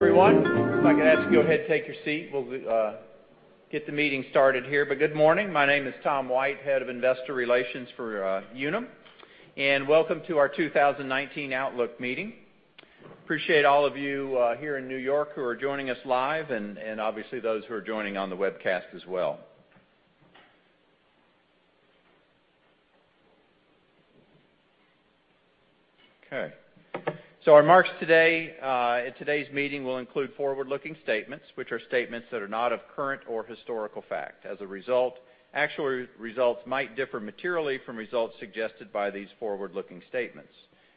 Everyone, if I could ask you to go ahead and take your seat, we'll get the meeting started here. Good morning. My name is Tom White, Head of Investor Relations for Unum, and welcome to our 2019 outlook meeting. Appreciate all of you here in New York who are joining us live, and obviously those who are joining on the webcast as well. Our remarks today in today's meeting will include forward-looking statements, which are statements that are not of current or historical fact. As a result, actual results might differ materially from results suggested by these forward-looking statements.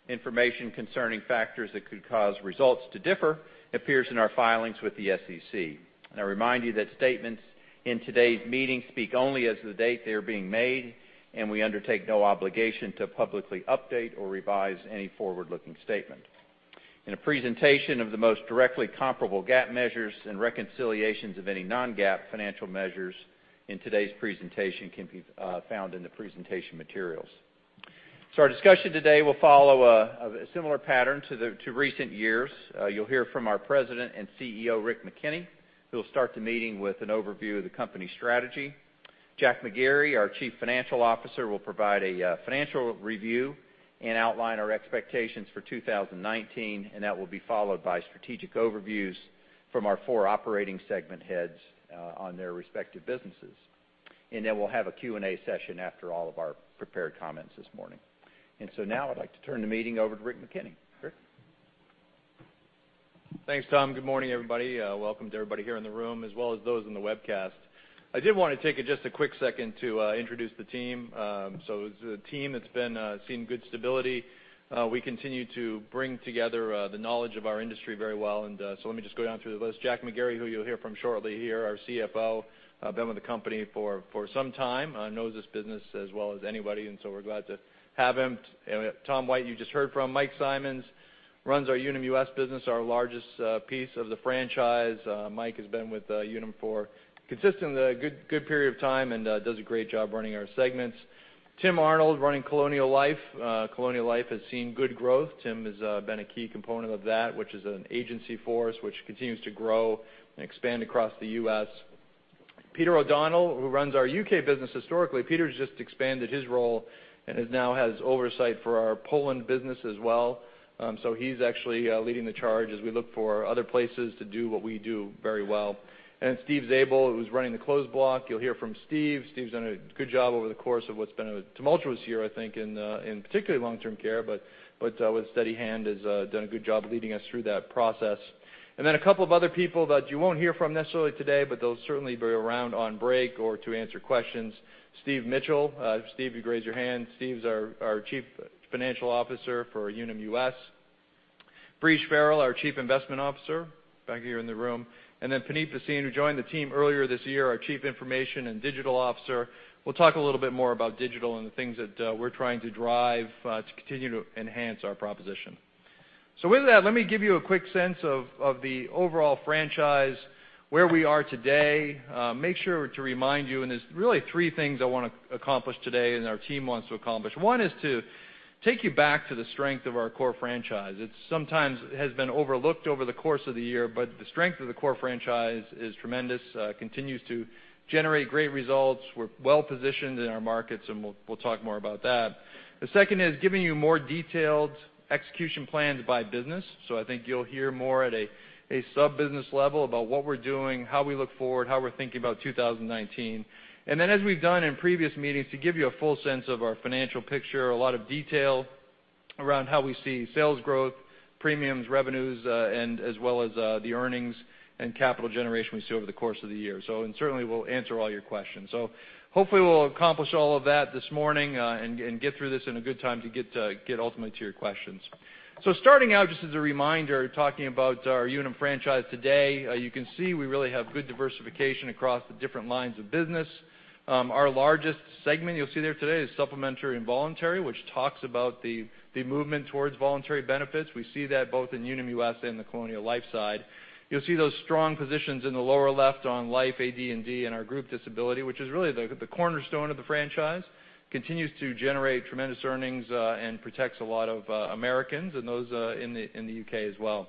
Information concerning factors that could cause results to differ appears in our filings with the SEC. I remind you that statements in today's meeting speak only as to the date they are being made, and we undertake no obligation to publicly update or revise any forward-looking statement. A presentation of the most directly comparable GAAP measures and reconciliations of any non-GAAP financial measures in today's presentation can be found in the presentation materials. Our discussion today will follow a similar pattern to recent years. You'll hear from our President and CEO, Rick McKenney, who will start the meeting with an overview of the company strategy. Jack McGarry, our Chief Financial Officer, will provide a financial review and outline our expectations for 2019, and that will be followed by strategic overviews from our four operating segment heads on their respective businesses. We'll have a Q&A session after all of our prepared comments this morning. I'd like to turn the meeting over to Rick McKenney. Rick? Thanks, Tom. Good morning, everybody. Welcome to everybody here in the room, as well as those in the webcast. I did want to take just a quick second to introduce the team. It's a team that's been seeing good stability. We continue to bring together the knowledge of our industry very well, let me just go down through the list. Jack McGarry, who you'll hear from shortly here, our CFO, been with the company for some time, knows this business as well as anybody, we're glad to have him. Tom White, you just heard from. Mike Simonds runs our Unum US business, our largest piece of the franchise. Mike has been with Unum for consistently a good period of time and does a great job running our segments. Tim Arnold running Colonial Life. Colonial Life has seen good growth. Tim has been a key component of that, which is an agency force which continues to grow and expand across the U.S. Peter O'Donnell, who runs our U.K. business historically. Peter's just expanded his role and now has oversight for our Poland business as well. He's actually leading the charge as we look for other places to do what we do very well. Steve Zabel, who's running the closed block. You'll hear from Steve. Steve's done a good job over the course of what's been a tumultuous year, I think, in particularly long-term care, but with a steady hand has done a good job leading us through that process. A couple of other people that you won't hear from necessarily today, but they'll certainly be around on break or to answer questions. Steve Mitchell. Steve, you can raise your hand. Steve's our Chief Financial Officer for Unum US. Breege Farrell, our Chief Investment Officer, back here in the room. Puneet Bhasin, who joined the team earlier this year, our Chief Information and Digital Officer, will talk a little bit more about digital and the things that we're trying to drive to continue to enhance our proposition. With that, let me give you a quick sense of the overall franchise, where we are today. Make sure to remind you, there's really three things I want to accomplish today and our team wants to accomplish. One is to take you back to the strength of our core franchise. It sometimes has been overlooked over the course of the year, the strength of the core franchise is tremendous, continues to generate great results. We're well-positioned in our markets, we'll talk more about that. The second is giving you more detailed execution plans by business. I think you'll hear more at a sub-business level about what we're doing, how we look forward, how we're thinking about 2019. As we've done in previous meetings, to give you a full sense of our financial picture, a lot of detail around how we see sales growth, premiums, revenues, as well as the earnings and capital generation we see over the course of the year. Certainly we'll answer all your questions. Hopefully we'll accomplish all of that this morning and get through this in a good time to get ultimately to your questions. Starting out, just as a reminder, talking about our Unum franchise today. You can see we really have good diversification across the different lines of business. Our largest segment you'll see there today is Supplemental and Voluntary, which talks about the movement towards voluntary benefits. We see that both in Unum US and the Colonial Life side. You'll see those strong positions in the lower left on life, AD&D, and our group disability, which is really the cornerstone of the franchise. Continues to generate tremendous earnings and protects a lot of Americans and those in the U.K. as well.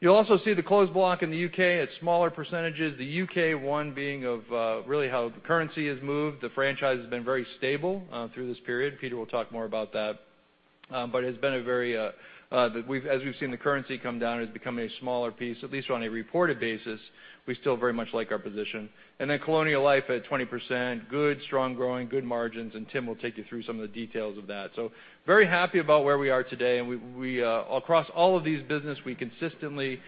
You'll also see the closed block in the U.K. at smaller %, the U.K. one being of really how the currency has moved. The franchise has been very stable through this period. Peter will talk more about that. As we've seen the currency come down, it's become a smaller piece. At least on a reported basis, we still very much like our position. Colonial Life at 20%, good, strong growing, good margins, Tim will take you through some of the details of that. Very happy about where we are today, across all of these businesses, we consistently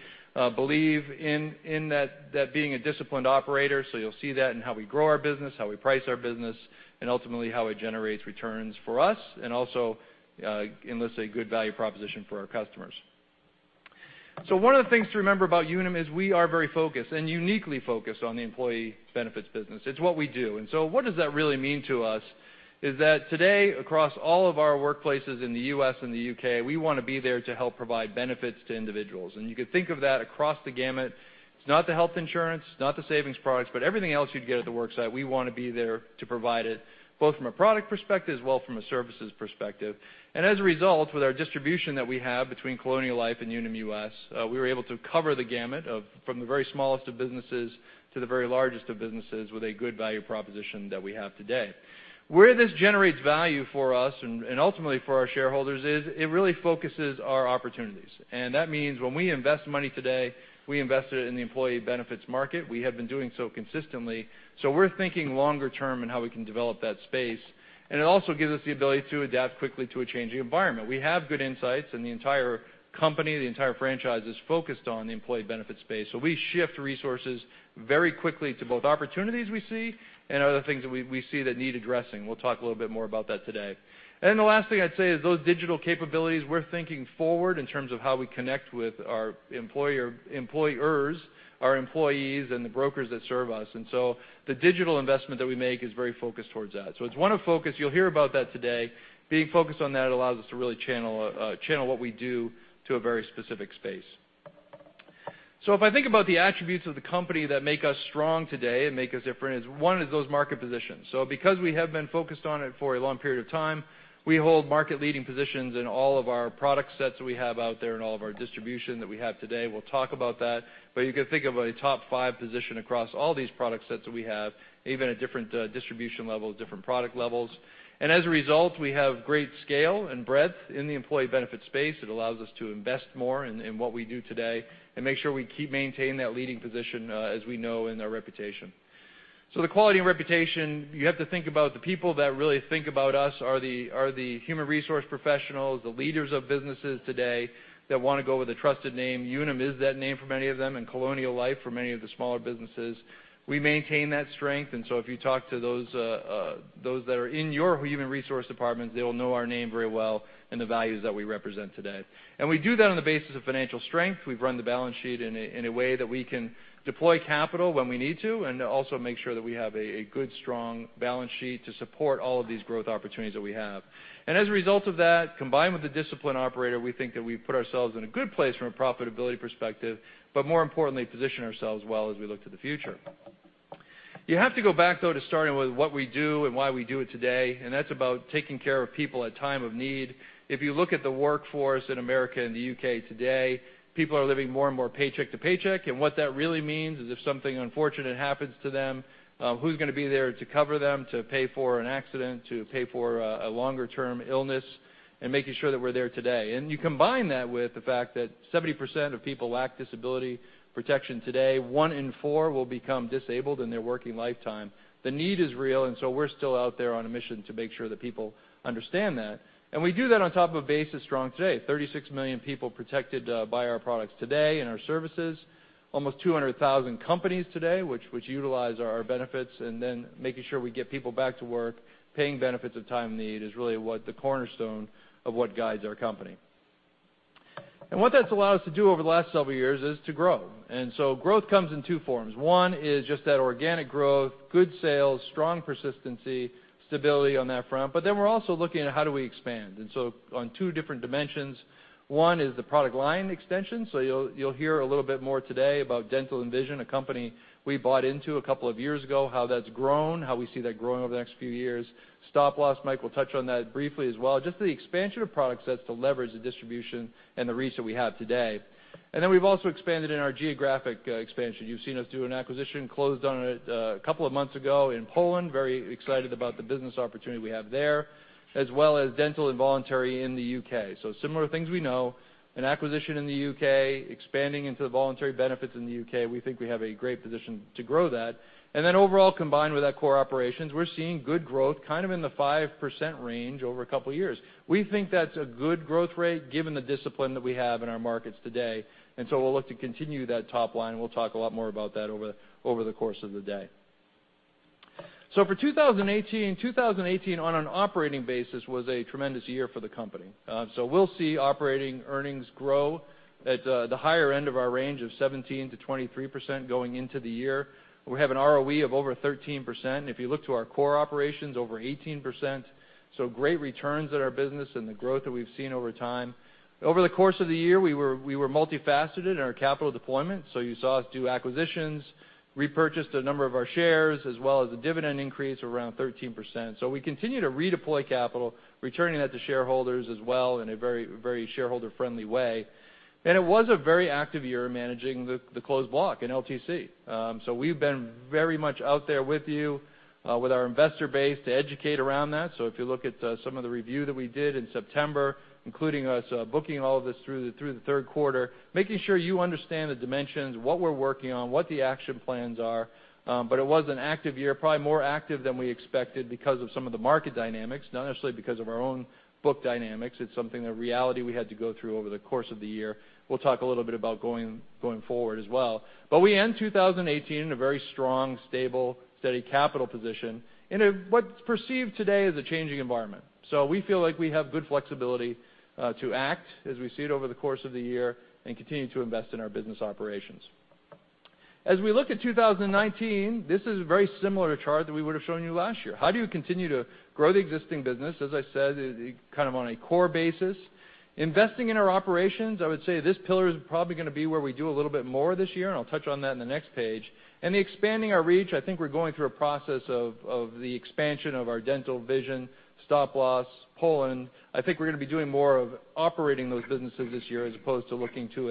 believe in that being a disciplined operator. You'll see that in how we grow our business, how we price our business, and ultimately how it generates returns for us and also enlists a good value proposition for our customers. One of the things to remember about Unum is we are very focused and uniquely focused on the employee benefits business. It's what we do. What does that really mean to us is that today, across all of our workplaces in the U.S. and the U.K., we want to be there to help provide benefits to individuals. You could think of that across the gamut. It's not the health insurance, not the savings products, but everything else you'd get at the worksite, we want to be there to provide it, both from a product perspective as well from a services perspective. As a result, with our distribution that we have between Colonial Life and Unum US, we were able to cover the gamut from the very smallest of businesses to the very largest of businesses with a good value proposition that we have today. Where this generates value for us and ultimately for our shareholders is it really focuses our opportunities. That means when we invest money today, we invest it in the employee benefits market. We have been doing so consistently, so we're thinking longer term in how we can develop that space. It also gives us the ability to adapt quickly to a changing environment. We have good insights. The entire company, the entire franchise is focused on the employee benefit space. We shift resources very quickly to both opportunities we see and other things that we see that need addressing. We'll talk a little bit more about that today. The last thing I'd say is those digital capabilities, we're thinking forward in terms of how we connect with our employers, our employees, and the brokers that serve us. The digital investment that we make is very focused towards that. It's one of focus. You'll hear about that today. Being focused on that allows us to really channel what we do to a very specific space. If I think about the attributes of the company that make us strong today and make us different is one is those market positions. Because we have been focused on it for a long period of time, we hold market leading positions in all of our product sets that we have out there and all of our distribution that we have today. We'll talk about that, but you can think of a top 5 position across all these product sets that we have, even at different distribution levels, different product levels. As a result, we have great scale and breadth in the employee benefit space that allows us to invest more in what we do today and make sure we keep maintaining that leading position as we know in our reputation. The quality and reputation, you have to think about the people that really think about us are the human resource professionals, the leaders of businesses today that want to go with a trusted name. Unum is that name for many of them, and Colonial Life for many of the smaller businesses. We maintain that strength. So if you talk to those that are in your human resource departments, they will know our name very well and the values that we represent today. We do that on the basis of financial strength. We've run the balance sheet in a way that we can deploy capital when we need to, also make sure that we have a good, strong balance sheet to support all of these growth opportunities that we have. As a result of that, combined with the discipline operator, we think that we've put ourselves in a good place from a profitability perspective, but more importantly, position ourselves well as we look to the future. You have to go back, though, to starting with what we do and why we do it today, and that's about taking care of people at time of need. If you look at the workforce in America and the U.K. today, people are living more and more paycheck to paycheck. What that really means is if something unfortunate happens to them, who's going to be there to cover them, to pay for an accident, to pay for a longer-term illness, and making sure that we're there today. You combine that with the fact that 70% of people lack disability protection today. One in four will become disabled in their working lifetime. The need is real, we're still out there on a mission to make sure that people understand that. We do that on top of a base that's strong today. 36 million people protected by our products today and our services. Almost 200,000 companies today which utilize our benefits. Making sure we get people back to work, paying benefits at time of need is really what the cornerstone of what guides our company. What that's allowed us to do over the last several years is to grow. Growth comes in two forms. One is just that organic growth, good sales, strong persistency, stability on that front. We're also looking at how do we expand? On two different dimensions. One is the product line extension. You'll hear a little bit more today about dental and vision, a company we bought into a couple of years ago, how that's grown, how we see that growing over the next few years. Stop loss, Mike will touch on that briefly as well. Just the expansion of product sets to leverage the distribution and the reach that we have today. We've also expanded in our geographic expansion. You've seen us do an acquisition, closed on it a couple of months ago in Poland. Very excited about the business opportunity we have there, as well as dental and voluntary in the U.K. Similar things we know. An acquisition in the U.K., expanding into the voluntary benefits in the U.K. We think we have a great position to grow that. Overall, combined with our core operations, we're seeing good growth, kind of in the 5% range over a couple of years. We think that's a good growth rate given the discipline that we have in our markets today, we'll look to continue that top line. We'll talk a lot more about that over the course of the day. For 2018 on an operating basis was a tremendous year for the company. We'll see operating earnings grow at the higher end of our range of 17%-23% going into the year. We have an ROE of over 13%, and if you look to our core operations, over 18%. Great returns at our business and the growth that we've seen over time. Over the course of the year, we were multifaceted in our capital deployment. You saw us do acquisitions, repurchased a number of our shares, as well as a dividend increase of around 13%. We continue to redeploy capital, returning that to shareholders as well in a very shareholder-friendly way. It was a very active year managing the closed block in LTC. We've been very much out there with you, with our investor base to educate around that. If you look at some of the review that we did in September, including us booking all of this through the third quarter, making sure you understand the dimensions, what we are working on, what the action plans are. It was an active year, probably more active than we expected because of some of the market dynamics, not necessarily because of our own book dynamics. It is a reality we had to go through over the course of the year. We will talk a little bit about going forward as well. We end 2018 in a very strong, stable, steady capital position in what is perceived today as a changing environment. We feel like we have good flexibility to act as we see it over the course of the year and continue to invest in our business operations. As we look at 2019, this is very similar to a chart that we would have shown you last year. How do you continue to grow the existing business, as I said, kind of on a core basis? Investing in our operations, I would say this pillar is probably going to be where we do a little bit more this year, I will touch on that in the next page. Expanding our reach, I think we are going through a process of the expansion of our dental, vision, stop loss, Poland. I think we are going to be doing more of operating those businesses this year, as opposed to looking to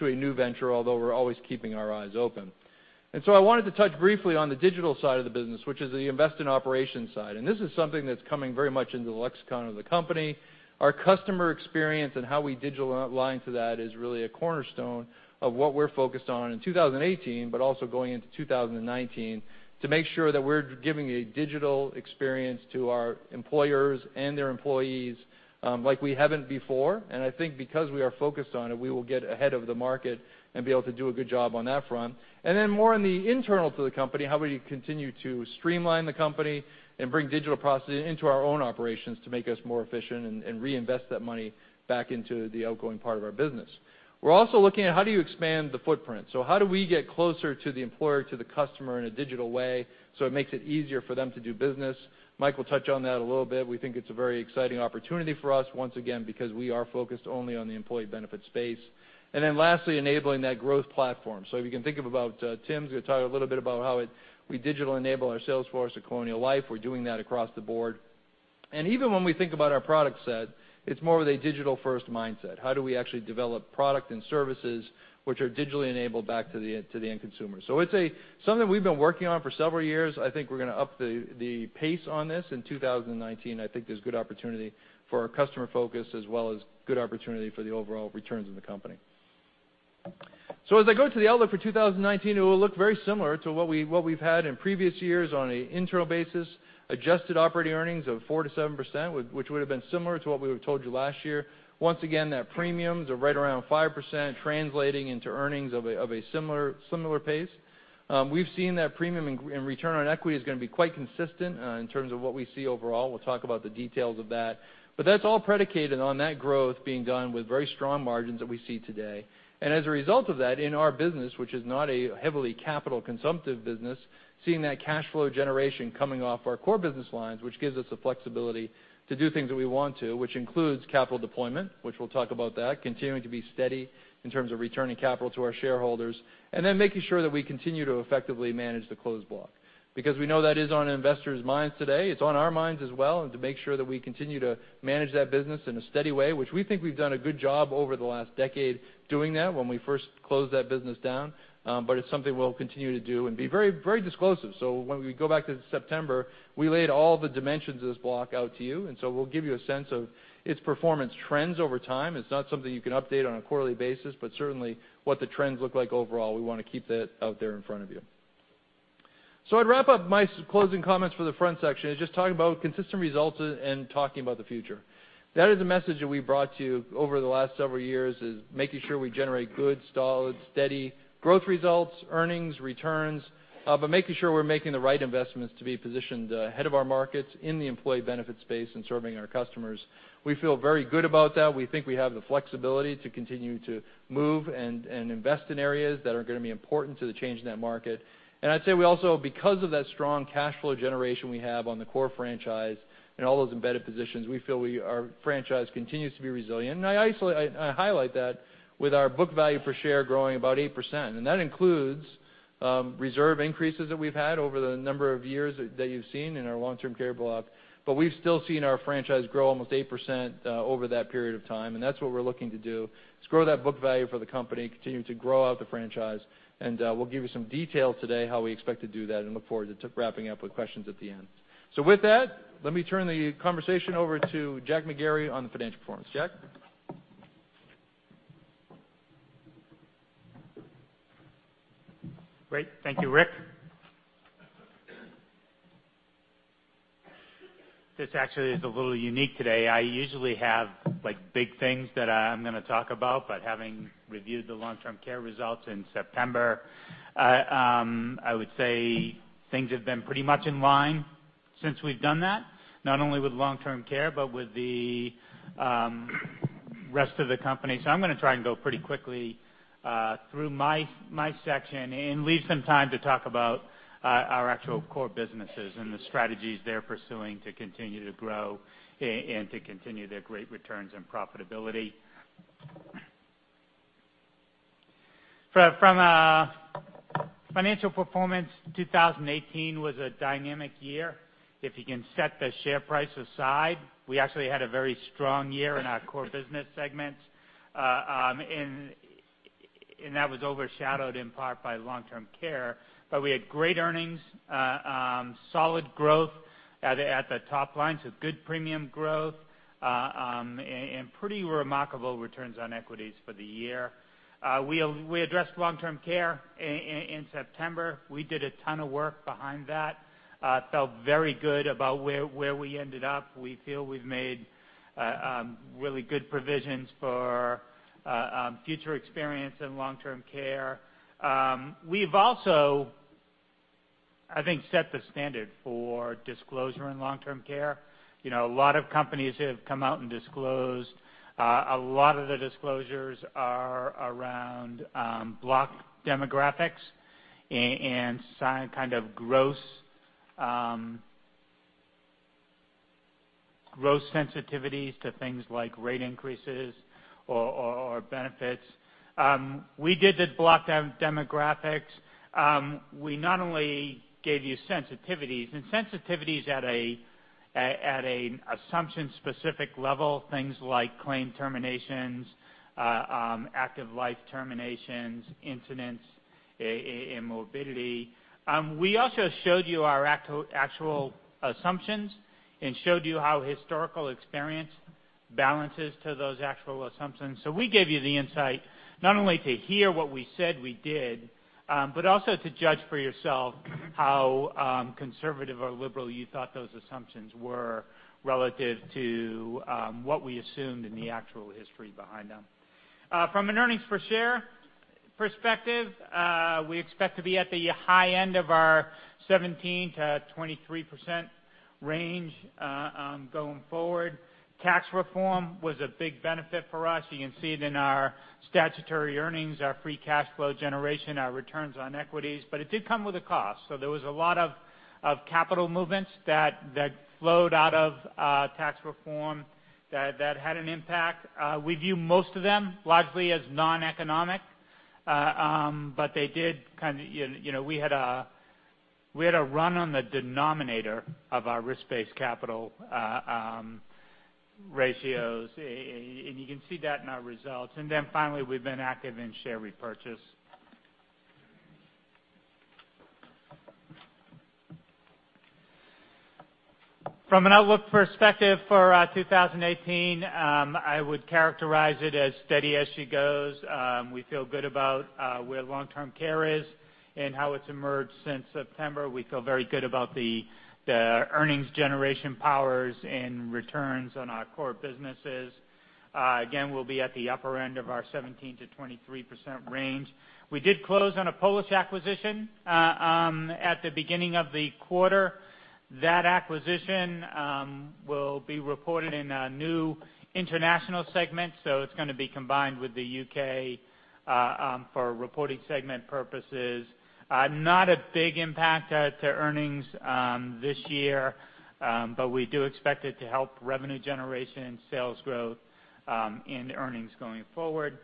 a new venture, although we are always keeping our eyes open. I wanted to touch briefly on the digital side of the business, which is the invest in operations side. This is something that is coming very much into the lexicon of the company. Our customer experience and how we digital align to that is really a cornerstone of what we are focused on in 2018, but also going into 2019, to make sure that we are giving a digital experience to our employers and their employees, like we have not before. I think because we are focused on it, we will get ahead of the market and be able to do a good job on that front. Then more on the internal to the company, how we continue to streamline the company and bring digital processes into our own operations to make us more efficient and reinvest that money back into the outgoing part of our business. We are also looking at how do you expand the footprint. How do we get closer to the employer, to the customer in a digital way, so it makes it easier for them to do business? Mike will touch on that a little bit. We think it is a very exciting opportunity for us once again, because we are focused only on the employee benefit space. Lastly, enabling that growth platform. If you can think about, Tim is going to talk a little bit about how we digital enable our sales force at Colonial Life. We are doing that across the board. Even when we think about our product set, it is more with a digital first mindset. How do we actually develop product and services which are digitally enabled back to the end consumer? It is something we have been working on for several years. I think we are going to up the pace on this in 2019. I think there's good opportunity for our customer focus, as well as good opportunity for the overall returns in the company. As I go to the outlook for 2019, it will look very similar to what we've had in previous years on an internal basis. Adjusted operating earnings of 4%-7%, which would've been similar to what we would've told you last year. Once again, that premiums are right around 5%, translating into earnings of a similar pace. We've seen that premium and return on equity is going to be quite consistent in terms of what we see overall. We'll talk about the details of that. That's all predicated on that growth being done with very strong margins that we see today. As a result of that, in our business, which is not a heavily capital-consumptive business, seeing that cash flow generation coming off our core business lines, which gives us the flexibility to do things that we want to, which includes capital deployment, which we'll talk about that, continuing to be steady in terms of returning capital to our shareholders. Then making sure that we continue to effectively manage the closed block. We know that is on investors' minds today. It's on our minds as well, and to make sure that we continue to manage that business in a steady way, which we think we've done a good job over the last decade doing that when we first closed that business down. It's something we'll continue to do and be very disclosive. When we go back to September, we laid all the dimensions of this block out to you, we'll give you a sense of its performance trends over time. It's not something you can update on a quarterly basis, certainly what the trends look like overall, we want to keep that out there in front of you. I'd wrap up my closing comments for the front section, is just talking about consistent results and talking about the future. That is a message that we brought to you over the last several years, is making sure we generate good, solid, steady growth results, earnings, returns, making sure we're making the right investments to be positioned ahead of our markets in the employee benefit space and serving our customers. We feel very good about that. We think we have the flexibility to continue to move and invest in areas that are going to be important to the change in that market. I'd say we also, because of that strong cash flow generation we have on the core franchise and all those embedded positions, we feel our franchise continues to be resilient. I highlight that with our book value per share growing about 8%. That includes reserve increases that we've had over the number of years that you've seen in our long-term care block. We've still seen our franchise grow almost 8% over that period of time, that's what we're looking to do, is grow that book value for the company, continue to grow out the franchise. We'll give you some detail today how we expect to do that and look forward to wrapping up with questions at the end. Let me turn the conversation over to Jack McGarry on the financial performance. Jack? Great. Thank you, Rick. This actually is a little unique today. I usually have big things that I'm going to talk about, but having reviewed the long-term care results in September, I would say things have been pretty much in line since we've done that, not only with long-term care, but with the rest of the company. I'm going to try and go pretty quickly through my section and leave some time to talk about our actual core businesses and the strategies they're pursuing to continue to grow and to continue their great returns and profitability. From a financial performance, 2018 was a dynamic year. If you can set the share price aside, we actually had a very strong year in our core business segments. That was overshadowed in part by long-term care. We had great earnings, solid growth at the top line, so good premium growth, and pretty remarkable returns on equities for the year. We addressed long-term care in September. We did a ton of work behind that. Felt very good about where we ended up. We feel we've made really good provisions for future experience in long-term care. We've also I think, set the standard for disclosure in long-term care. A lot of companies have come out and disclosed. A lot of the disclosures are around block demographics and kind of gross sensitivities to things like rate increases or benefits. We did the block demographics. We not only gave you sensitivities, and sensitivities at a assumption-specific level, things like claim terminations, active life terminations, incidents, and morbidity. We also showed you our actual assumptions and showed you how historical experience balances to those actual assumptions. We gave you the insight not only to hear what we said we did, but also to judge for yourself how conservative or liberal you thought those assumptions were relative to what we assumed and the actual history behind them. From an earnings per share perspective, we expect to be at the high end of our 17%-23% range going forward. Tax reform was a big benefit for us. You can see it in our statutory earnings, our free cash flow generation, our returns on equities, but it did come with a cost. There was a lot of capital movements that flowed out of Tax reform that had an impact. We view most of them largely as non-economic, but we had a run on the denominator of our risk-based capital ratios, and you can see that in our results. Finally, we've been active in share repurchase. From an outlook perspective for 2018, I would characterize it as steady as she goes. We feel good about where long-term care is and how it's emerged since September. We feel very good about the earnings generation powers and returns on our core businesses. Again, we'll be at the upper end of our 17%-23% range. We did close on a Polish acquisition at the beginning of the quarter. That acquisition will be reported in a new International segment, so it's going to be combined with the U.K. for reporting segment purposes. Not a big impact to earnings this year, but we do expect it to help revenue generation and sales growth in earnings going forward.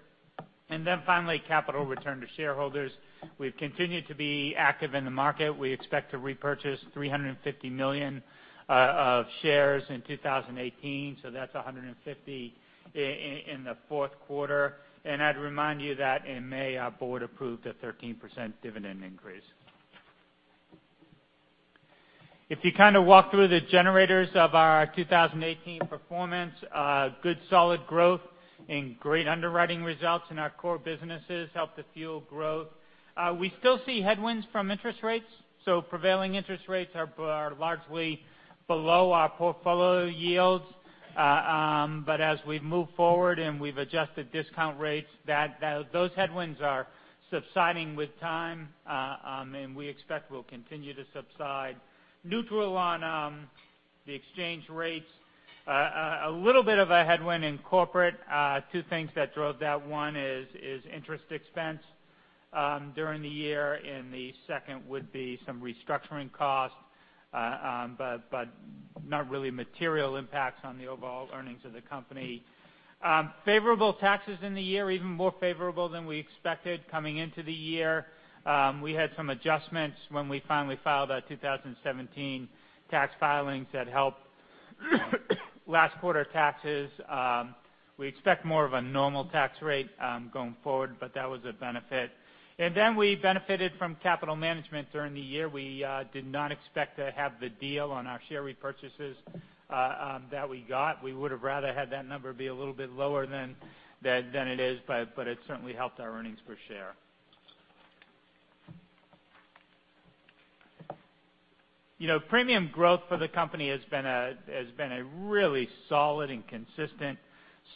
Finally, capital return to shareholders. We've continued to be active in the market. We expect to repurchase $350 million of shares in 2018, that's $150 in the fourth quarter. I'd remind you that in May, our board approved a 13% dividend increase. If you kind of walk through the generators of our 2018 performance, good solid growth and great underwriting results in our core businesses helped to fuel growth. We still see headwinds from interest rates. Prevailing interest rates are largely below our portfolio yields. As we've moved forward and we've adjusted discount rates, those headwinds are subsiding with time, and we expect will continue to subside. Neutral on the exchange rates. A little bit of a headwind in corporate. Two things that drove that, one is interest expense during the year, and the second would be some restructuring costs, but not really material impacts on the overall earnings of the company. Favorable taxes in the year, even more favorable than we expected coming into the year. We had some adjustments when we finally filed our 2017 tax filings that helped last quarter taxes. We expect more of a normal tax rate going forward, but that was a benefit. We benefited from capital management during the year. We did not expect to have the deal on our share repurchases that we got. We would've rather had that number be a little bit lower than it is, but it certainly helped our earnings per share. Premium growth for the company has been a really solid and consistent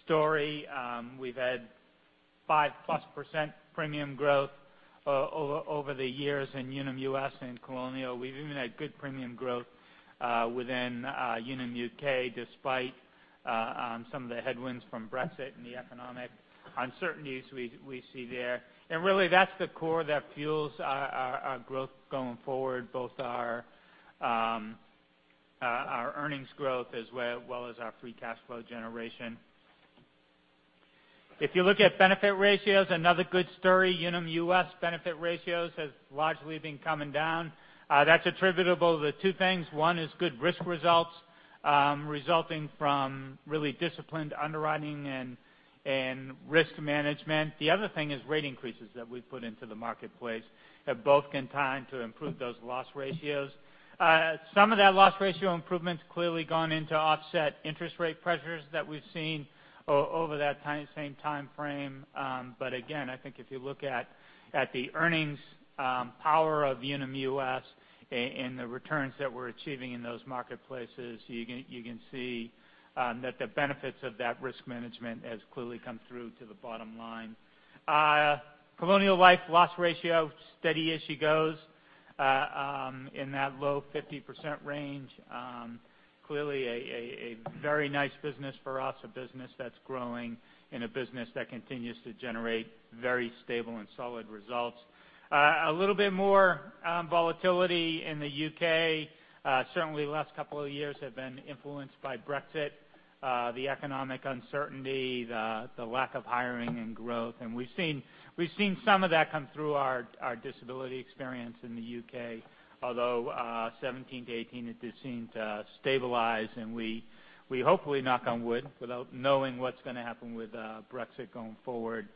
story. We've had 5% plus premium growth over the years in Unum US and Colonial. We've even had good premium growth within Unum U.K., despite some of the headwinds from Brexit and the economic uncertainties we see there. Really, that's the core that fuels our growth going forward, both our earnings growth as well as our free cash flow generation. If you look at benefit ratios, another good story, Unum US benefit ratios has largely been coming down. That's attributable to two things. One is good risk results resulting from really disciplined underwriting and risk management. The other thing is rate increases that we've put into the marketplace that both in time to improve those loss ratios. Some of that loss ratio improvement's clearly gone in to offset interest rate pressures that we've seen over that same time frame. Again, I think if you look at the earnings power of Unum US and the returns that we're achieving in those marketplaces, you can see that the benefits of that risk management has clearly come through to the bottom line. Colonial Life loss ratio, steady as she goes. In that low 50% range. Clearly a very nice business for us, a business that's growing and a business that continues to generate very stable and solid results. A little bit more volatility in the U.K. Certainly the last couple of years have been influenced by Brexit, the economic uncertainty, the lack of hiring and growth. We've seen some of that come through our disability experience in the U.K., although 2017 to 2018, it did seem to stabilize, and we hopefully, knock on wood, without knowing what's going to happen with Brexit going forward,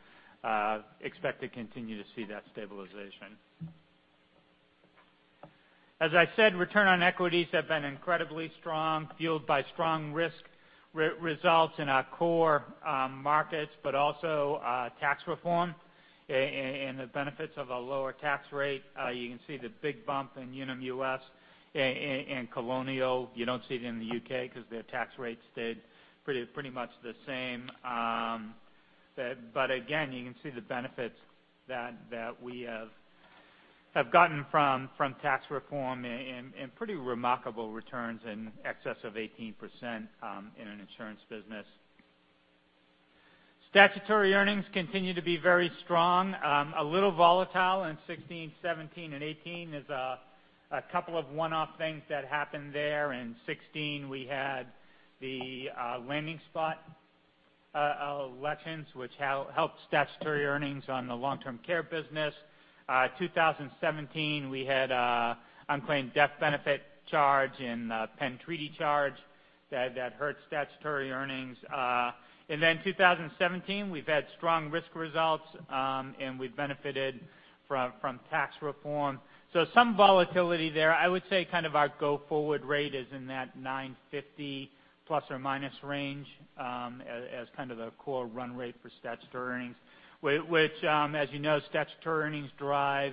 expect to continue to see that stabilization. As I said, return on equities have been incredibly strong, fueled by strong risk results in our core markets, but also tax reform and the benefits of a lower tax rate. You can see the big bump in Unum US and Colonial. You don't see it in the U.K. because their tax rate stayed pretty much the same. Again, you can see the benefits that we have gotten from tax reform and pretty remarkable returns in excess of 18% in an insurance business. Statutory earnings continue to be very strong. A little volatile in 2016, 2017, and 2018. There's a couple of one-off things that happened there. In 2016, we had the landing spot elections, which helped statutory earnings on the Long-Term Care business. 2017, we had an unclaimed death benefit charge and a Penn Treaty charge that hurt statutory earnings. Then 2017, we've had strong risk results, and we've benefited from tax reform. Some volatility there. I would say kind of our go-forward rate is in that 950 ± range as kind of the core run rate for statutory earnings, which, as you know, statutory earnings drive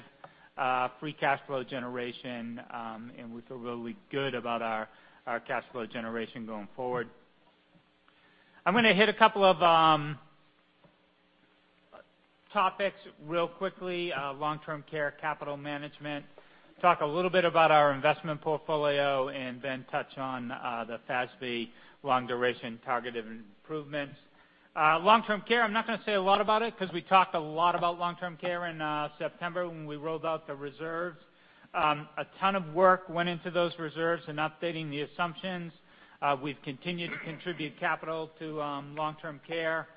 free cash flow generation, and we feel really good about our cash flow generation going forward. I'm going to hit a couple of topics real quickly. Long-Term Care, capital management, talk a little bit about our investment portfolio, and then touch on the FASB Long-Duration Targeted Improvements. Long-Term Care, I'm not going to say a lot about it because we talked a lot about Long-Term Care in September when we rolled out the reserves. A ton of work went into those reserves and updating the assumptions. We've continued to contribute capital to Long-Term Care.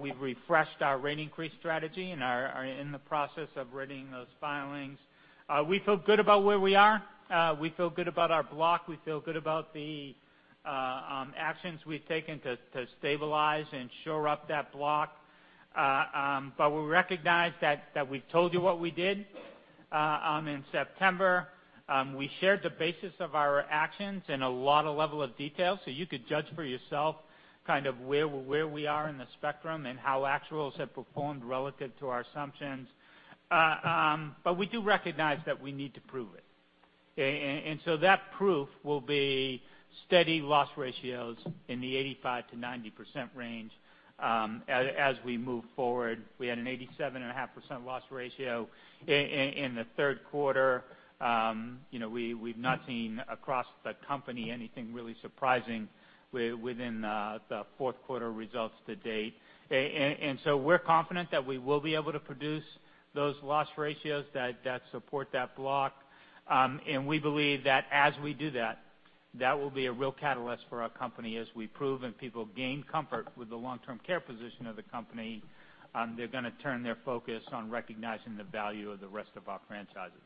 We've refreshed our rate increase strategy and are in the process of readying those filings. We feel good about where we are. We feel good about our block. We feel good about the actions we've taken to stabilize and shore up that block. We recognize that we told you what we did in September. We shared the basis of our actions in a lot of level of detail, so you could judge for yourself kind of where we are in the spectrum and how actuals have performed relative to our assumptions. We do recognize that we need to prove it. That proof will be steady loss ratios in the 85%-90% range as we move forward. We had an 87.5% loss ratio in the third quarter. We've not seen across the company anything really surprising within the fourth quarter results to date. We're confident that we will be able to produce those loss ratios that support that block. We believe that as we do that will be a real catalyst for our company as we prove and people gain comfort with the long-term care position of the company, they're going to turn their focus on recognizing the value of the rest of our franchises.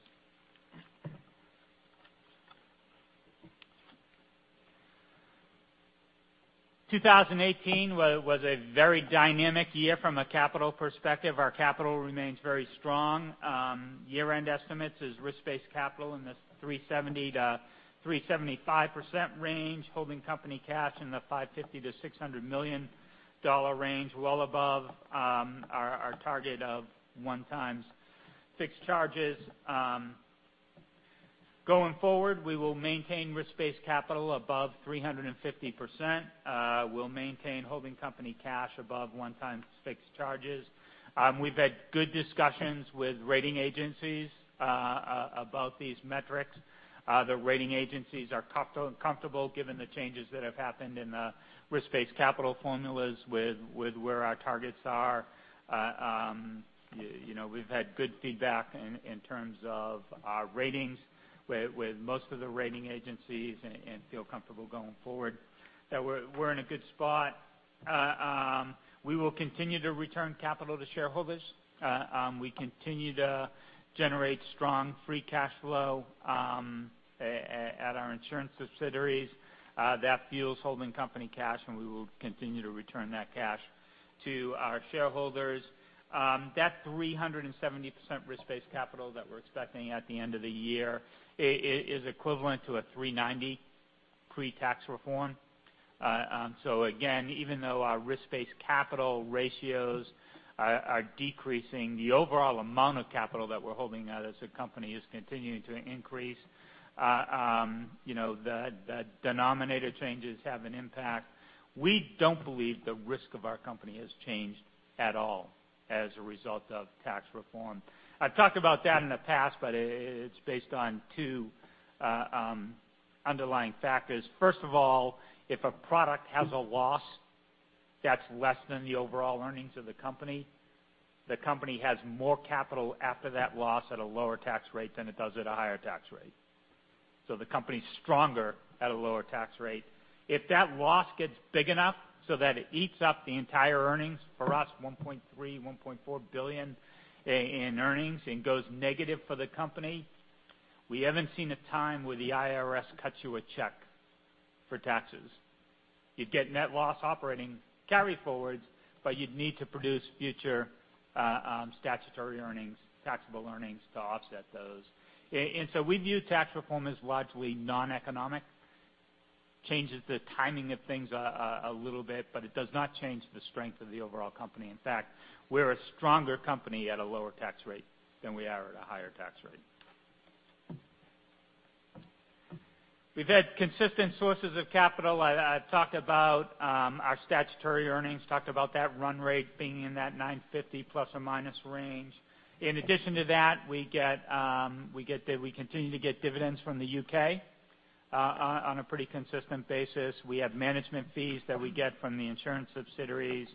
2018 was a very dynamic year from a capital perspective. Our capital remains very strong. Year-end estimates is risk-based capital in this 370%-375% range, holding company cash in the $550 million-$600 million range, well above our target of one times fixed charges. Going forward, we will maintain risk-based capital above 350%. We'll maintain holding company cash above one-time fixed charges. We've had good discussions with rating agencies about these metrics. The rating agencies are comfortable given the changes that have happened in the risk-based capital formulas with where our targets are. We've had good feedback in terms of our ratings with most of the rating agencies and feel comfortable going forward that we're in a good spot. We will continue to return capital to shareholders. We continue to generate strong free cash flow at our insurance subsidiaries. That fuels holding company cash, and we will continue to return that cash to our shareholders. That 370% risk-based capital that we're expecting at the end of the year is equivalent to a 390% pre-tax reform. Again, even though our risk-based capital ratios are decreasing, the overall amount of capital that we're holding out as a company is continuing to increase. The denominator changes have an impact. We don't believe the risk of our company has changed at all as a result of tax reform. I've talked about that in the past, but it's based on two underlying factors. First of all, if a product has a loss that's less than the overall earnings of the company, the company has more capital after that loss at a lower tax rate than it does at a higher tax rate. The company's stronger at a lower tax rate. If that loss gets big enough so that it eats up the entire earnings, for us, $1.3 billion-$1.4 billion in earnings, and goes negative for the company, we haven't seen a time where the IRS cuts you a check for taxes. You'd get net operating loss carryforwards, but you'd need to produce future statutory earnings, taxable earnings to offset those. We view tax reform as largely noneconomic. Changes the timing of things a little bit, but it does not change the strength of the overall company. In fact, we're a stronger company at a lower tax rate than we are at a higher tax rate. We've had consistent sources of capital. I talked about our statutory earnings, talked about that run rate being in that $950 million plus or minus range. In addition to that, we continue to get dividends from the U.K. on a pretty consistent basis. We have management fees that we get from the insurance subsidiaries,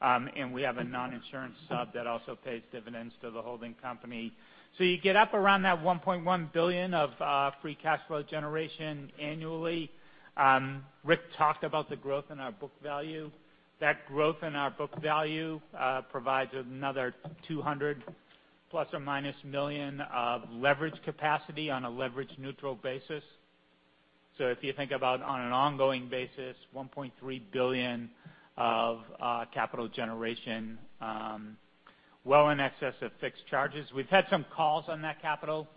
and we have a non-insurance sub that also pays dividends to the holding company. You get up around that $1.1 billion of free cash flow generation annually. Rick talked about the growth in our book value. That growth in our book value provides another $200 million plus or minus of leverage capacity on a leverage neutral basis. If you think about on an ongoing basis, $1.3 billion of capital generation, well in excess of fixed charges. We've had some calls on that capital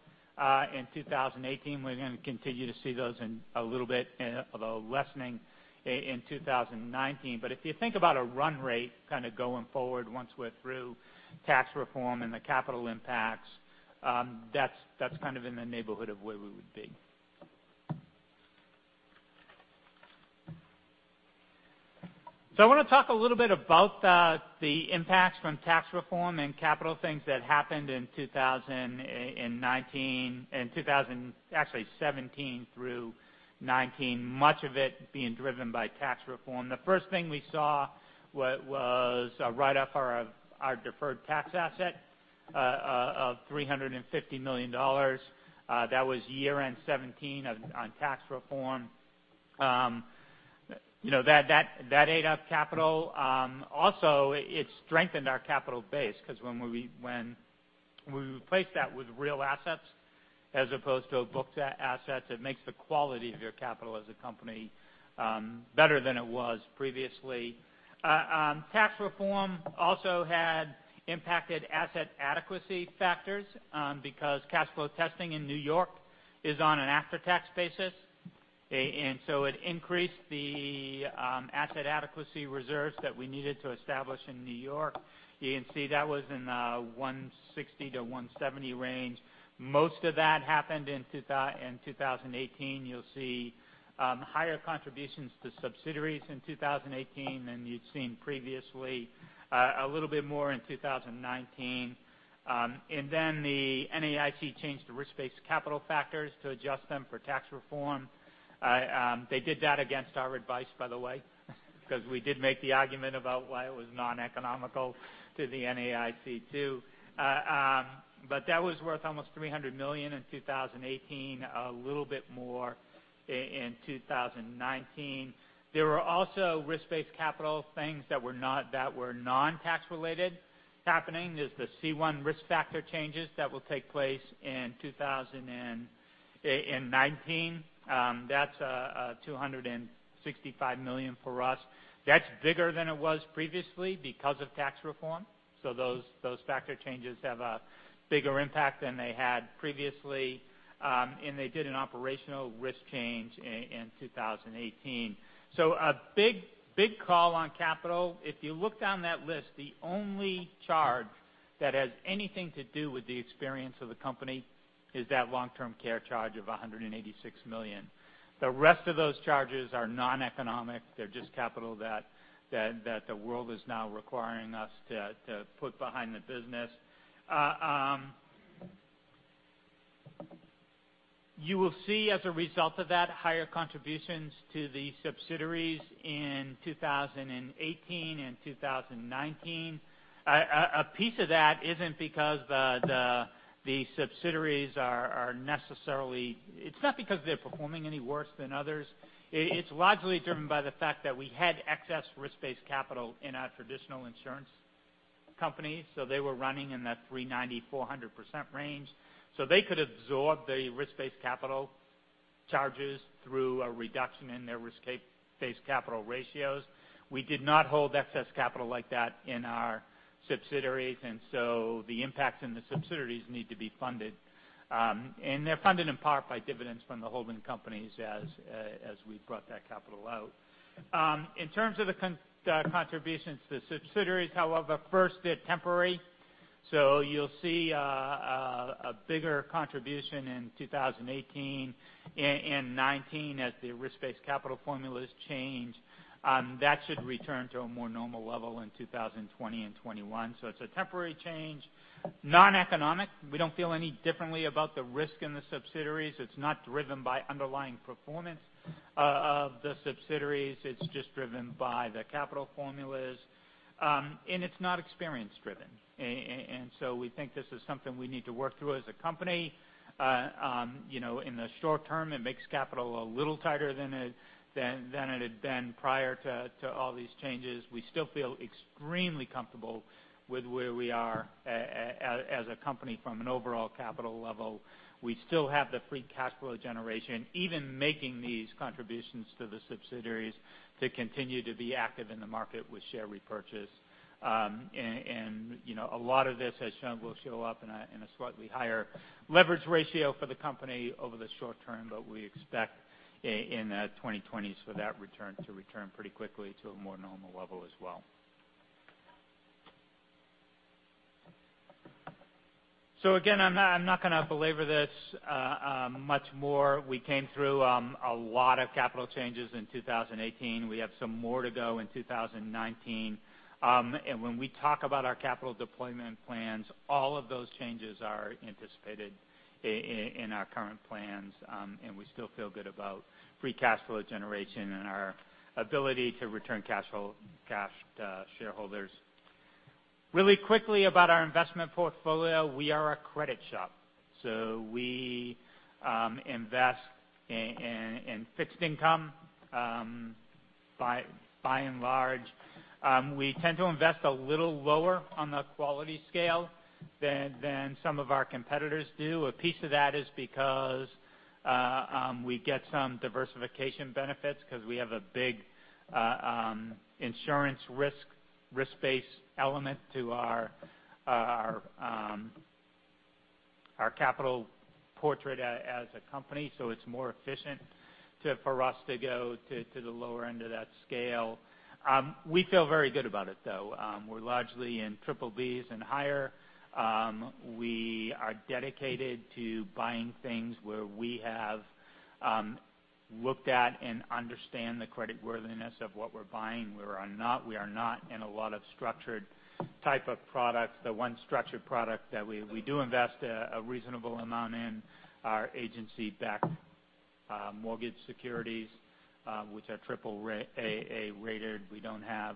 in 2018. We're going to continue to see those in a little bit, although lessening in 2019. If you think about a run rate going forward once we're through tax reform and the capital impacts, that's in the neighborhood of where we would be. I want to talk a little bit about the impacts from tax reform and capital things that happened in 2019, and actually 2017 through 2019, much of it being driven by tax reform. The first thing we saw was a write-off of our deferred tax asset of $350 million. That was year-end 2017 on tax reform. That ate up capital. Also, it strengthened our capital base because when we replaced that with real assets as opposed to a booked asset, it makes the quality of your capital as a company better than it was previously. Tax reform also had impacted asset adequacy factors because cash flow testing in New York is on an after-tax basis. It increased the asset adequacy reserves that we needed to establish in New York. You can see that was in the $160 million to $170 million range. Most of that happened in 2018. You'll see higher contributions to subsidiaries in 2018 than you'd seen previously. A little bit more in 2019. Then the NAIC changed the risk-based capital factors to adjust them for tax reform. They did that against our advice, by the way, because we did make the argument about why it was non-economic to the NAIC too. That was worth almost $300 million in 2018, a little bit more in 2019. There were also risk-based capital things that were non-tax related happening. There's the C1 risk factor changes that will take place in 2019. That's $265 million for us. That's bigger than it was previously because of tax reform. Those factor changes have a bigger impact than they had previously. They did an operational risk change in 2018. A big call on capital. If you look down that list, the only charge that has anything to do with the experience of the company is that long-term care charge of $186 million. The rest of those charges are non-economic. They're just capital that the world is now requiring us to put behind the business. You will see as a result of that, higher contributions to the subsidiaries in 2018 and 2019. It's not because they're performing any worse than others. It's largely driven by the fact that we had excess risk-based capital in our traditional insurance company, they were running in that 390%-400% range. They could absorb the risk-based capital charges through a reduction in their risk-based capital ratios. We did not hold excess capital like that in our subsidiaries, the impacts in the subsidiaries need to be funded. They're funded in part by dividends from the holding companies as we brought that capital out. In terms of the contributions to subsidiaries, however, first, they're temporary. You'll see a bigger contribution in 2018 and 2019 as the risk-based capital formulas change. That should return to a more normal level in 2020 and 2021. It's a temporary change. Non-economic, we don't feel any differently about the risk in the subsidiaries. It's not driven by underlying performance of the subsidiaries. It's just driven by the capital formulas. It's not experience driven. We think this is something we need to work through as a company. In the short term, it makes capital a little tighter than it had been prior to all these changes. We still feel extremely comfortable with where we are as a company from an overall capital level. We still have the free cash flow generation, even making these contributions to the subsidiaries to continue to be active in the market with share repurchase. A lot of this, as shown, will show up in a slightly higher leverage ratio for the company over the short term, but we expect in the 2020s for that to return pretty quickly to a more normal level as well. Again, I'm not going to belabor this much more. We came through a lot of capital changes in 2018. We have some more to go in 2019. When we talk about our capital deployment plans, all of those changes are anticipated in our current plans. We still feel good about free cash flow generation and our ability to return cash to shareholders. Really quickly about our investment portfolio. We are a credit shop, so we invest in fixed income, by and large. We tend to invest a little lower on the quality scale than some of our competitors do. A piece of that is because we get some diversification benefits because we have a big insurance risk base element to our capital portrait as a company. It's more efficient for us to go to the lower end of that scale. We feel very good about it, though. We're largely in triple Bs and higher. We are dedicated to buying things where we have looked at and understand the credit worthiness of what we're buying. We are not in a lot of structured type of products. The one structured product that we do invest a reasonable amount in are agency-backed mortgage securities, which are triple A rated. We don't have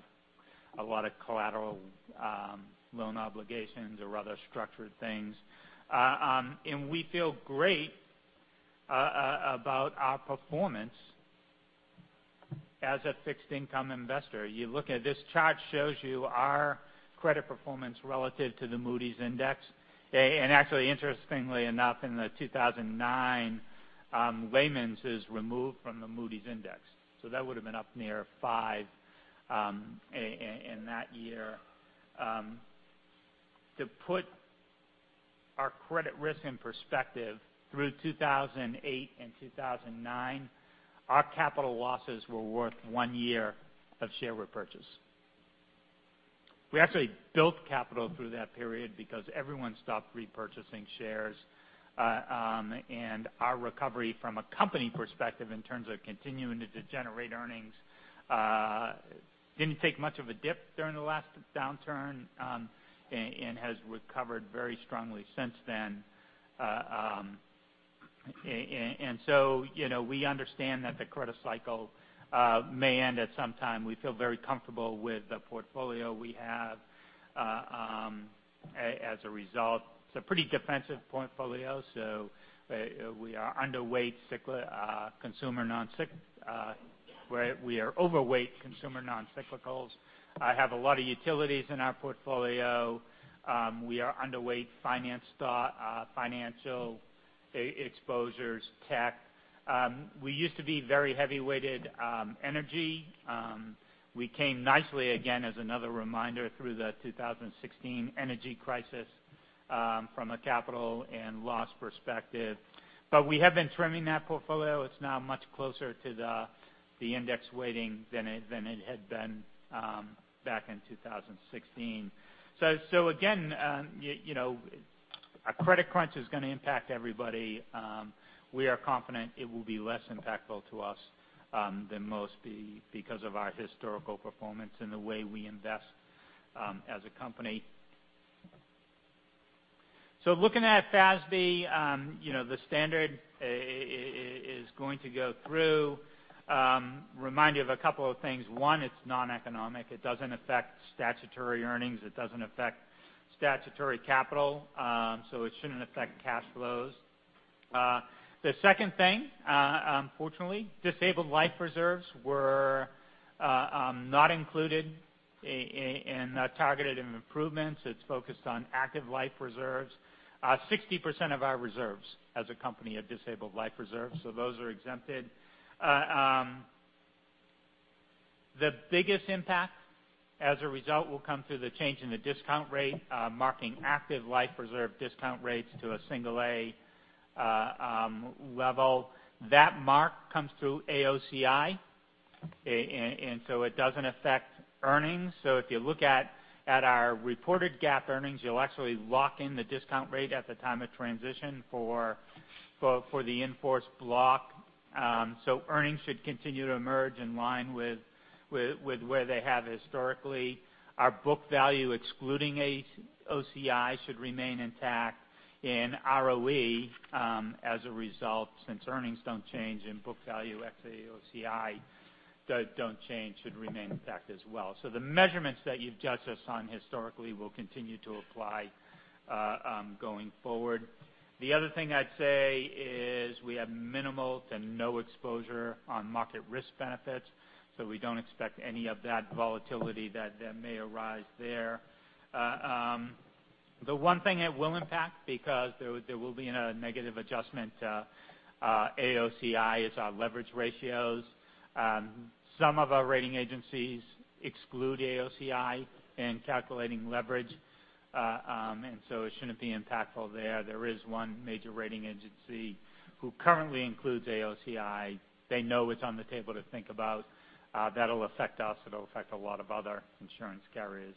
a lot of collateral loan obligations or other structured things. We feel great about our performance as a fixed income investor. This chart shows you our credit performance relative to the Moody's index. Actually, interestingly enough, in the 2009, Lehman's is removed from the Moody's index. That would have been up near five in that year. To put our credit risk in perspective, through 2008 and 2009, our capital losses were worth one year of share repurchase. We actually built capital through that period because everyone stopped repurchasing shares. Our recovery from a company perspective in terms of continuing to generate earnings, didn't take much of a dip during the last downturn. Has recovered very strongly since then. We understand that the credit cycle may end at some time. We feel very comfortable with the portfolio we have as a result. It's a pretty defensive portfolio. We are overweight consumer non-cyclicals. I have a lot of utilities in our portfolio. We are underweight financial exposures, tech. We used to be very heavy-weighted energy. We came nicely, again, as another reminder, through the 2016 energy crisis from a capital and loss perspective. We have been trimming that portfolio. It's now much closer to the index weighting than it had been back in 2016. Again, a credit crunch is going to impact everybody. We are confident it will be less impactful to us than most because of our historical performance and the way we invest as a company. Looking at FASB, the standard is going to go through. Remind you of a couple of things. One, it's non-economic. It doesn't affect statutory earnings. It doesn't affect statutory capital. It shouldn't affect cash flows. The second thing, unfortunately, disabled life reserves were not included in targeted improvements. It's focused on active life reserves. 60% of our reserves as a company are disabled life reserves. Those are exempted. The biggest impact as a result will come through the change in the discount rate, marking active life reserve discount rates to a single A level. That mark comes through AOCI. It doesn't affect earnings. If you look at our reported GAAP earnings, you'll actually lock in the discount rate at the time of transition for the in-force block. Earnings should continue to emerge in line with where they have historically. Our book value, excluding AOCI, should remain intact in ROE as a result, since earnings don't change and book value ex AOCI don't change, should remain intact as well. The measurements that you've judged us on historically will continue to apply going forward. The other thing I'd say is we have minimal to no exposure on market risk benefits, we don't expect any of that volatility that may arise there. The one thing it will impact, because there will be a negative adjustment to AOCI, is our leverage ratios. Some of our rating agencies exclude AOCI in calculating leverage, it shouldn't be impactful there. There is one major rating agency who currently includes AOCI. They know it's on the table to think about. That'll affect us, it'll affect a lot of other insurance carriers.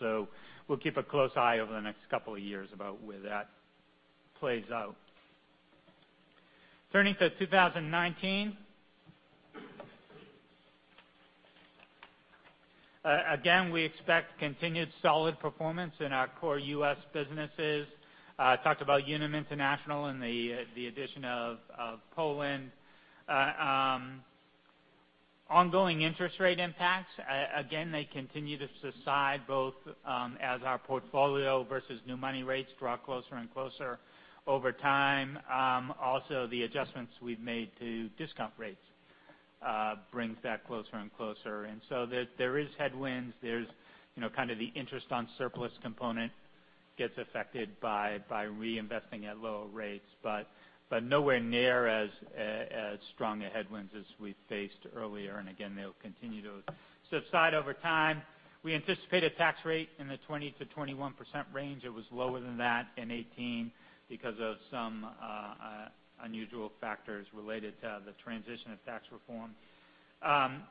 We'll keep a close eye over the next couple of years about where that plays out. Turning to 2019. Again, we expect continued solid performance in our core U.S. businesses. We talked about Unum International and the addition of Poland. Ongoing interest rate impacts, again, they continue to subside both as our portfolio versus new money rates draw closer and closer over time. Also, the adjustments we've made to discount rates brings that closer and closer. There is headwinds, there's kind of the interest on surplus component gets affected by reinvesting at lower rates, but nowhere near as strong a headwinds as we faced earlier. Again, they'll continue to subside over time. We anticipate a tax rate in the 20%-21% range. It was lower than that in 2018 because of some unusual factors related to the transition of tax reform.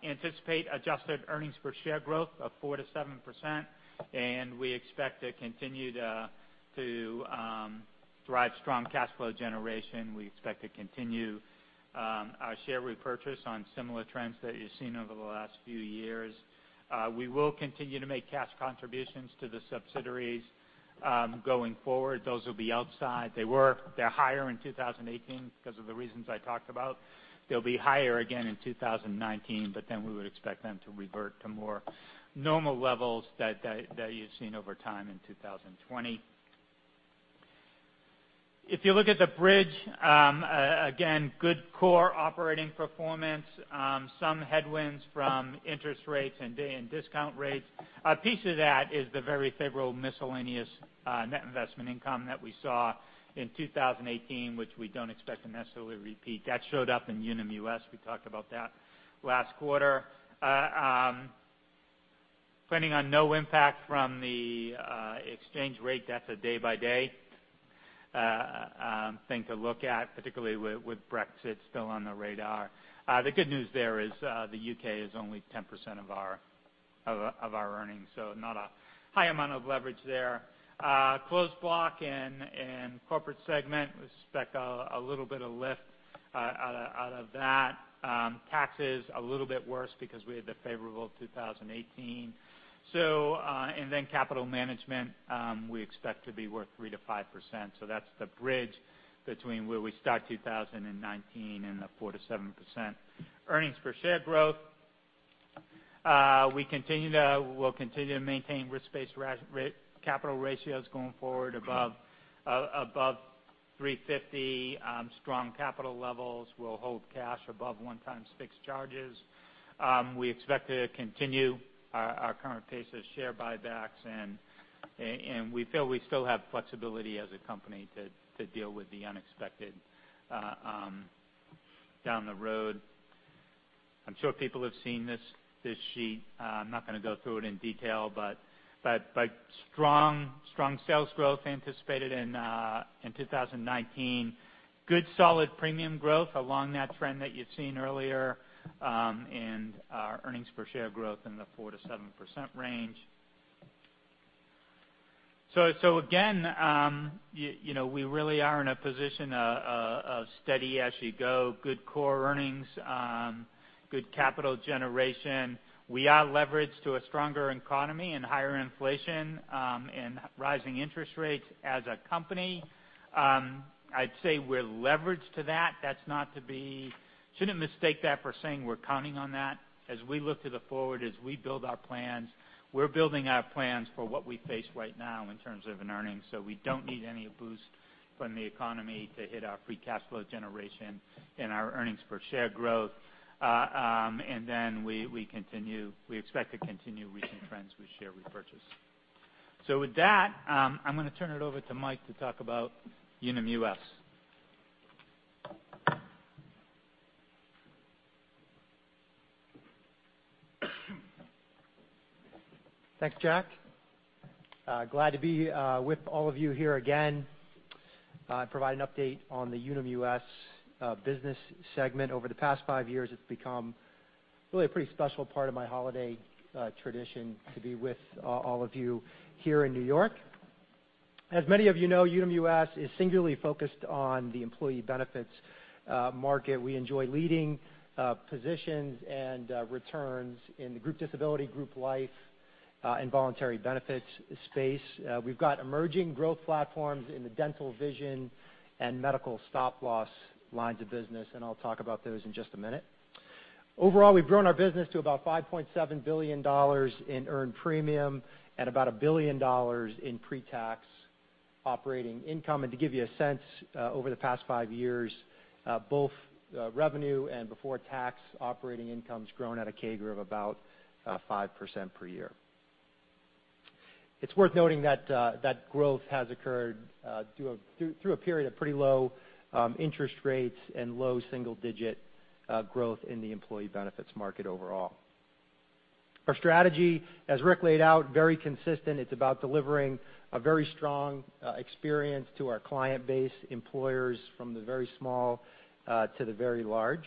We anticipate adjusted earnings per share growth of 4%-7%, we expect to continue to drive strong cash flow generation. We expect to continue our share repurchase on similar trends that you've seen over the last few years. We will continue to make cash contributions to the subsidiaries going forward. Those will be outside. They're higher in 2018 because of the reasons I talked about. They'll be higher again in 2019, we would expect them to revert to more normal levels that you've seen over time in 2020. If you look at the bridge, again, good core operating performance. Some headwinds from interest rates and discount rates. A piece of that is the very favorable miscellaneous net investment income that we saw in 2018, which we don't expect to necessarily repeat. That showed up in Unum US. We talked about that last quarter. Planning on no impact from the exchange rate. That's a day-by-day thing to look at, particularly with Brexit still on the radar. The good news there is the U.K. is only 10% of our earnings, so not a high amount of leverage there. Closed block and corporate segment, we expect a little bit of lift out of that. Taxes, a little bit worse because we had the favorable 2018. Capital management, we expect to be worth 3%-5%. That's the bridge between where we start 2019 and the 4%-7% earnings per share growth. We'll continue to maintain risk-based capital ratios going forward above 350. Strong capital levels. We'll hold cash above one times fixed charges. We expect to continue our current pace of share buybacks. We feel we still have flexibility as a company to deal with the unexpected down the road. I'm sure people have seen this sheet. I'm not going to go through it in detail, but strong sales growth anticipated in 2019. Good, solid premium growth along that trend that you'd seen earlier. Our earnings per share growth in the 4%-7% range. Again, we really are in a position of steady as you go, good core earnings, good capital generation. We are leveraged to a stronger economy and higher inflation, and rising interest rates as a company. I'd say we're leveraged to that. Shouldn't mistake that for saying we're counting on that. As we look to the forward, as we build our plans, we're building our plans for what we face right now in terms of an earning. We don't need any boost from the economy to hit our free cash flow generation and our earnings per share growth. We expect to continue recent trends with share repurchase. With that, I'm going to turn it over to Mike to talk about Unum US. Thanks, Jack. Glad to be with all of you here again, provide an update on the Unum US business segment. Over the past five years, it's become really a pretty special part of my holiday tradition to be with all of you here in New York. As many of you know, Unum US is singularly focused on the employee benefits market. We enjoy leading positions and returns in the group disability, group life, and voluntary benefits space. We've got emerging growth platforms in the dental, vision, and medical stop loss lines of business, and I'll talk about those in just a minute. Overall, we've grown our business to about $5.7 billion in earned premium and about $1 billion in pre-tax operating income. To give you a sense, over the past five years, both revenue and before tax operating income's grown at a CAGR of about 5% per year. It's worth noting that growth has occurred through a period of pretty low interest rates and low single-digit growth in the employee benefits market overall. Our strategy, as Rick laid out, very consistent. It's about delivering a very strong experience to our client base, employers from the very small to the very large.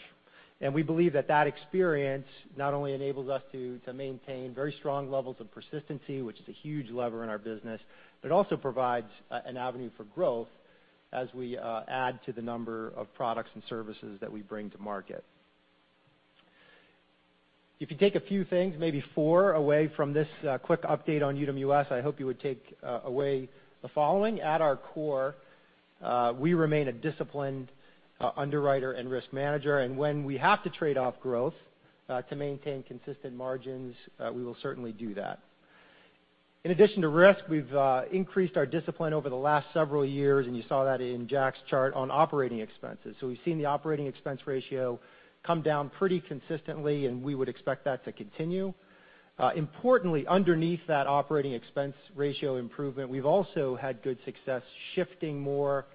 We believe that that experience not only enables us to maintain very strong levels of persistency, which is a huge lever in our business, but also provides an avenue for growth as we add to the number of products and services that we bring to market. If you take a few things, maybe four away from this quick update on Unum US, I hope you would take away the following. At our core, we remain a disciplined underwriter and risk manager, and when we have to trade off growth to maintain consistent margins, we will certainly do that. In addition to risk, we've increased our discipline over the last several years, and you saw that in Jack's chart on operating expenses. We've seen the operating expense ratio come down pretty consistently, and we would expect that to continue. Importantly, underneath that operating expense ratio improvement, we've also had good success shifting more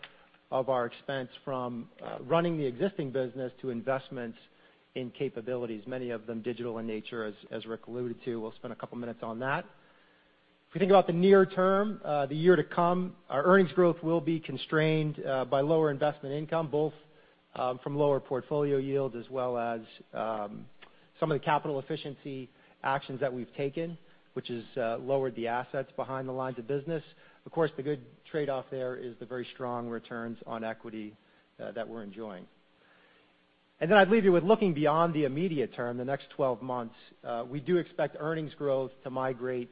of our expense from running the existing business to investments in capabilities, many of them digital in nature, as Rick alluded to. We'll spend a couple minutes on that. If you think about the near term, the year to come, our earnings growth will be constrained by lower investment income, both from lower portfolio yields as well as some of the capital efficiency actions that we've taken, which has lowered the assets behind the lines of business. Of course, the good trade-off there is the very strong returns on equity that we're enjoying. Then I'd leave you with looking beyond the immediate term, the next 12 months. We do expect earnings growth to migrate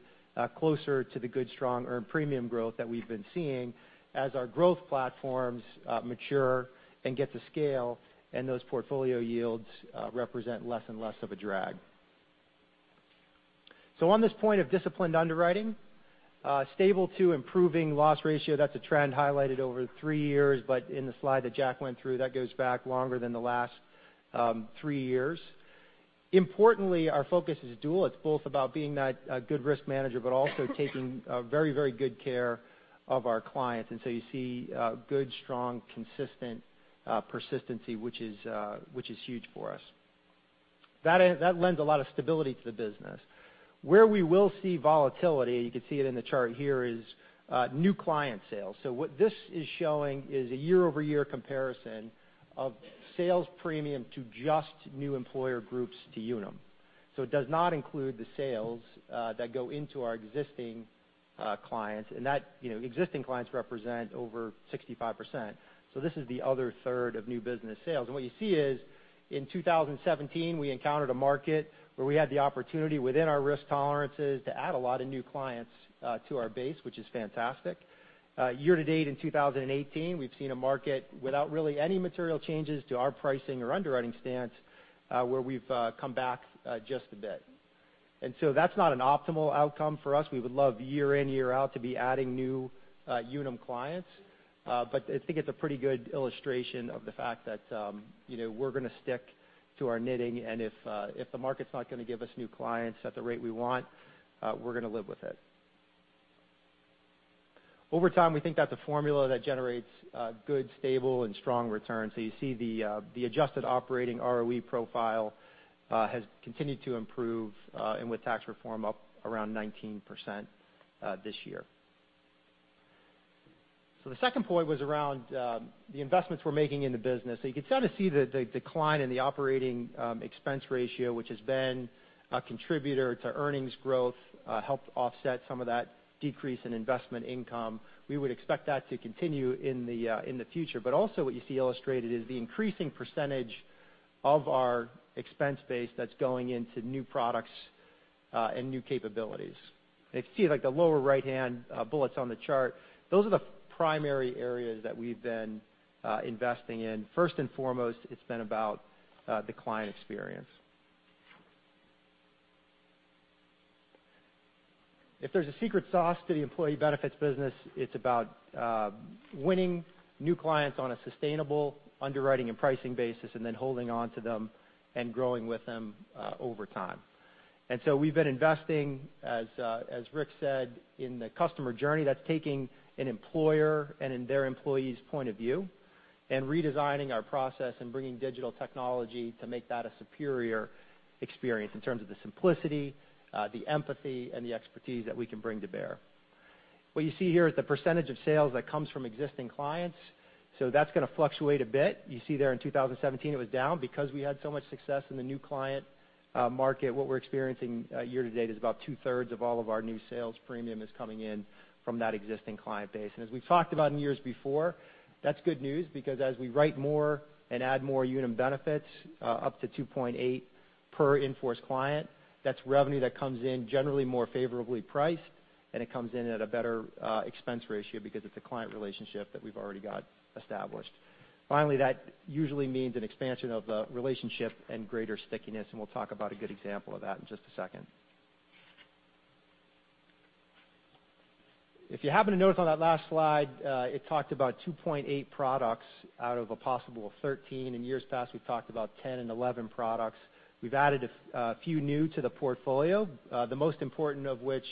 closer to the good, strong earned premium growth that we've been seeing as our growth platforms mature and get to scale, and those portfolio yields represent less and less of a drag. On this point of disciplined underwriting, stable to improving loss ratio, that's a trend highlighted over three years, but in the slide that Jack went through, that goes back longer than the last three years. Importantly, our focus is dual. It's both about being that good risk manager, but also taking very good care of our clients. You see good, strong, consistent persistency, which is huge for us. That lends a lot of stability to the business. Where we will see volatility, you can see it in the chart here, is new client sales. What this is showing is a year-over-year comparison of sales premium to just new employer groups to Unum. It does not include the sales that go into our existing clients, and existing clients represent over 65%. This is the other third of new business sales. What you see is in 2017, we encountered a market where we had the opportunity within our risk tolerances to add a lot of new clients to our base, which is fantastic. Year to date in 2018, we've seen a market without really any material changes to our pricing or underwriting stance, where we've come back just a bit. That's not an optimal outcome for us. We would love year in, year out to be adding new Unum clients. I think it's a pretty good illustration of the fact that we're going to stick to our knitting, and if the market's not going to give us new clients at the rate we want, we're going to live with it. Over time, we think that's a formula that generates good, stable, and strong returns. You see the adjusted operating ROE profile has continued to improve, and with tax reform up around 19% this year. The second point was around the investments we're making in the business. You could start to see the decline in the operating expense ratio, which has been a contributor to earnings growth, helped offset some of that decrease in investment income. We would expect that to continue in the future. Also what you see illustrated is the increasing percentage of our expense base that's going into new products and new capabilities. If you see the lower right-hand bullets on the chart, those are the primary areas that we've been investing in. First and foremost, it's been about the client experience. If there's a secret sauce to the employee benefits business, it's about winning new clients on a sustainable underwriting and pricing basis and then holding onto them and growing with them over time. We've been investing, as Rick said, in the customer journey. That's taking an employer and their employees' point of view. Redesigning our process and bringing digital technology to make that a superior experience in terms of the simplicity, the empathy, and the expertise that we can bring to bear. What you see here is the percentage of sales that comes from existing clients. That's going to fluctuate a bit. You see there in 2017 it was down because we had so much success in the new client market. What we're experiencing year to date is about two-thirds of all of our new sales premium is coming in from that existing client base. As we've talked about in years before, that's good news because as we write more and add more Unum benefits up to 2.8 per in-force client, that's revenue that comes in generally more favorably priced, and it comes in at a better expense ratio because it's a client relationship that we've already got established. Finally, that usually means an expansion of the relationship and greater stickiness, and we'll talk about a good example of that in just a second. If you happen to notice on that last slide, it talked about 2.8 products out of a possible 13. In years past, we've talked about 10 and 11 products. We've added a few new to the portfolio, the most important of which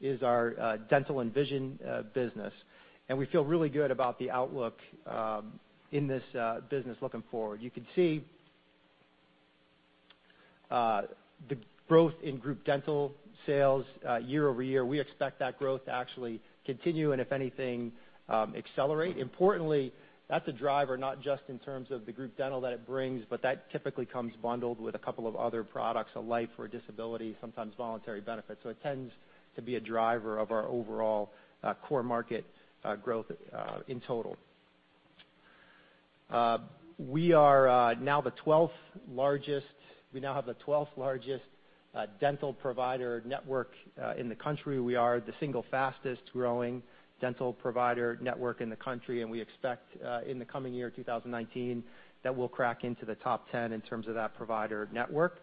is our dental and vision business. We feel really good about the outlook in this business looking forward. You can see the growth in group dental sales year-over-year. We expect that growth to actually continue and if anything, accelerate. Importantly, that's a driver not just in terms of the group dental that it brings, but that typically comes bundled with a couple of other products, a life or a disability, sometimes voluntary benefits. It tends to be a driver of our overall core market growth in total. We now have the 12th largest dental provider network in the country. We are the single fastest growing dental provider network in the country, and we expect in the coming year 2019 that we'll crack into the top 10 in terms of that provider network.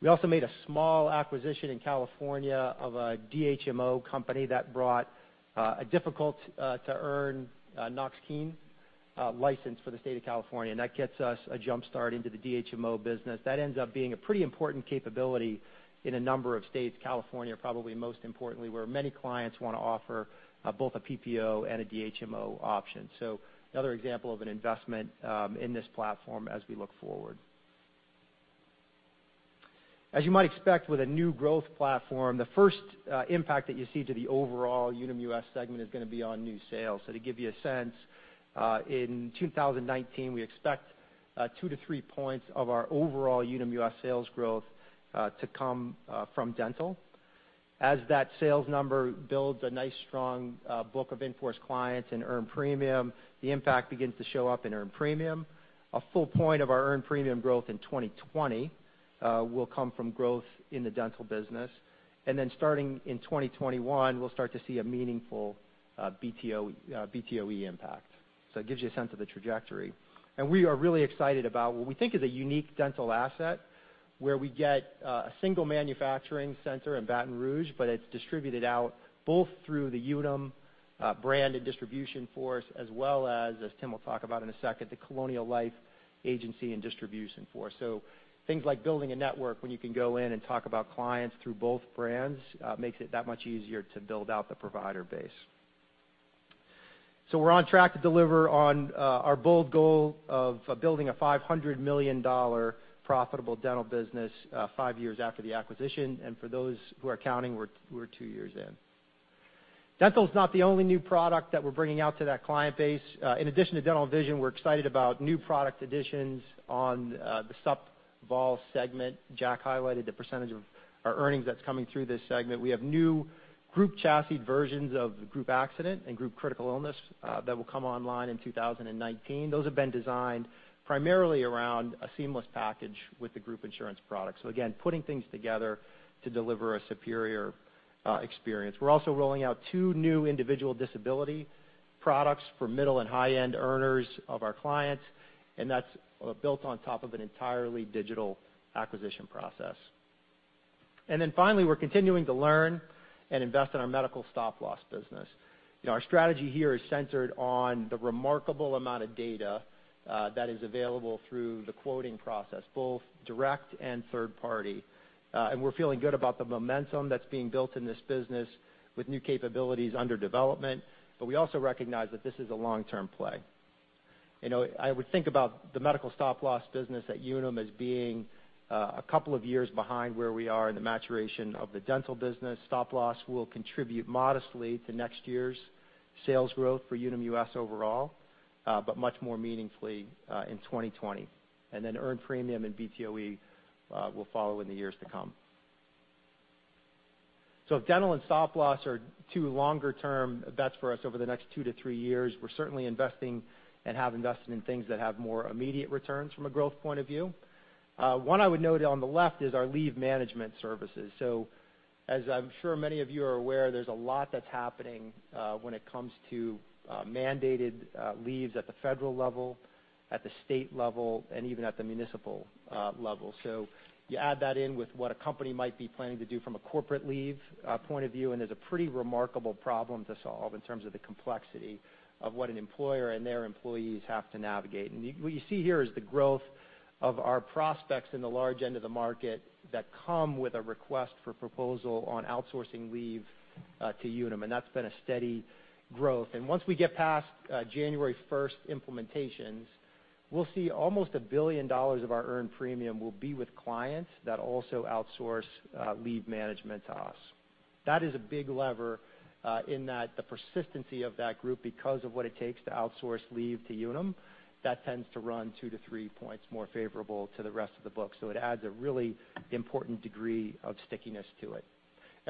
We also made a small acquisition in California of a DHMO company that brought a difficult-to-earn Knox-Keene license for the state of California, and that gets us a jumpstart into the DHMO business. That ends up being a pretty important capability in a number of states, California probably most importantly, where many clients want to offer both a PPO and a DHMO option. Another example of an investment in this platform as we look forward. As you might expect with a new growth platform, the first impact that you see to the overall Unum US segment is going to be on new sales. To give you a sense, in 2019, we expect 2-3 points of our overall Unum US sales growth to come from dental. As that sales number builds a nice strong book of in-force clients and earned premium, the impact begins to show up in earned premium. A full point of our earned premium growth in 2020 will come from growth in the dental business. Starting in 2021, we'll start to see a meaningful BTOE impact. It gives you a sense of the trajectory. We are really excited about what we think is a unique dental asset, where we get a single manufacturing center in Baton Rouge, but it's distributed out both through the Unum brand and distribution force, as well as Tim will talk about in a second, the Colonial Life agency and distribution force. Things like building a network when you can go in and talk about clients through both brands makes it that much easier to build out the provider base. We're on track to deliver on our bold goal of building a $500 million profitable dental business five years after the acquisition, and for those who are counting, we're two years in. Dental's not the only new product that we're bringing out to that client base. In addition to dental and vision, we're excited about new product additions on the sup vol segment. Jack highlighted the percentage of our earnings that's coming through this segment. We have new group chassis versions of group accident and group critical illness that will come online in 2019. Those have been designed primarily around a seamless package with the group insurance product. Again, putting things together to deliver a superior experience. We're also rolling out two new individual disability products for middle and high-end earners of our clients, and that's built on top of an entirely digital acquisition process. Finally, we're continuing to learn and invest in our medical stop-loss business. Our strategy here is centered on the remarkable amount of data that is available through the quoting process, both direct and third party. We're feeling good about the momentum that's being built in this business with new capabilities under development, but we also recognize that this is a long-term play. I would think about the medical stop-loss business at Unum as being 2 years behind where we are in the maturation of the dental business. Stop-loss will contribute modestly to next year's sales growth for Unum US overall, but much more meaningfully in 2020. Earned premium and BTOE will follow in the years to come. If dental and stop-loss are 2 longer-term bets for us over the next 2 to 3 years, we're certainly investing and have invested in things that have more immediate returns from a growth point of view. One I would note on the left is our leave management services. As I'm sure many of you are aware, there's a lot that's happening when it comes to mandated leaves at the federal level, at the state level, and even at the municipal level. You add that in with what a company might be planning to do from a corporate leave point of view, and there's a pretty remarkable problem to solve in terms of the complexity of what an employer and their employees have to navigate. What you see here is the growth of our prospects in the large end of the market that come with a request for proposal on outsourcing leave to Unum, and that's been a steady growth. Once we get past January 1st implementations We'll see almost $1 billion of our earned premium will be with clients that also outsource leave management to us. That is a big lever in that the persistency of that group, because of what it takes to outsource leave to Unum, that tends to run 2 to 3 points more favorable to the rest of the book. It adds a really important degree of stickiness to it.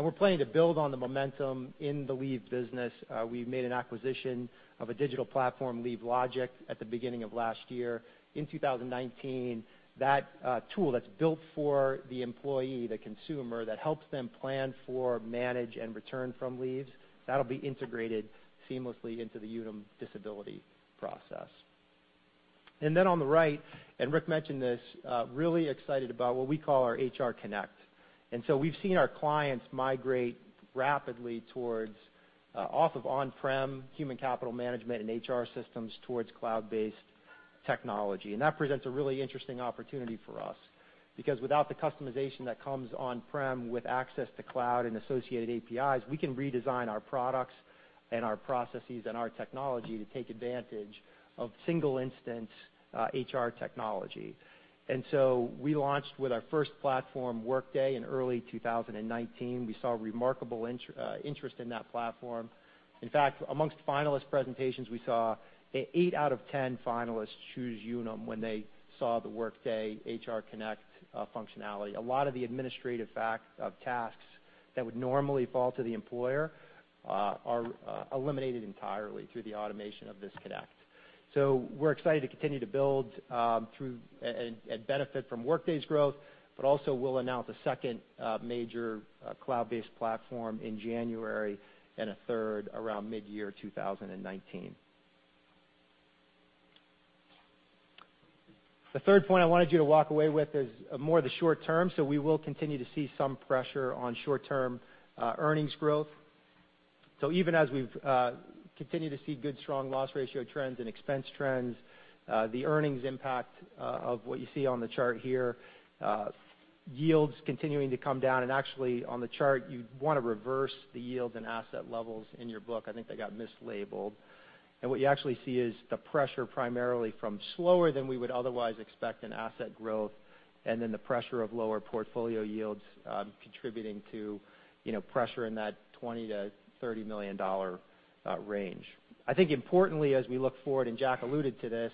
We're planning to build on the momentum in the leave business. We've made an acquisition of a digital platform, LeaveLogic, at the beginning of last year. In 2019, that tool that's built for the employee, the consumer, that helps them plan for, manage, and return from leaves, that'll be integrated seamlessly into the Unum disability process. On the right, Rick mentioned this, really excited about what we call our HR Connect. We've seen our clients migrate rapidly towards off of on-prem human capital management and HR systems towards cloud-based technology. That presents a really interesting opportunity for us, because without the customization that comes on-prem with access to cloud and associated APIs, we can redesign our products and our processes and our technology to take advantage of single instance HR technology. We launched with our first platform, Workday, in early 2019. We saw remarkable interest in that platform. In fact, amongst finalist presentations, we saw 8 out of 10 finalists choose Unum when they saw the Workday HR Connect functionality. A lot of the administrative tasks that would normally fall to the employer are eliminated entirely through the automation of this connect. We're excited to continue to build and benefit from Workday's growth, but also we'll announce a second major cloud-based platform in January and a third around mid-year 2019. The third point I wanted you to walk away with is more the short term. We will continue to see some pressure on short-term earnings growth. Even as we've continued to see good, strong loss ratio trends and expense trends, the earnings impact of what you see on the chart here, yields continuing to come down. And actually, on the chart, you'd want to reverse the yields and asset levels in your book. I think they got mislabeled. And what you actually see is the pressure primarily from slower than we would otherwise expect in asset growth, and then the pressure of lower portfolio yields contributing to pressure in that $20 million-$30 million range. I think importantly, as we look forward, and Jack alluded to this,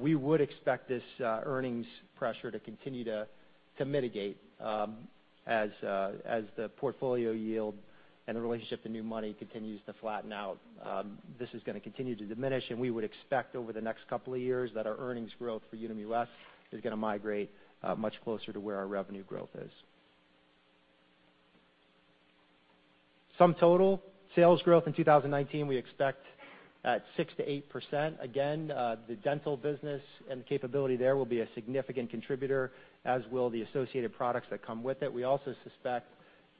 we would expect this earnings pressure to continue to mitigate as the portfolio yield and the relationship to new money continues to flatten out. This is going to continue to diminish, and we would expect over the next couple of years that our earnings growth for Unum US is going to migrate much closer to where our revenue growth is. Sum total sales growth in 2019, we expect at 6%-8%. Again, the dental business and capability there will be a significant contributor, as will the associated products that come with it. We also suspect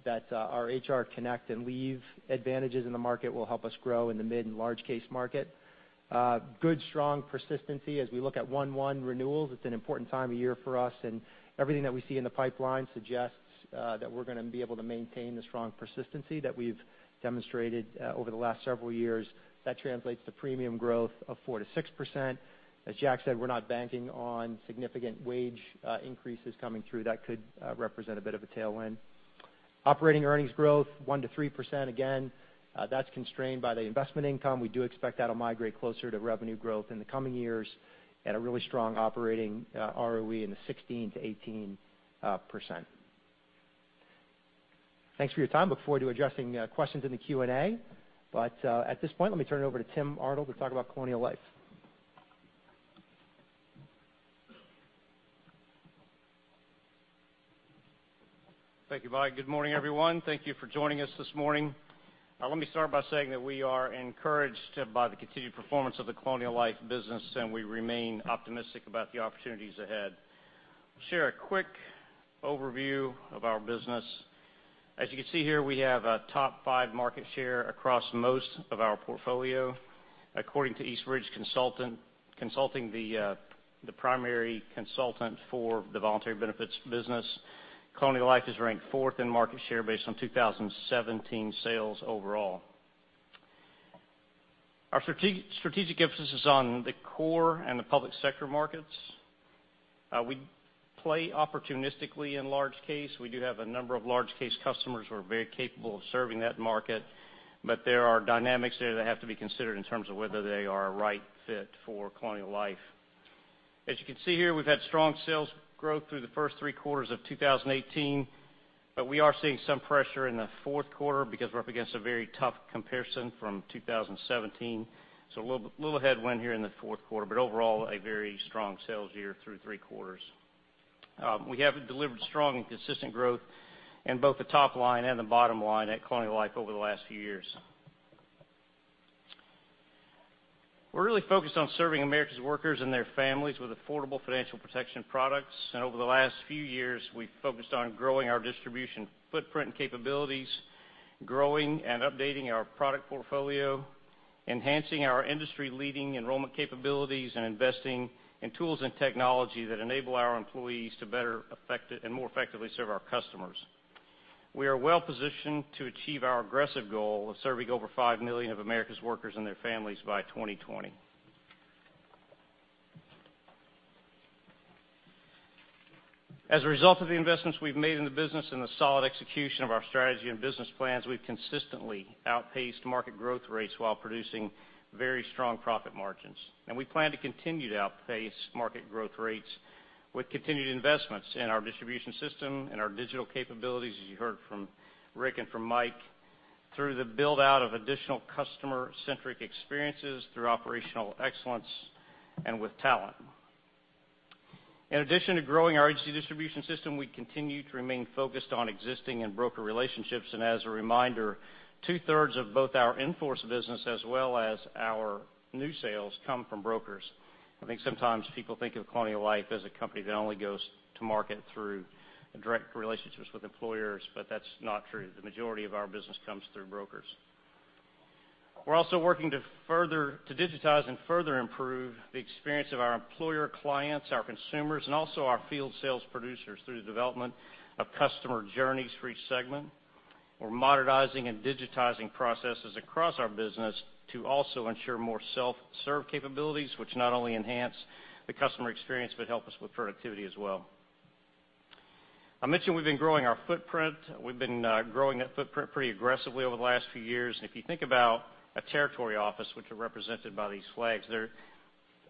that our HR Connect and leave advantages in the market will help us grow in the mid and large case market. Good, strong persistency as we look at 1/1 renewals. It's an important time of year for us, everything that we see in the pipeline suggests that we're going to be able to maintain the strong persistency that we've demonstrated over the last several years. That translates to premium growth of 4%-6%. As Jack said, we're not banking on significant wage increases coming through. That could represent a bit of a tailwind. Operating earnings growth 1%-3%. Again, that's constrained by the investment income. We do expect that'll migrate closer to revenue growth in the coming years at a really strong operating ROE in the 16%-18%. Thanks for your time. Look forward to addressing questions in the Q&A. At this point, let me turn it over to Tim Arnold to talk about Colonial Life. Thank you, Mike. Good morning, everyone. Thank you for joining us this morning. Let me start by saying that we are encouraged by the continued performance of the Colonial Life business, and we remain optimistic about the opportunities ahead. Share a quick overview of our business. As you can see here, we have a top 5 market share across most of our portfolio. According to Eastbridge Consulting, the primary consultant for the voluntary benefits business, Colonial Life is ranked fourth in market share based on 2017 sales overall. Our strategic emphasis is on the core and the public sector markets. We play opportunistically in large case. We do have a number of large case customers who are very capable of serving that market, but there are dynamics there that have to be considered in terms of whether they are a right fit for Colonial Life. As you can see here, we've had strong sales growth through the first three quarters of 2018, but we are seeing some pressure in the fourth quarter because we're up against a very tough comparison from 2017. A little headwind here in the fourth quarter, but overall, a very strong sales year through three quarters. We have delivered strong and consistent growth in both the top line and the bottom line at Colonial Life over the last few years. We're really focused on serving America's workers and their families with affordable financial protection products. Over the last few years, we've focused on growing our distribution footprint and capabilities, growing and updating our product portfolio, enhancing our industry-leading enrollment capabilities, and investing in tools and technology that enable our employees to better and more effectively serve our customers. We are well-positioned to achieve our aggressive goal of serving over 5 million of America's workers and their families by 2020. As a result of the investments we've made in the business and the solid execution of our strategy and business plans, we've consistently outpaced market growth rates while producing very strong profit margins. We plan to continue to outpace market growth rates with continued investments in our distribution system, in our digital capabilities, as you heard from Rick and from Mike, through the build-out of additional customer-centric experiences, through operational excellence, and with talent. In addition to growing our agency distribution system, we continue to remain focused on existing and broker relationships, and as a reminder, two-thirds of both our in-force business as well as our new sales come from brokers. I think sometimes people think of Colonial Life as a company that only goes to market through direct relationships with employers, but that's not true. The majority of our business comes through brokers. We're also working to digitize and further improve the experience of our employer clients, our consumers, and also our field sales producers through the development of customer journeys for each segment. We're modernizing and digitizing processes across our business to also ensure more self-serve capabilities, which not only enhance the customer experience, but help us with productivity as well. I mentioned we've been growing our footprint. We've been growing that footprint pretty aggressively over the last few years, and if you think about a territory office, which are represented by these flags, they're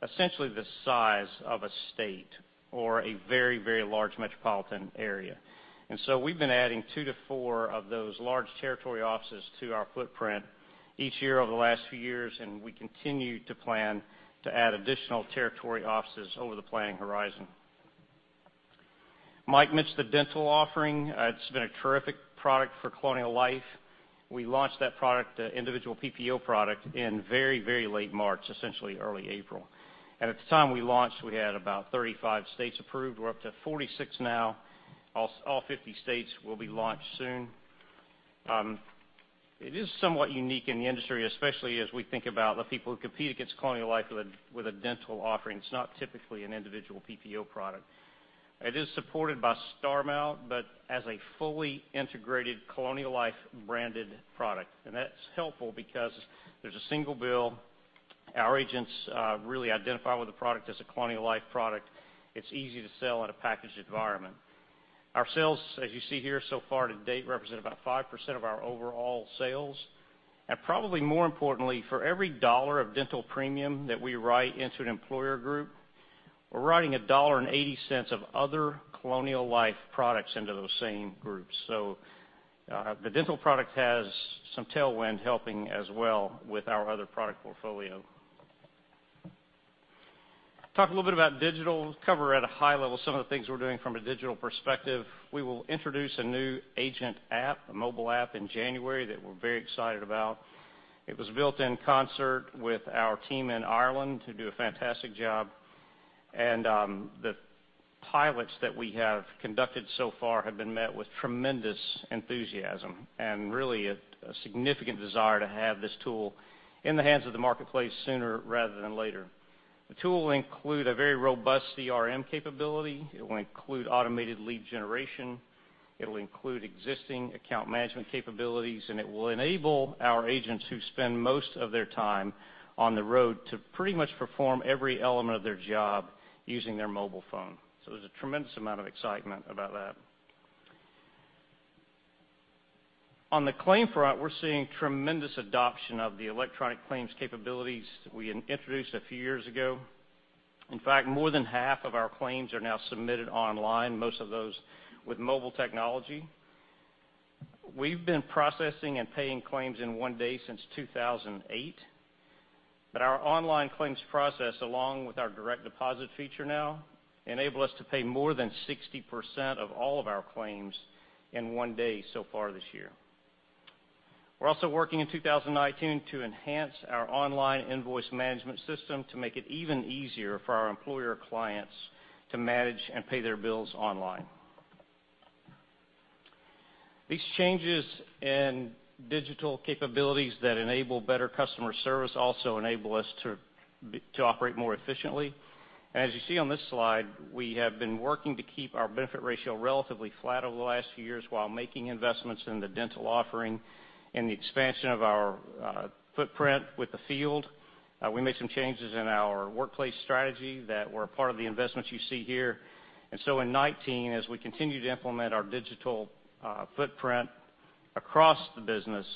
essentially the size of a state or a very, very large metropolitan area. We've been adding two to four of those large territory offices to our footprint each year over the last few years, and we continue to plan to add additional territory offices over the planning horizon. Mike mentioned the dental offering. It's been a terrific product for Colonial Life. We launched that product, the individual PPO product, in very, very late March, essentially early April. At the time we launched, we had about 35 states approved. We're up to 46 now. All 50 states will be launched soon. It is somewhat unique in the industry, especially as we think about the people who compete against Colonial Life with a dental offering. It's not typically an individual PPO product. It is supported by Starmount, but as a fully integrated Colonial Life branded product. That's helpful because there's a single bill. Our agents really identify with the product as a Colonial Life product. It's easy to sell in a packaged environment. Our sales, as you see here so far to date, represent about 5% of our overall sales. Probably more importantly, for every dollar of dental premium that we write into an employer group, we're writing $1.80 of other Colonial Life products into those same groups. The dental product has some tailwind helping as well with our other product portfolio. Talk a little bit about digital. Cover at a high level some of the things we're doing from a digital perspective. We will introduce a new agent app, a mobile app in January, that we're very excited about. It was built in concert with our team in Ireland who do a fantastic job. The pilots that we have conducted so far have been met with tremendous enthusiasm and really a significant desire to have this tool in the hands of the marketplace sooner rather than later. The tool will include a very robust CRM capability. It will include automated lead generation. It'll include existing account management capabilities, and it will enable our agents who spend most of their time on the road to pretty much perform every element of their job using their mobile phone. There's a tremendous amount of excitement about that. On the claim front, we're seeing tremendous adoption of the electronic claims capabilities we introduced a few years ago. In fact, more than half of our claims are now submitted online, most of those with mobile technology. We've been processing and paying claims in one day since 2008. Our online claims process, along with our direct deposit feature now, enable us to pay more than 60% of all of our claims in one day so far this year. We're also working in 2019 to enhance our online invoice management system to make it even easier for our employer clients to manage and pay their bills online. These changes in digital capabilities that enable better customer service also enable us to operate more efficiently. As you see on this slide, we have been working to keep our benefit ratio relatively flat over the last few years while making investments in the dental offering and the expansion of our footprint with the field. We made some changes in our workplace strategy that were a part of the investments you see here. In 2019, as we continue to implement our digital footprint across the business,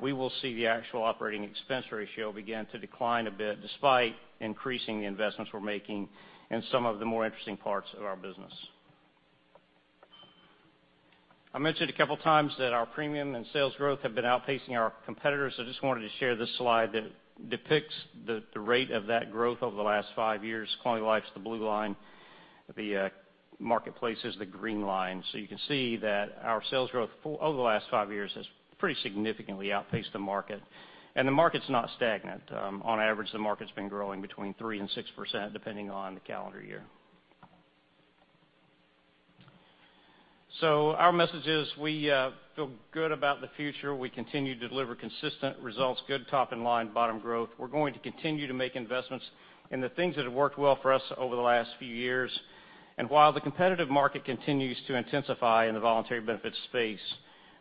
we will see the actual operating expense ratio begin to decline a bit, despite increasing the investments we're making in some of the more interesting parts of our business. I mentioned a couple of times that our premium and sales growth have been outpacing our competitors, I just wanted to share this slide that depicts the rate of that growth over the last five years. Colonial Life's the blue line, the marketplace is the green line. You can see that our sales growth over the last five years has pretty significantly outpaced the market. The market's not stagnant. On average, the market's been growing between 3% and 6%, depending on the calendar year. Our message is we feel good about the future. We continue to deliver consistent results, good top and bottom-line growth. We're going to continue to make investments in the things that have worked well for us over the last few years. While the competitive market continues to intensify in the voluntary benefits space,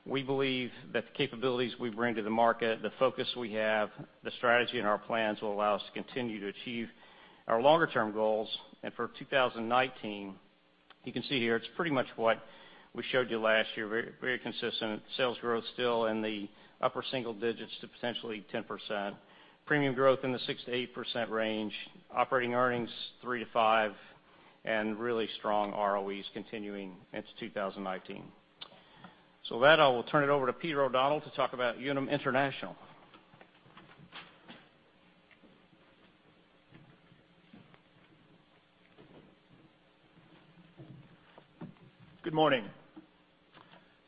we believe that the capabilities we bring to the market, the focus we have, the strategy and our plans will allow us to continue to achieve our longer-term goals. For 2019, you can see here, it's pretty much what we showed you last year. Very consistent. Sales growth still in the upper single digits to potentially 10%. Premium growth in the 6%-8% range. Operating earnings, 3%-5%. Really strong ROEs continuing into 2019. With that, I will turn it over to Peter O'Donnell to talk about Unum International. Good morning.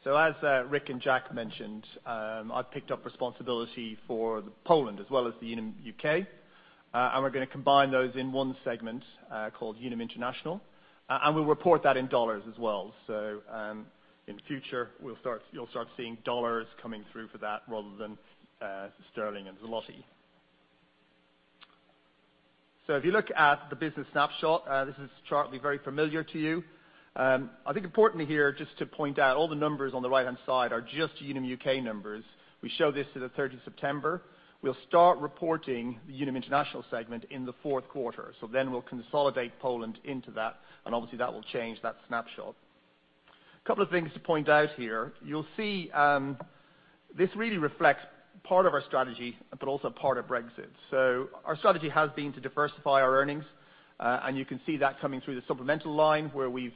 As Rick and Jack mentioned, I've picked up responsibility for Poland as well as Unum U.K. We're going to combine those in one segment called Unum International. We'll report that in USD as well. In the future, you'll start seeing USD coming through for that rather than the GBP and the PLN. If you look at the business snapshot, this chart will be very familiar to you. I think importantly here, just to point out, all the numbers on the right-hand side are just Unum U.K. numbers. We show this to the 30th September. We'll start reporting the Unum International segment in the fourth quarter. Then we'll consolidate Poland into that, and obviously that will change that snapshot. A couple of things to point out here. You'll see, this really reflects part of our strategy, but also part of Brexit. Our strategy has been to diversify our earnings. You can see that coming through the Supplemental line, where we've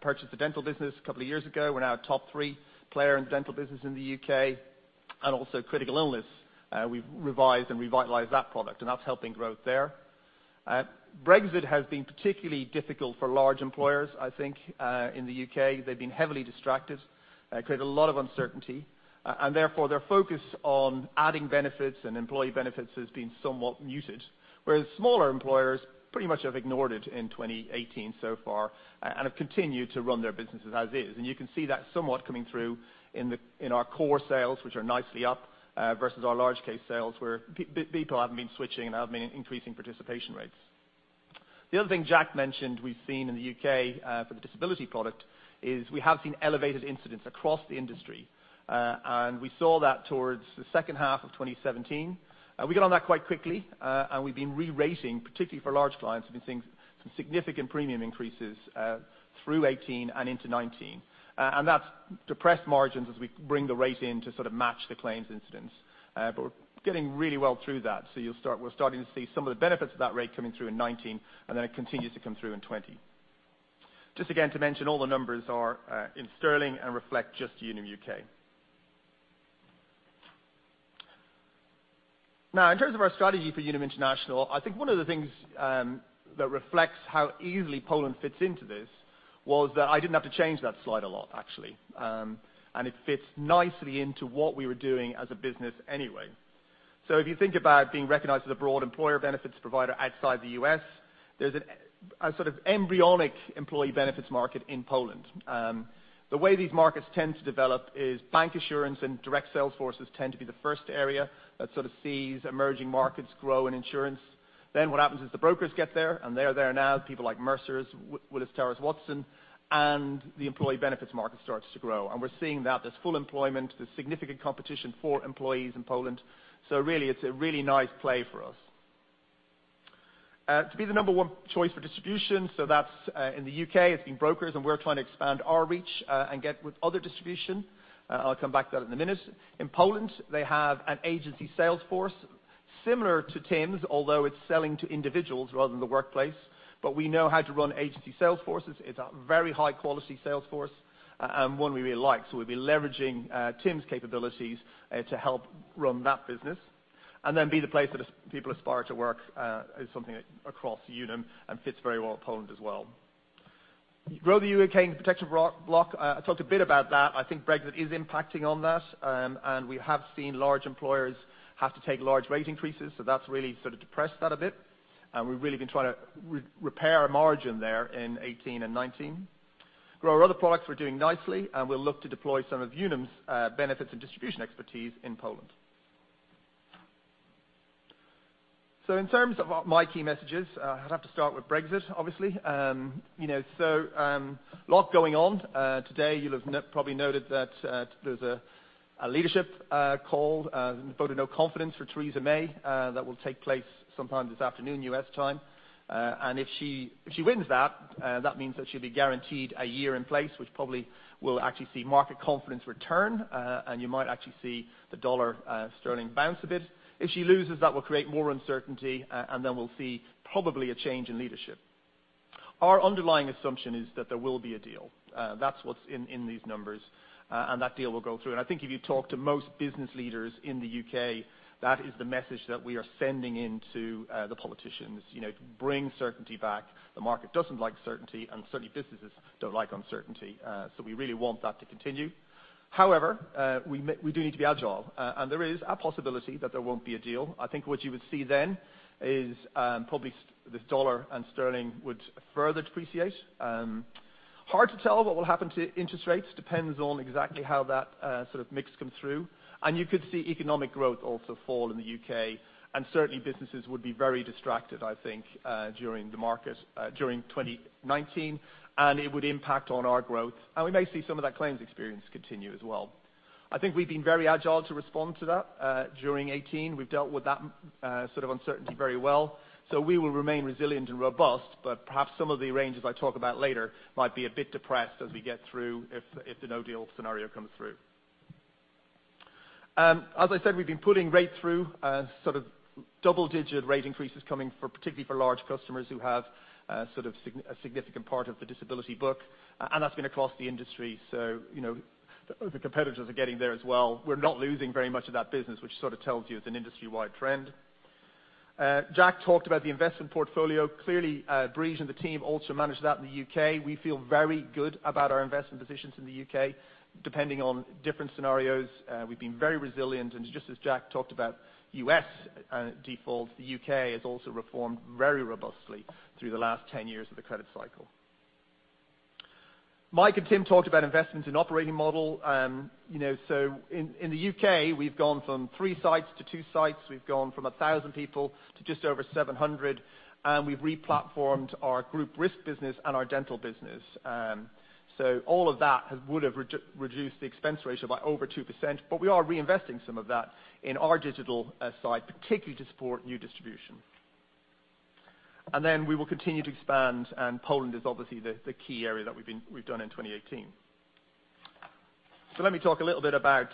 purchased the dental business a couple of years ago. We're now a top 3 player in the dental business in the U.K. Also critical illness. We've revised and revitalized that product, and that's helping growth there. Brexit has been particularly difficult for large employers, I think, in the U.K. They've been heavily distracted. It created a lot of uncertainty. Therefore, their focus on adding benefits and employee benefits has been somewhat muted. Whereas smaller employers pretty much have ignored it in 2018 so far and have continued to run their businesses as is. You can see that somewhat coming through in our core sales, which are nicely up, versus our large case sales, where people haven't been switching and have been increasing participation rates. The other thing Jack mentioned we've seen in the U.K. for the disability product is we have seen elevated incidents across the industry. We saw that towards the second half of 2017. We got on that quite quickly, and we've been re-rating, particularly for large clients, we've been seeing some significant premium increases through 2018 and into 2019. That's depressed margins as we bring the rate in to sort of match the claims incidents. We're getting really well through that. We're starting to see some of the benefits of that rate coming through in 2019, and then it continues to come through in 2020. Just again, to mention, all the numbers are in GBP and reflect just Unum U.K. In terms of our strategy for Unum International, I think one of the things that reflects how easily Poland fits into this was that I didn't have to change that slide a lot, actually. It fits nicely into what we were doing as a business anyway. If you think about being recognized as a broad employer benefits provider outside the U.S., there's a sort of embryonic employee benefits market in Poland. The way these markets tend to develop is bank assurance and direct sales forces tend to be the first area that sort of sees emerging markets grow in insurance. What happens is the brokers get there, and they are there now. People like Mercer, Willis Towers Watson, and the employee benefits market starts to grow. We're seeing that. There's full employment. There's significant competition for employees in Poland. Really, it's a really nice play for us. To be the number 1 choice for distribution. That's in the U.K. It's been brokers, and we're trying to expand our reach and get with other distribution. I'll come back to that in a minute. In Poland, they have an agency sales force similar to Tim's, although it's selling to individuals rather than the workplace. We know how to run agency sales forces. It's a very high-quality sales force and one we really like. We'll be leveraging Tim's capabilities to help run that business. Then be the place that people aspire to work is something across Unum and fits very well with Poland as well. Grow the U.K. protection block. I talked a bit about that. I think Brexit is impacting on that. We have seen large employers have to take large rate increases, that's really sort of depressed that a bit. We've really been trying to repair our margin there in 2018 and 2019. Grow our other products. We're doing nicely, and we'll look to deploy some of Unum's benefits and distribution expertise in Poland. In terms of my key messages, I'd have to start with Brexit, obviously. A lot going on. Today you'll have probably noted that there was a leadership called vote of no confidence for Theresa May that will take place sometime this afternoon, U.S. time. If she wins that means that she'll be guaranteed a year in place, which probably will actually see market confidence return. You might actually see the dollar sterling bounce a bit. If she loses, that will create more uncertainty, then we'll see probably a change in leadership. Our underlying assumption is that there will be a deal. That's what's in these numbers. That deal will go through. I think if you talk to most business leaders in the U.K., that is the message that we are sending into the politicians. Bring certainty back. The market doesn't like certainty, and certainly businesses don't like uncertainty. We really want that to continue. However, we do need to be agile. There is a possibility that there won't be a deal. I think what you would see then is probably the dollar and sterling would further depreciate. Hard to tell what will happen to interest rates. Depends on exactly how that sort of mix comes through. You could see economic growth also fall in the U.K., and certainly businesses would be very distracted, I think, during the market during 2019. It would impact on our growth. We may see some of that claims experience continue as well. I think we've been very agile to respond to that during 2018. We've dealt with that sort of uncertainty very well. We will remain resilient and robust, but perhaps some of the ranges I talk about later might be a bit depressed as we get through, if the no deal scenario comes through. As I said, we've been pulling rate through sort of double-digit rate increases coming particularly for large customers who have a significant part of the disability book, and that's been across the industry. The competitors are getting there as well. We're not losing very much of that business, which sort of tells you it's an industry-wide trend. Jack talked about the investment portfolio. Clearly, Breege and the team also managed that in the U.K. We feel very good about our investment positions in the U.K., depending on different scenarios. We've been very resilient, and just as Jack talked about U.S. defaults, the U.K. has also reformed very robustly through the last 10 years of the credit cycle. Mike and Tim talked about investments in operating model. In the U.K., we've gone from three sites to two sites. We've gone from 1,000 people to just over 700, and we've re-platformed our group risk business and our dental business. All of that would have reduced the expense ratio by over 2%. We are reinvesting some of that in our digital side, particularly to support new distribution. We will continue to expand and Poland is obviously the key area that we've done in 2018. Let me talk a little bit about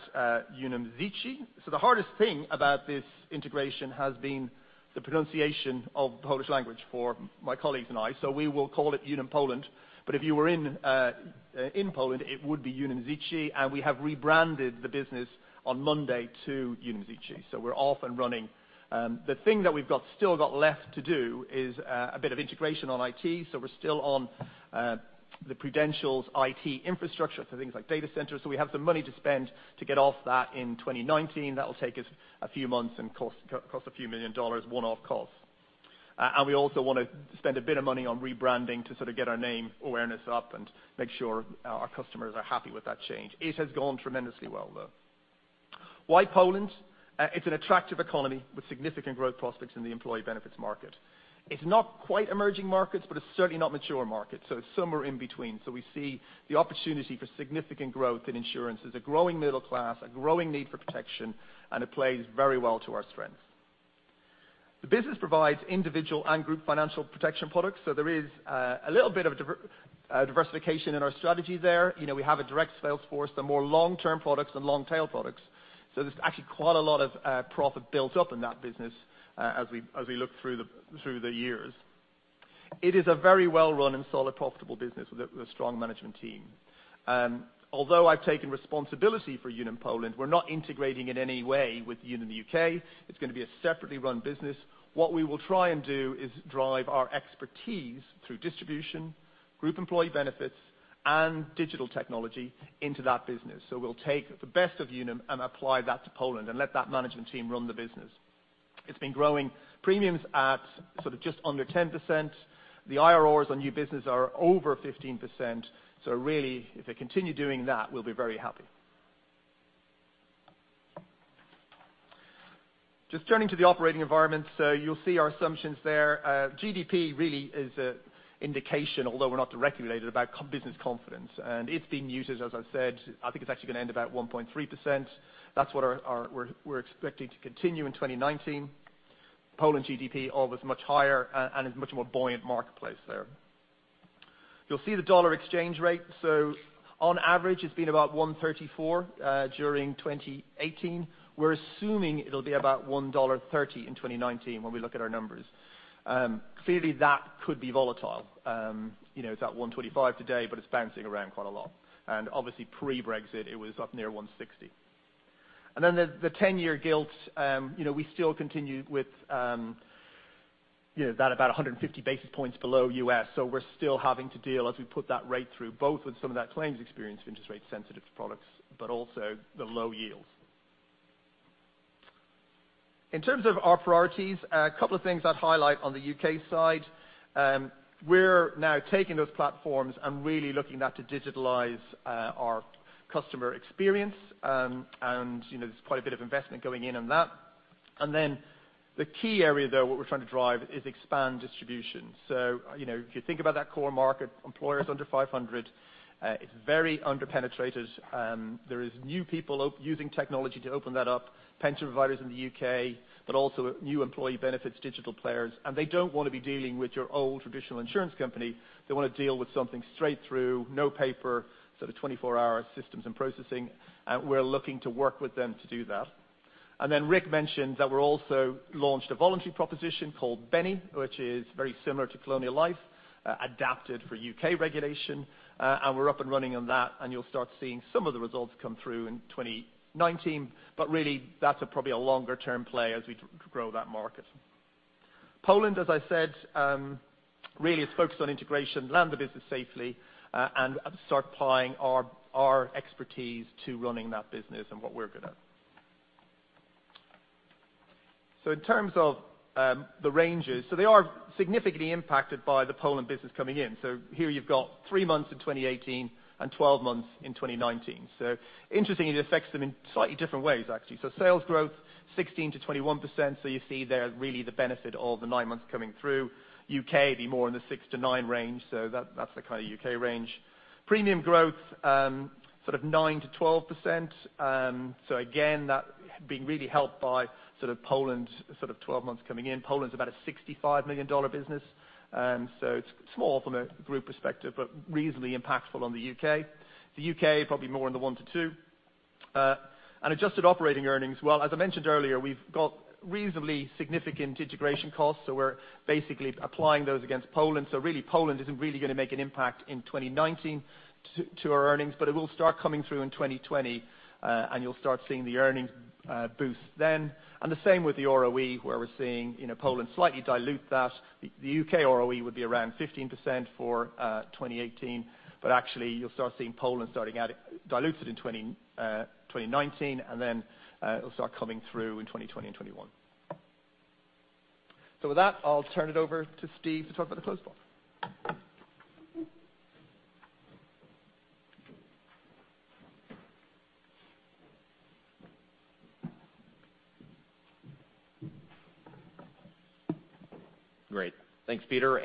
Unum Życie. The hardest thing about this integration has been the pronunciation of the Polish language for my colleagues and I. We will call it Unum Poland, but if you were in Poland, it would be Unum Życie, and we have rebranded the business on Monday to Unum Życie. We're off and running. The thing that we've still got left to do is a bit of integration on IT. We're still on the Prudential's IT infrastructure for things like data centers. We have some money to spend to get off that in 2019. That will take us a few months and cost a few million USD one-off cost. We also want to spend a bit of money on rebranding to sort of get our name awareness up and make sure our customers are happy with that change. It has gone tremendously well, though. Why Poland? It's an attractive economy with significant growth prospects in the employee benefits market. It's not quite emerging markets, but it's certainly not mature markets. It's somewhere in between. We see the opportunity for significant growth in insurance. There's a growing middle class, a growing need for protection, and it plays very well to our strengths. The business provides individual and group financial protection products. There is a little bit of diversification in our strategy there. We have a direct sales force, the more long-term products and long-tail products. There's actually quite a lot of profit built up in that business as we look through the years. It is a very well run and solid profitable business with a strong management team. Although I have taken responsibility for Unum Poland, we are not integrating in any way with Unum U.K. It is going to be a separately run business. What we will try and do is drive our expertise through distribution, group employee benefits, and digital technology into that business. We will take the best of Unum and apply that to Poland and let that management team run the business. It has been growing premiums at sort of just under 10%. The IRRs on new business are over 15%. Really, if they continue doing that, we will be very happy. Just turning to the operating environment. You will see our assumptions there. GDP really is an indication, although we are not directly related, about business confidence. It has been muted, as I said. I think it is actually going to end about 1.3%. That is what we are expecting to continue in 2019. Poland GDP always much higher and is much more buoyant marketplace there. You will see the dollar exchange rate. On average, it has been about 1.34 during 2018. We are assuming it will be about 1.30 dollar in 2019 when we look at our numbers. Clearly, that could be volatile. It is at 1.25 today, but it is bouncing around quite a lot. Obviously pre-Brexit, it was up near 1.60. The 10-year gilts. We still continue with that about 150 basis points below U.S. We are still having to deal as we put that rate through, both with some of that claims experience of interest rate sensitive products, but also the low yields. In terms of our priorities, a couple of things I would highlight on the U.K. side. We are now taking those platforms and really looking now to digitalize our customer experience. There is quite a bit of investment going in on that. The key area, though, what we are trying to drive is expand distribution. If you think about that core market, employers under 500. It is very under-penetrated. There is new people using technology to open that up. Pension providers in the U.K., but also new employee benefits digital players. They do not want to be dealing with your old traditional insurance company. They want to deal with something straight through, no paper, sort of 24-hour systems and processing. We are looking to work with them to do that. Rick mentioned that we also launched a voluntary proposition called Beni, which is very similar to Colonial Life, adapted for U.K. regulation. We are up and running on that, and you will start seeing some of the results come through in 2019. Really, that is probably a longer-term play as we grow that market. Poland, as I said, really is focused on integration, land the business safely, and start applying our expertise to running that business and what we are good at. In terms of the ranges, they are significantly impacted by the Poland business coming in. Here you have three months in 2018 and 12 months in 2019. Interestingly, it affects them in slightly different ways, actually. Sales growth, 16%-21%. You see there really the benefit of the nine months coming through. U.K. be more in the 6-9 range. That is the kind of U.K. range. Premium growth sort of 9%-12%. Again, that being really helped by Poland sort of 12 months coming in. Poland is about a 65 million dollar business. It's small from a group perspective, but reasonably impactful on the U.K. The U.K., probably more in the 1%-2%. Adjusted operating earnings, well, as I mentioned earlier, we've got reasonably significant integration costs, we're basically applying those against Poland. Really, Poland isn't really going to make an impact in 2019 to our earnings, but it will start coming through in 2020, you'll start seeing the earnings boost then. The same with the ROE, where we're seeing Poland slightly dilute that. The U.K. ROE would be around 15% for 2018, but actually, you'll start seeing Poland starting out, dilute it in 2019, and then it'll start coming through in 2020 and 2021. With that, I'll turn it over to Steve to talk about the closed block. Great. Thanks, Peter,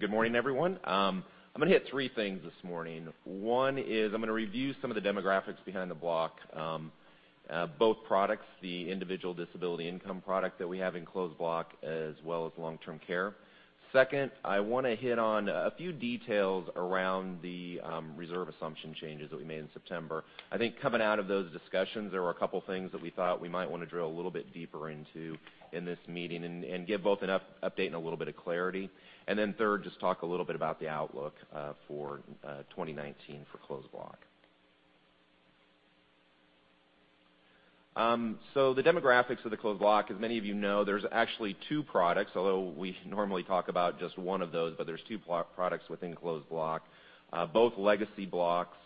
good morning, everyone. I'm going to hit three things this morning. One is I'm going to review some of the demographics behind the block, both products, the individual disability income product that we have in closed block, as well as long-term care. Second, I want to hit on a few details around the reserve assumption changes that we made in September. I think coming out of those discussions, there were a couple things that we thought we might want to drill a little bit deeper into in this meeting and give both an update and a little bit of clarity. Third, just talk a little bit about the outlook for 2019 for closed block. The demographics of the closed block, as many of you know, there's actually two products, although we normally talk about just one of those, but there's two products within closed block. Both legacy blocks.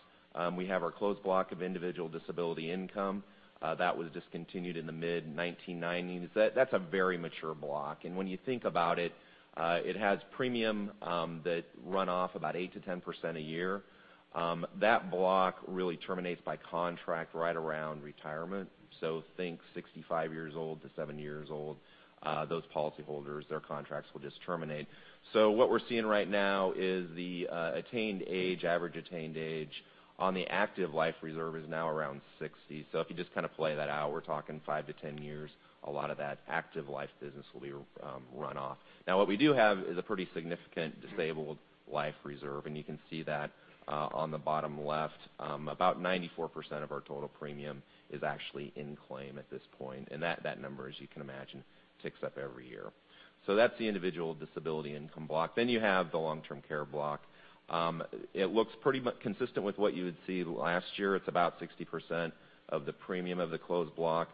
We have our closed block of individual disability income. That was discontinued in the mid-1990s. That's a very mature block. When you think about it has premium that run off about 8%-10% a year. That block really terminates by contract right around retirement. Think 65 years old to 70 years old, those policyholders, their contracts will just terminate. What we're seeing right now is the average attained age on the active life reserve is now around 60. If you just play that out, we're talking 5-10 years, a lot of that active life business will be run off. What we do have is a pretty significant disabled life reserve, you can see that on the bottom left. About 94% of our total premium is actually in claim at this point. That number, as you can imagine, ticks up every year. That's the individual disability income block. You have the long-term care block. It looks pretty consistent with what you would see last year. It's about 60% of the premium of the closed block.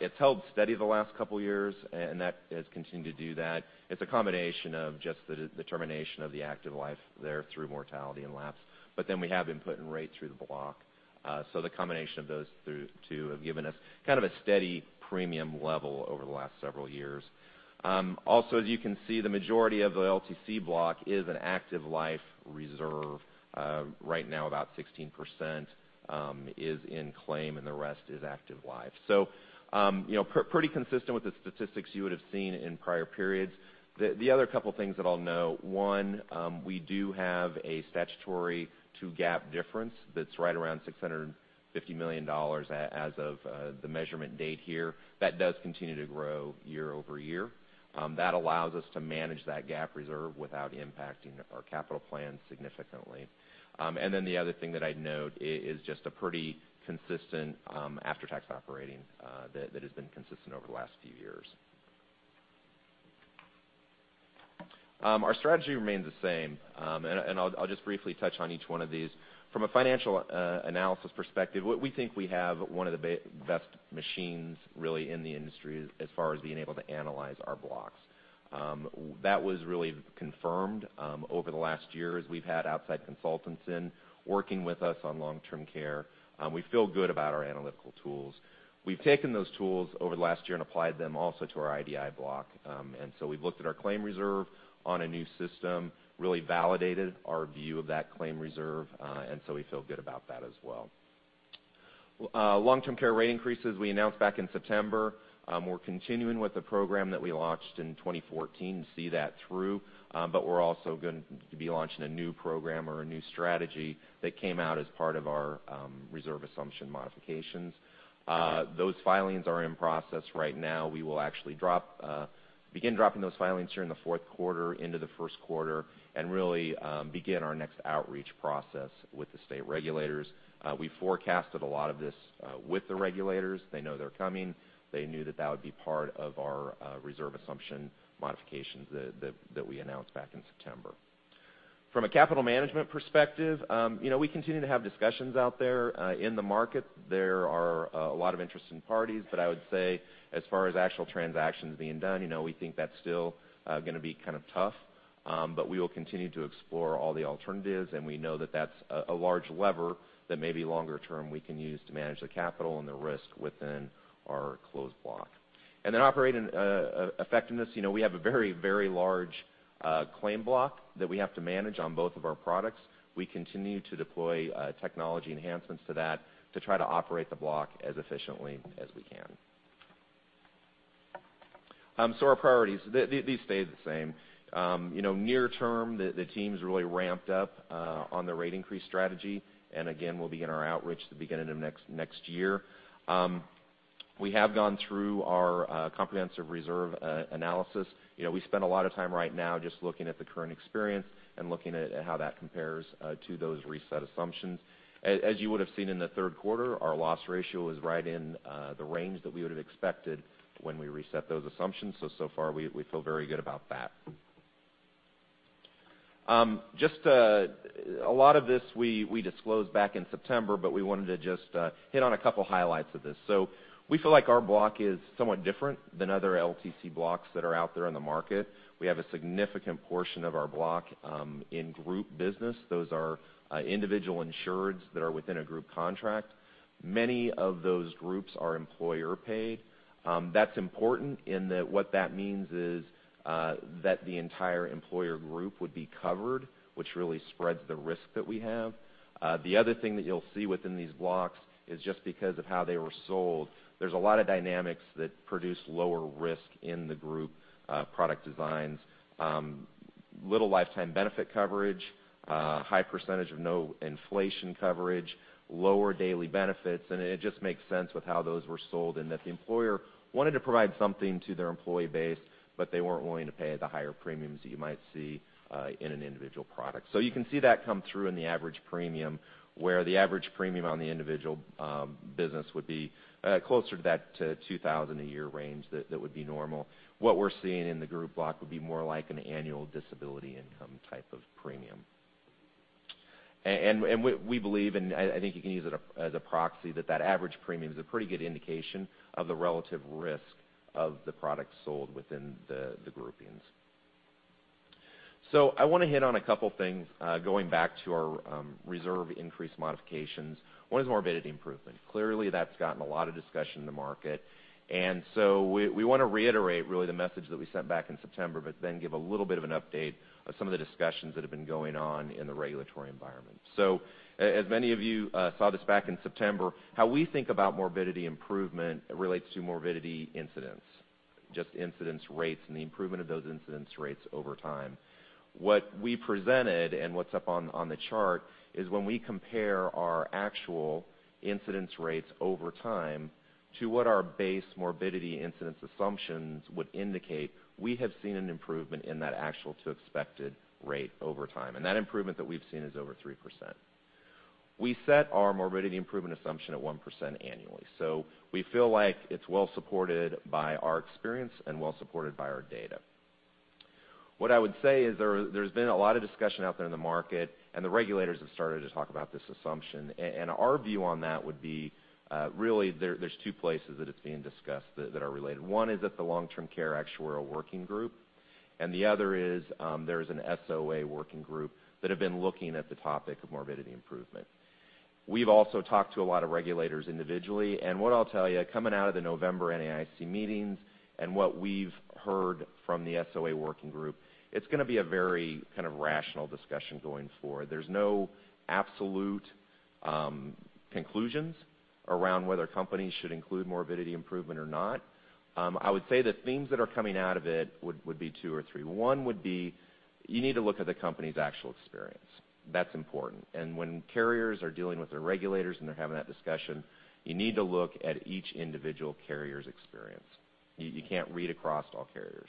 It's held steady the last couple of years, that has continued to do that. It's a combination of just the termination of the active life there through mortality and lapse. We have input and rate through the block. The combination of those two have given us kind of a steady premium level over the last several years. As you can see, the majority of the LTC block is an active life reserve. Right now, about 16% is in claim and the rest is active life. Pretty consistent with the statistics you would have seen in prior periods. The other couple of things that I'll note. One, we do have a statutory to GAAP difference that's right around $650 million as of the measurement date here. That does continue to grow year-over-year. That allows us to manage that GAAP reserve without impacting our capital plan significantly. The other thing that I'd note is just a pretty consistent after-tax operating that has been consistent over the last few years. Our strategy remains the same, and I'll just briefly touch on each one of these. From a financial analysis perspective, we think we have one of the best machines really in the industry as far as being able to analyze our blocks. That was really confirmed over the last year as we've had outside consultants in working with us on Long-Term Care. We feel good about our analytical tools. We've taken those tools over the last year and applied them also to our IDI block. We've looked at our claim reserve on a new system, really validated our view of that claim reserve, and we feel good about that as well. Long-Term Care rate increases we announced back in September. We're continuing with the program that we launched in 2014 to see that through, we're also going to be launching a new program or a new strategy that came out as part of our reserve assumption modifications. Those filings are in process right now. We will actually begin dropping those filings here in the fourth quarter into the first quarter and really begin our next outreach process with the state regulators. We forecasted a lot of this with the regulators. They know they're coming. They knew that that would be part of our reserve assumption modifications that we announced back in September. From a capital management perspective, we continue to have discussions out there in the market. There are a lot of interesting parties, I would say as far as actual transactions being done, we think that's still going to be kind of tough. We will continue to explore all the alternatives, and we know that that's a large lever that maybe longer term we can use to manage the capital and the risk within our closed block. Operating effectiveness. We have a very large claim block that we have to manage on both of our products. We continue to deploy technology enhancements to that to try to operate the block as efficiently as we can. Our priorities, they stay the same. Near term, the team's really ramped up on the rate increase strategy. Again, we'll begin our outreach at the beginning of next year. We have gone through our comprehensive reserve analysis. We spend a lot of time right now just looking at the current experience and looking at how that compares to those reset assumptions. As you would've seen in the third quarter, our loss ratio is right in the range that we would've expected when we reset those assumptions. So far, we feel very good about that. A lot of this we disclosed back in September. We wanted to just hit on a couple highlights of this. We feel like our block is somewhat different than other LTC blocks that are out there in the market. We have a significant portion of our block in group business. Those are individual insureds that are within a group contract. Many of those groups are employer paid. That's important in that what that means is that the entire employer group would be covered, which really spreads the risk that we have. The other thing that you'll see within these blocks is just because of how they were sold, there's a lot of dynamics that produce lower risk in the group product designs. Little lifetime benefit coverage, high percentage of no inflation coverage, lower daily benefits. It just makes sense with how those were sold in that the employer wanted to provide something to their employee base, but they weren't willing to pay the higher premiums that you might see in an individual product. You can see that come through in the average premium, where the average premium on the individual business would be closer to that $2,000 a year range, that would be normal. What we're seeing in the group block would be more like an annual disability income type of premium. We believe, and I think you can use it as a proxy, that average premium is a pretty good indication of the relative risk of the products sold within the groupings. I want to hit on a couple things, going back to our reserve increase modifications. One is morbidity improvement. Clearly, that's gotten a lot of discussion in the market. We want to reiterate really the message that we sent back in September, but then give a little bit of an update of some of the discussions that have been going on in the regulatory environment. As many of you saw this back in September, how we think about morbidity improvement relates to morbidity incidence, just incidence rates and the improvement of those incidence rates over time. What we presented and what's up on the chart is when we compare our actual incidence rates over time to what our base morbidity incidence assumptions would indicate, we have seen an improvement in that actual to expected rate over time. That improvement that we've seen is over 3%. We set our morbidity improvement assumption at 1% annually. We feel like it's well supported by our experience and well supported by our data. What I would say is there's been a lot of discussion out there in the market. The regulators have started to talk about this assumption. Our view on that would be really there's two places that it's being discussed that are related. One is at the Long-Term Care Actuarial Working Group, and the other is, there's an SOA working group that have been looking at the topic of morbidity improvement. We've also talked to a lot of regulators individually. What I'll tell you, coming out of the November NAIC meetings and what we've heard from the SOA working group, it's going to be a very kind of rational discussion going forward. There's no absolute conclusions around whether companies should include morbidity improvement or not. I would say the themes that are coming out of it would be two or three. One would be you need to look at the company's actual experience. That's important. When carriers are dealing with their regulators and they're having that discussion, you need to look at each individual carrier's experience. You can't read across all carriers.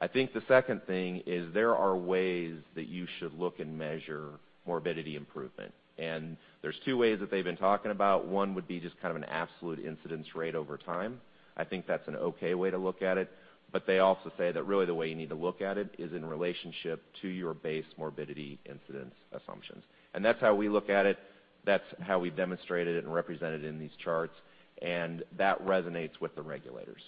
The second thing is there are ways that you should look and measure morbidity improvement. There's two ways that they've been talking about. One would be just an absolute incidence rate over time. That's an okay way to look at it. They also say that really the way you need to look at it is in relationship to your base morbidity incidence assumptions. That's how we look at it. That's how we demonstrated it and represented it in these charts, and that resonates with the regulators.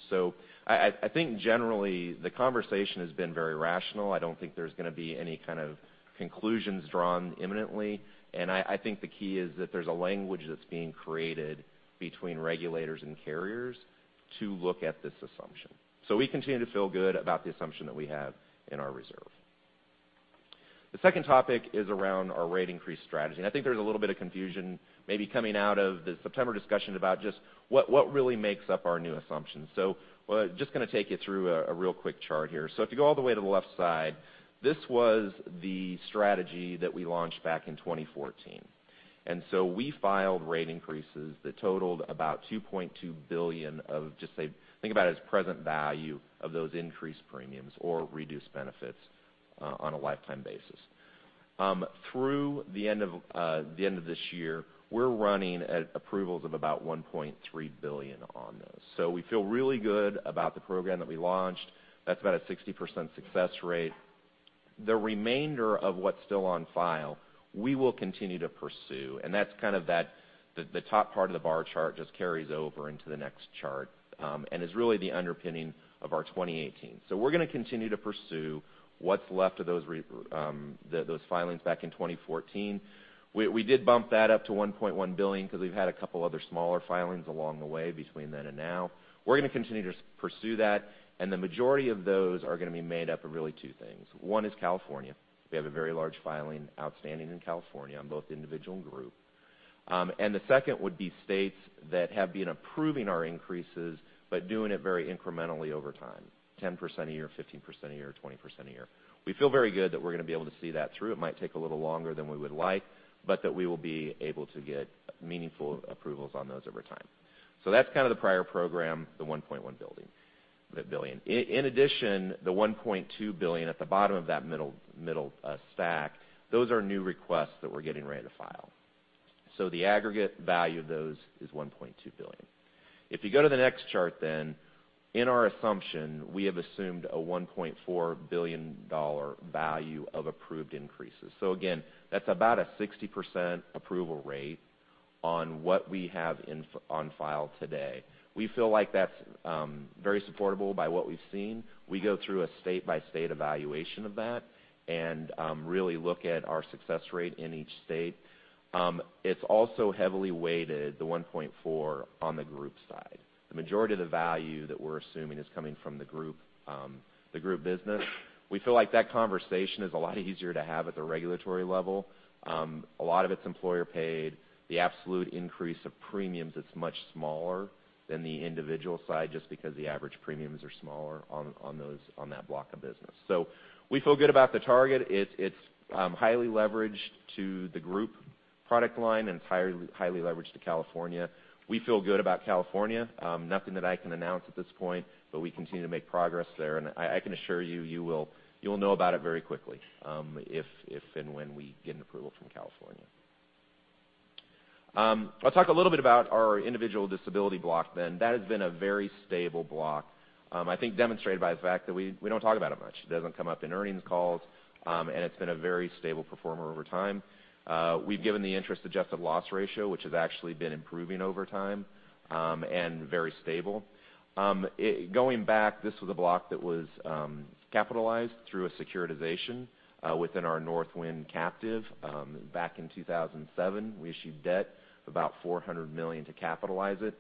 Generally the conversation has been very rational. I don't think there's going to be any kind of conclusions drawn imminently. The key is that there's a language that's being created between regulators and carriers to look at this assumption. We continue to feel good about the assumption that we have in our reserve. The second topic is around our rate increase strategy. There's a little bit of confusion maybe coming out of the September discussion about just what really makes up our new assumptions. Just going to take you through a real quick chart here. If you go all the way to the left side, this was the strategy that we launched back in 2014. We filed rate increases that totaled about $2.2 billion, think about it as present value of those increased premiums or reduced benefits on a lifetime basis. Through the end of this year, we're running at approvals of about $1.3 billion on those. We feel really good about the program that we launched. That's about a 60% success rate. The remainder of what's still on file, we will continue to pursue, and that's that the top part of the bar chart just carries over into the next chart, and is really the underpinning of our 2018. We're going to continue to pursue what's left of those filings back in 2014. We did bump that up to $1.1 billion because we've had a couple other smaller filings along the way between then and now. We're going to continue to pursue that, and the majority of those are going to be made up of really two things. One is California. We have a very large filing outstanding in California on both individual and group. The second would be states that have been approving our increases but doing it very incrementally over time, 10% a year, 15% a year, 20% a year. We feel very good that we're going to be able to see that through. It might take a little longer than we would like, but that we will be able to get meaningful approvals on those over time. That's the prior program, the $1.1 billion. In addition, the $1.2 billion at the bottom of that middle stack, those are new requests that we're getting ready to file. The aggregate value of those is $1.2 billion. If you go to the next chart, in our assumption, we have assumed a $1.4 billion value of approved increases. Again, that's about a 60% approval rate on what we have on file today. We feel like that's very supportable by what we've seen. We go through a state-by-state evaluation of that and really look at our success rate in each state. It's also heavily weighted, the $1.4 billion on the group side. The majority of the value that we're assuming is coming from the group business. We feel like that conversation is a lot easier to have at the regulatory level. A lot of it's employer paid. The absolute increase of premiums is much smaller than the individual side, just because the average premiums are smaller on that block of business. We feel good about the target. It's highly leveraged to the group product line. It's highly leveraged to California. We feel good about California. Nothing that I can announce at this point, we continue to make progress there, and I can assure you will know about it very quickly, if and when we get an approval from California. I'll talk a little bit about our individual disability block. That has been a very stable block. I think demonstrated by the fact that we don't talk about it much. It doesn't come up in earnings calls, and it's been a very stable performer over time. We've given the interest-adjusted loss ratio, which has actually been improving over time, and very stable. Going back, this was a block that was capitalized through a securitization within our Northwind captive back in 2007. We issued debt of about $400 million to capitalize it.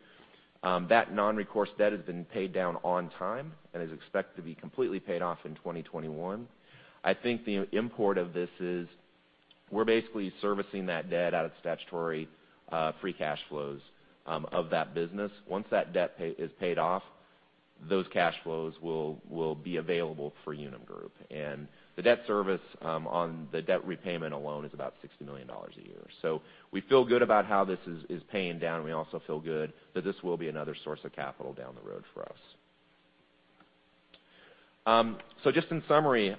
That non-recourse debt has been paid down on time and is expected to be completely paid off in 2021. I think the import of this is we're basically servicing that debt out of statutory free cash flows of that business. Once that debt is paid off, those cash flows will be available for Unum Group. The debt service on the debt repayment alone is about $60 million a year. We feel good about how this is paying down. We also feel good that this will be another source of capital down the road for us. Just in summary,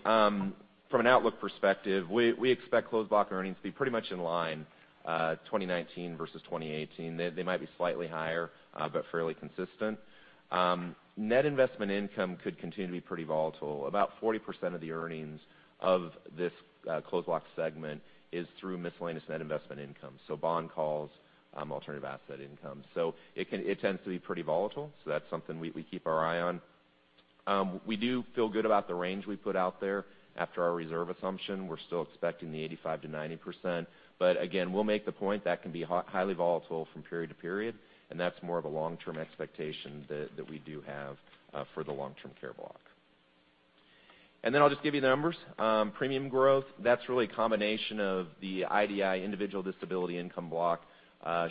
from an outlook perspective, we expect closed block earnings to be pretty much in line 2019 versus 2018. They might be slightly higher but fairly consistent. Net investment income could continue to be pretty volatile. About 40% of the earnings of this closed block segment is through miscellaneous net investment income. Bond calls, alternative asset income. It tends to be pretty volatile, so that's something we keep our eye on. We do feel good about the range we put out there. After our reserve assumption, we're still expecting the 85%-90%. Again, we'll make the point, that can be highly volatile from period to period, and that's more of a long-term expectation that we do have for the long-term care block. I'll just give you the numbers. Premium growth, that's really a combination of the IDI, individual disability income block,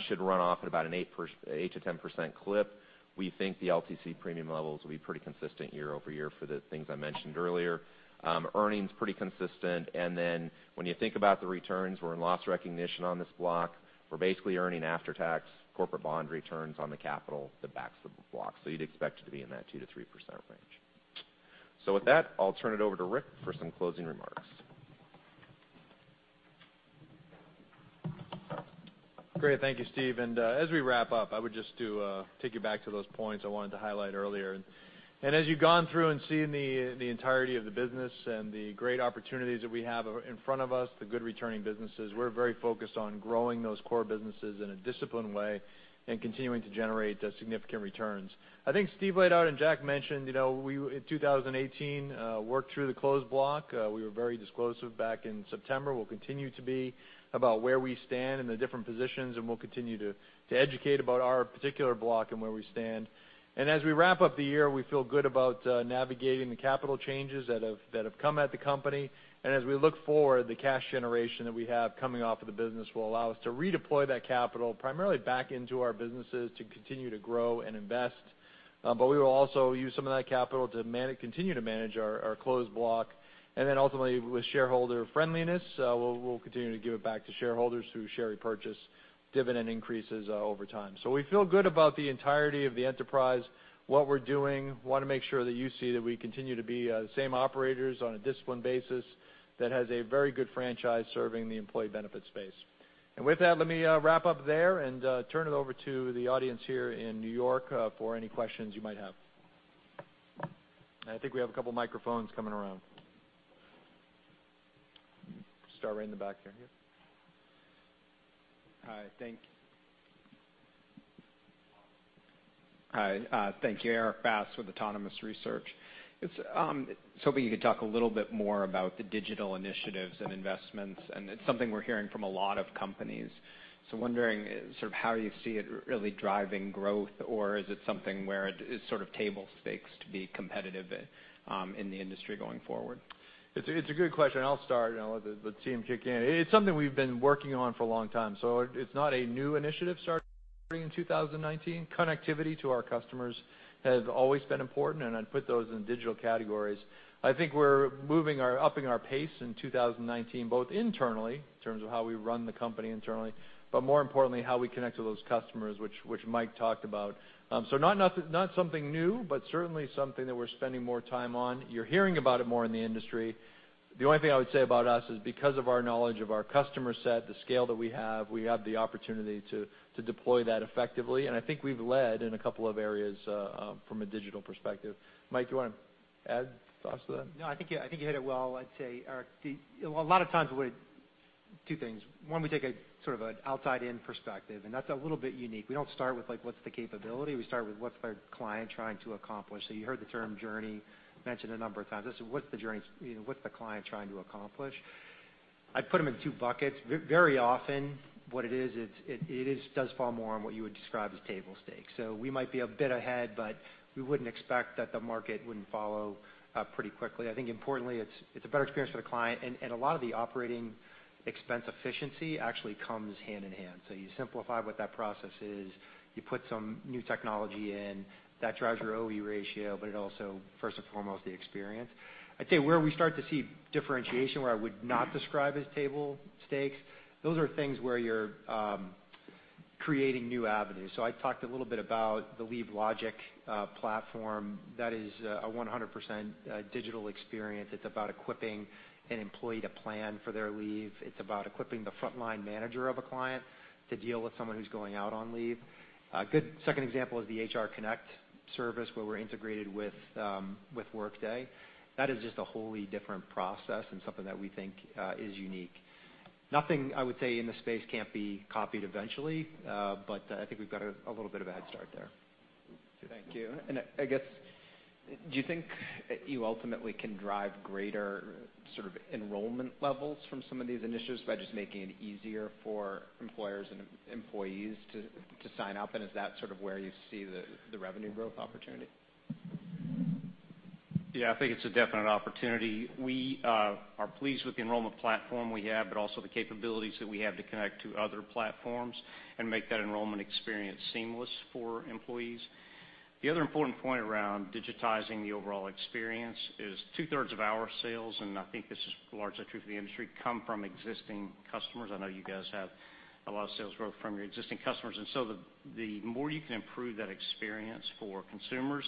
should run off at about an 8%-10% clip. We think the LTC premium levels will be pretty consistent year-over-year for the things I mentioned earlier. Earnings, pretty consistent. When you think about the returns, we're in loss recognition on this block. We're basically earning after-tax corporate bond returns on the capital that backs the block. You'd expect it to be in that 2%-3% range. With that, I'll turn it over to Rick for some closing remarks. Great, thank you, Steve. As we wrap up, I would just take you back to those points I wanted to highlight earlier. As you've gone through and seen the entirety of the business and the great opportunities that we have in front of us, the good returning businesses, we're very focused on growing those core businesses in a disciplined way and continuing to generate significant returns. I think Steve laid out and Jack mentioned, in 2018, worked through the closed block. We were very disclosive back in September, we'll continue to be about where we stand in the different positions, we'll continue to educate about our particular block and where we stand. As we wrap up the year, we feel good about navigating the capital changes that have come at the company. As we look forward, the cash generation that we have coming off of the business will allow us to redeploy that capital primarily back into our businesses to continue to grow and invest. We will also use some of that capital to continue to manage our closed block. Ultimately with shareholder friendliness, we'll continue to give it back to shareholders through share repurchase, dividend increases over time. We feel good about the entirety of the enterprise, what we're doing. Want to make sure that you see that we continue to be the same operators on a disciplined basis that has a very good franchise serving the employee benefits space. With that, let me wrap up there and turn it over to the audience here in New York for any questions you might have. I think we have a couple microphones coming around. Start right in the back there. Hi, thank you. Erik Bass with Autonomous Research. It's something we're hearing from a lot of companies. Wondering sort of how you see it really driving growth, or is it something where it's sort of table stakes to be competitive in the industry going forward? It's a good question. I'll start, I'll let the team kick in. It's something we've been working on for a long time, it's not a new initiative starting In 2019, connectivity to our customers has always been important, I'd put those in digital categories. I think we're upping our pace in 2019, both internally, in terms of how we run the company internally, more importantly, how we connect to those customers, which Mike talked about. Not something new, certainly something that we're spending more time on. You're hearing about it more in the industry. The only thing I would say about us is because of our knowledge of our customer set, the scale that we have, we have the opportunity to deploy that effectively, I think we've led in a couple of areas from a digital perspective. Mike, do you want to add thoughts to that? No, I think you hit it well, I'd say, Erik. A lot of times, two things. One, we take a sort of an outside-in perspective, that's a little bit unique. We don't start with what's the capability? We start with what's the client trying to accomplish? You heard the term journey mentioned a number of times. What's the client trying to accomplish? I'd put them in two buckets. Very often, what it is, it does fall more on what you would describe as table stakes. We might be a bit ahead, we wouldn't expect that the market wouldn't follow pretty quickly. I think importantly, it's a better experience for the client a lot of the operating expense efficiency actually comes hand in hand. You simplify what that process is. You put some new technology in. That drives your OE ratio, but it also, first and foremost, the experience. I'd say where we start to see differentiation, where I would not describe as table stakes, those are things where you're creating new avenues. I talked a little bit about the LeaveLogic platform. That is a 100% digital experience. It's about equipping an employee to plan for their leave. It's about equipping the frontline manager of a client to deal with someone who's going out on leave. A good second example is the HR Connect service, where we're integrated with Workday. That is just a wholly different process and something that we think is unique. Nothing, I would say, in the space can't be copied eventually. I think we've got a little bit of a head start there. Thank you. I guess, do you think you ultimately can drive greater enrollment levels from some of these initiatives by just making it easier for employers and employees to sign up? Is that where you see the revenue growth opportunity? I think it's a definite opportunity. We are pleased with the enrollment platform we have, but also the capabilities that we have to connect to other platforms and make that enrollment experience seamless for employees. The other important point around digitizing the overall experience is two-thirds of our sales, and I think this is largely true for the industry, come from existing customers. I know you guys have a lot of sales growth from your existing customers, the more you can improve that experience for consumers,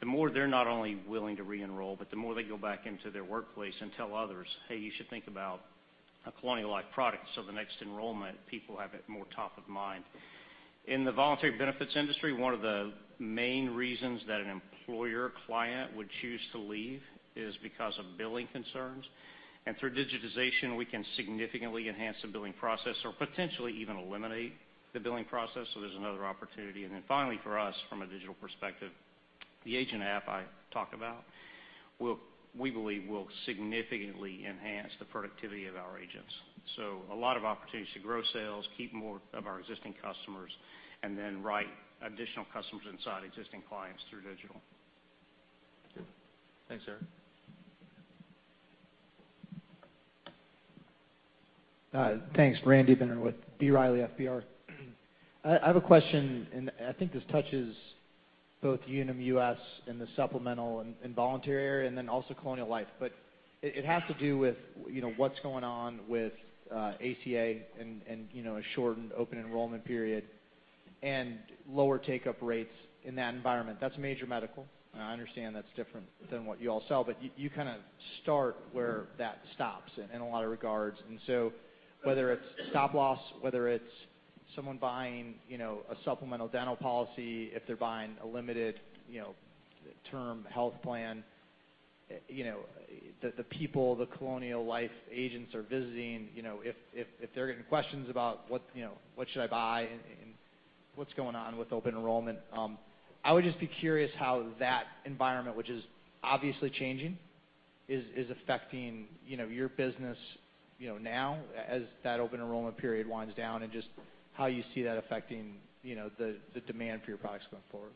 the more they're not only willing to re-enroll, but the more they go back into their workplace and tell others, "Hey, you should think about a Colonial Life product." The next enrollment, people have it more top of mind. In the voluntary benefits industry, one of the main reasons that an employer client would choose to leave is because of billing concerns. Through digitization, we can significantly enhance the billing process or potentially even eliminate the billing process. There's another opportunity. Finally, for us, from a digital perspective, the agent app I talked about, we believe will significantly enhance the productivity of our agents. A lot of opportunities to grow sales, keep more of our existing customers, and then write additional customers inside existing clients through digital. Thanks, Erik. Thanks. Randy Binner with B. Riley FBR. I have a question, I think this touches both Unum US and the Supplemental and Voluntary area, then also Colonial Life. It has to do with what's going on with ACA and a shortened open enrollment period and lower take-up rates in that environment. That's major medical. I understand that's different than what you all sell, but you kind of start where that stops in a lot of regards. Whether it's stop loss, whether it's someone buying a supplemental dental policy, if they're buying a limited term health plan, the people, the Colonial Life agents are visiting, if they're getting questions about what should I buy, and what's going on with open enrollment? I would just be curious how that environment, which is obviously changing, is affecting your business now as that open enrollment period winds down and just how you see that affecting the demand for your products going forward.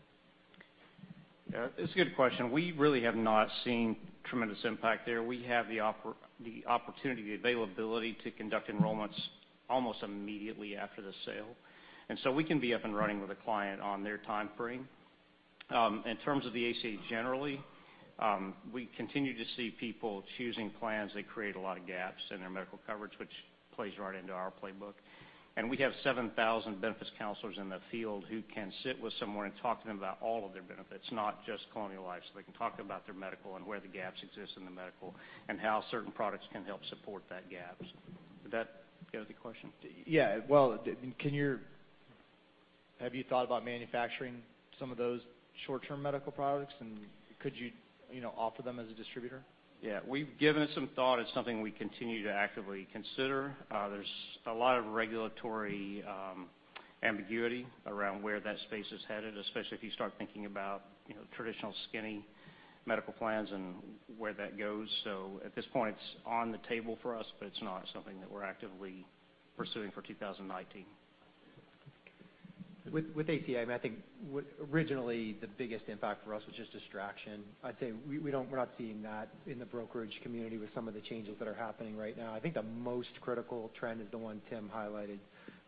Yeah. It's a good question. We really have not seen tremendous impact there. We have the opportunity, the availability to conduct enrollments almost immediately after the sale. We can be up and running with a client on their timeframe. In terms of the ACA, generally we continue to see people choosing plans that create a lot of gaps in their medical coverage, which plays right into our playbook, and we have 7,000 benefits counselors in the field who can sit with someone and talk to them about all of their benefits, not just Colonial Life. They can talk about their medical and where the gaps exist in the medical, and how certain products can help support that gap. Did that answer your question? Yeah. Have you thought about manufacturing some of those short-term medical products, and could you offer them as a distributor? Yeah. We've given it some thought as something we continue to actively consider. There's a lot of regulatory ambiguity around where that space is headed, especially if you start thinking about traditional skinny medical plans and where that goes. At this point, it's on the table for us, but it's not something that we're actively pursuing for 2019. With ACA, I think originally the biggest impact for us was just distraction. I'd say we're not seeing that in the brokerage community with some of the changes that are happening right now. I think the most critical trend is the one Tim highlighted,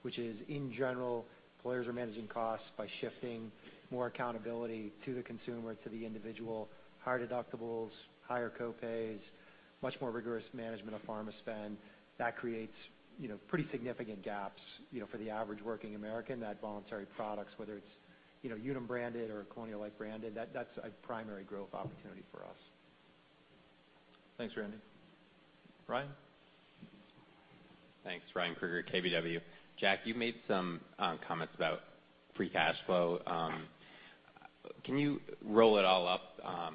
which is, in general, employers are managing costs by shifting more accountability to the consumer, to the individual. Higher deductibles, higher co-pays, much more rigorous management of pharma spend. That creates pretty significant gaps for the average working American. That Voluntary products, whether it's Unum branded or Colonial Life branded, that's a primary growth opportunity for us. Thanks, Randy. Ryan? Thanks. Ryan Krueger, KBW. Jack, you made some comments about free cash flow. Can you roll it all up on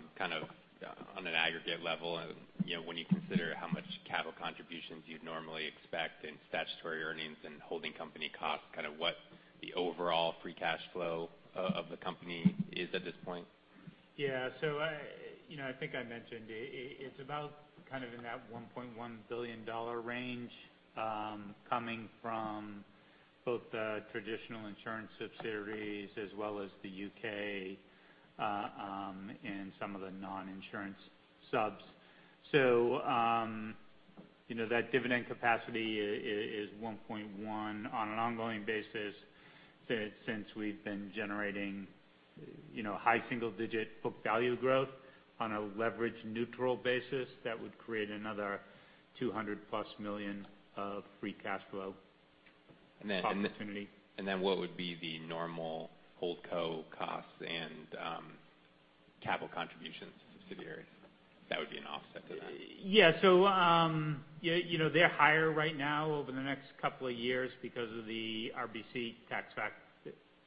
an aggregate level and when you consider how much capital contributions you'd normally expect in statutory earnings and holding company costs, what the overall free cash flow of the company is at this point? Yeah. I think I mentioned it's about in that $1.1 billion range, coming from both the traditional insurance subsidiaries as well as the U.K., and some of the non-insurance subs. That dividend capacity is $1.1 on an ongoing basis since we've been generating high single-digit book value growth on a leverage neutral basis, that would create another $200-plus million of free cash flow opportunity. What would be the normal hold co-costs and capital contributions to subsidiaries? That would be an offset to that. Yeah. They're higher right now over the next couple of years because of the RBC tax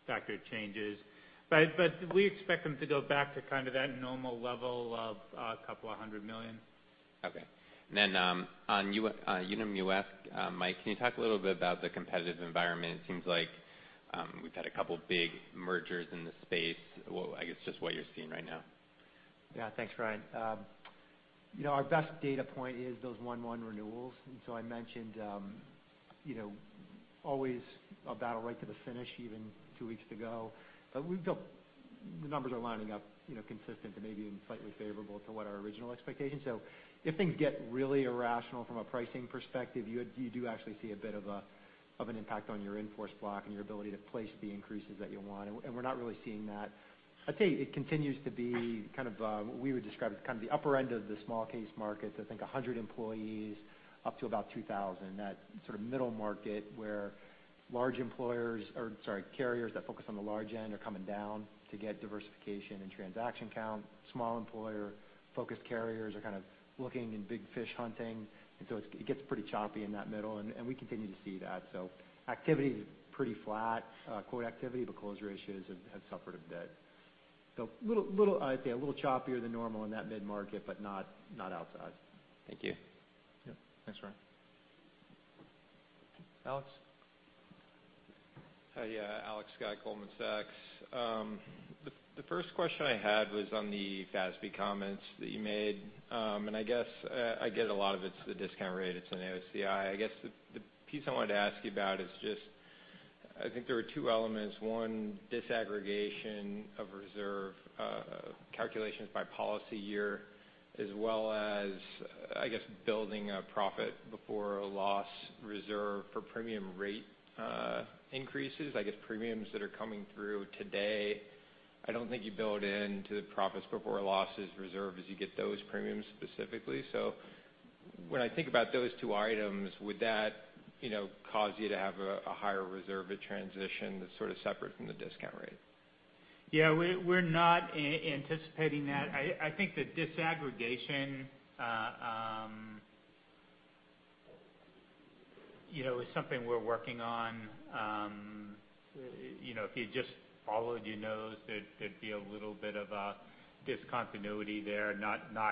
factor changes. We expect them to go back to that normal level of a couple of hundred million. Okay. Then on Unum US, Mike, can you talk a little bit about the competitive environment? It seems like we've had a couple of big mergers in the space. I guess just what you're seeing right now. Yeah. Thanks, Ryan. Our best data point is those one-one renewals. So I mentioned, always a battle right to the finish, even two weeks to go. The numbers are lining up consistent to maybe even slightly favorable to what our original expectations. If things get really irrational from a pricing perspective, you do actually see a bit of an impact on your in-force block and your ability to place the increases that you want. We're not really seeing that. I'd say it continues to be what we would describe as the upper end of the small case markets. I think 100 employees up to about 2,000. That sort of middle market where carriers that focus on the large end are coming down to get diversification and transaction count. Small employer-focused carriers are kind of looking and big fish hunting. So it gets pretty choppy in that middle, and we continue to see that. Activity is pretty flat, quote activity, but close ratios have suffered a bit. I'd say a little choppier than normal in that mid-market, but not outside. Thank you. Yep. Thanks, Ryan. Alex? Hi. Yeah. Alex Scott, Goldman Sachs. The first question I had was on the FASB comments that you made. I guess, I get a lot of it's the discount rate, it's an AOCI. I guess the piece I wanted to ask you about is just, I think there were two elements. One, disaggregation of reserve calculations by policy year, as well as, I guess, building a profit before a loss reserve for premium rate increases. I guess premiums that are coming through today, I don't think you build into the profits before losses reserve as you get those premiums specifically. When I think about those two items, would that cause you to have a higher reserve at transition that's sort of separate from the discount rate? Yeah. We're not anticipating that. I think the disaggregation is something we're working on. If you just followed your nose, there'd be a little bit of a discontinuity there. Not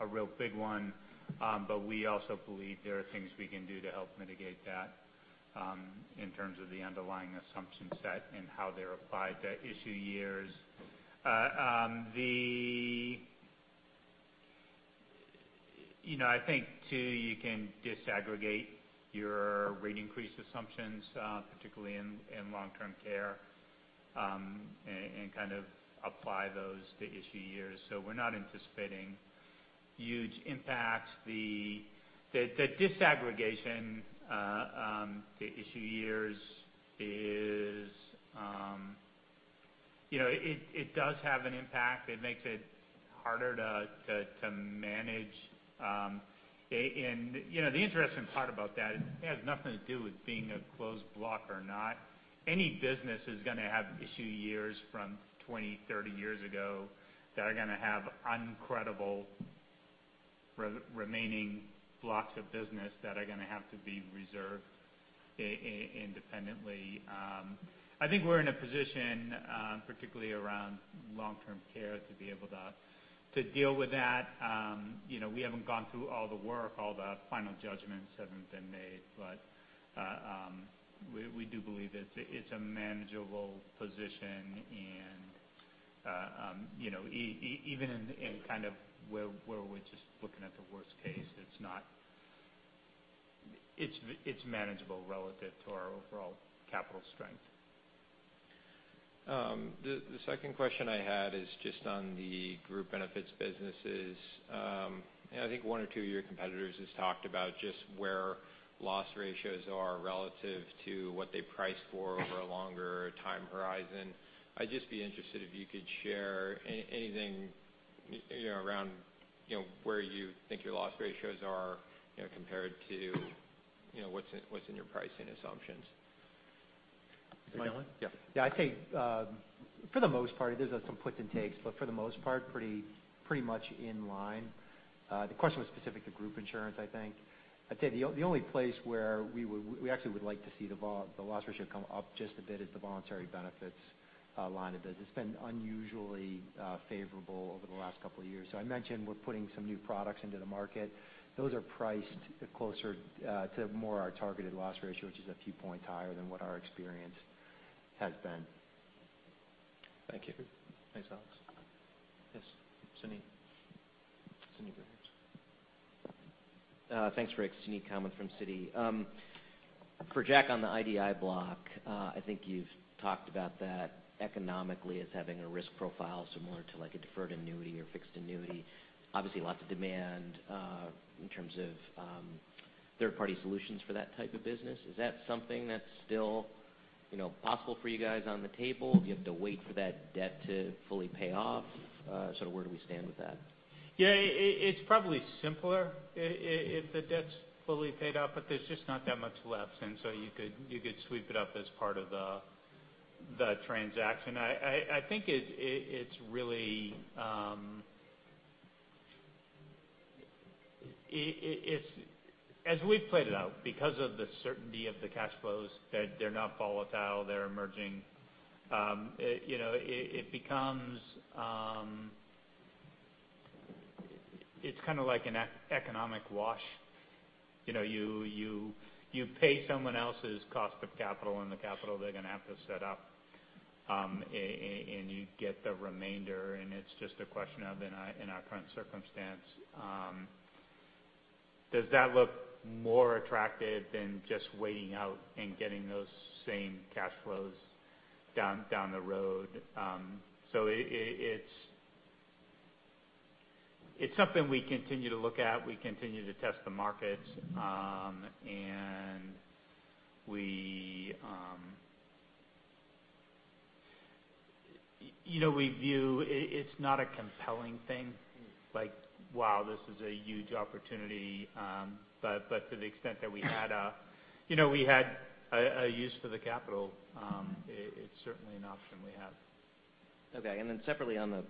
a real big one. We also believe there are things we can do to help mitigate that, in terms of the underlying assumption set and how they're applied to issue years. I think, too, you can disaggregate your rate increase assumptions, particularly in long-term care, and kind of apply those to issue years. We're not anticipating huge impacts. The disaggregation to issue years, it does have an impact. It makes it harder to manage. The interesting part about that, it has nothing to do with being a closed block or not. Any business is going to have issue years from 20, 30 years ago that are going to have uncredible remaining blocks of business that are going to have to be reserved independently. I think we're in a position, particularly around long-term care, to be able to deal with that. We haven't gone through all the work, all the final judgments haven't been made, but we do believe it's a manageable position, and even in kind of where we're just looking at the worst case, it's not It's manageable relative to our overall capital strength. The second question I had is just on the group benefits businesses. I think one or two of your competitors has talked about just where loss ratios are relative to what they price for over a longer time horizon. I'd just be interested if you could share anything around where you think your loss ratios are compared to what's in your pricing assumptions. Mike Allen? Yeah. Yeah. I'd say for the most part, there's some puts and takes, but for the most part, pretty much in line. The question was specific to group insurance, I think. I'd say the only place where we actually would like to see the loss ratio come up just a bit is the voluntary benefits line of business. It's been unusually favorable over the last couple of years. I mentioned we're putting some new products into the market. Those are priced closer to more our targeted loss ratio, which is a few points higher than what our experience has been. Thank you. Thanks, Alex. Yes, Suneet. Suneet, right? Thanks, Rick. Suneet Kamath from Citi. For Jack on the IDI block, I think you've talked about that economically as having a risk profile similar to a deferred annuity or fixed annuity. Obviously, lots of demand, in terms of third-party solutions for that type of business. Is that something that's still possible for you guys on the table? Do you have to wait for that debt to fully pay off? Where do we stand with that? Yeah. It's probably simpler if the debt's fully paid up, but there's just not that much left, and you could sweep it up as part of the transaction. I think as we've played it out, because of the certainty of the cash flows, that they're not volatile, they're emerging, it's kind of like an economic wash. You pay someone else's cost of capital and the capital they're going to have to set up, and you get the remainder, and it's just a question of, in our current circumstance, does that look more attractive than just waiting out and getting those same cash flows down the road? It's something we continue to look at. We continue to test the markets. It's not a compelling thing, like, wow, this is a huge opportunity. To the extent that we had a use for the capital, it's certainly an option we have. Okay. Separately on the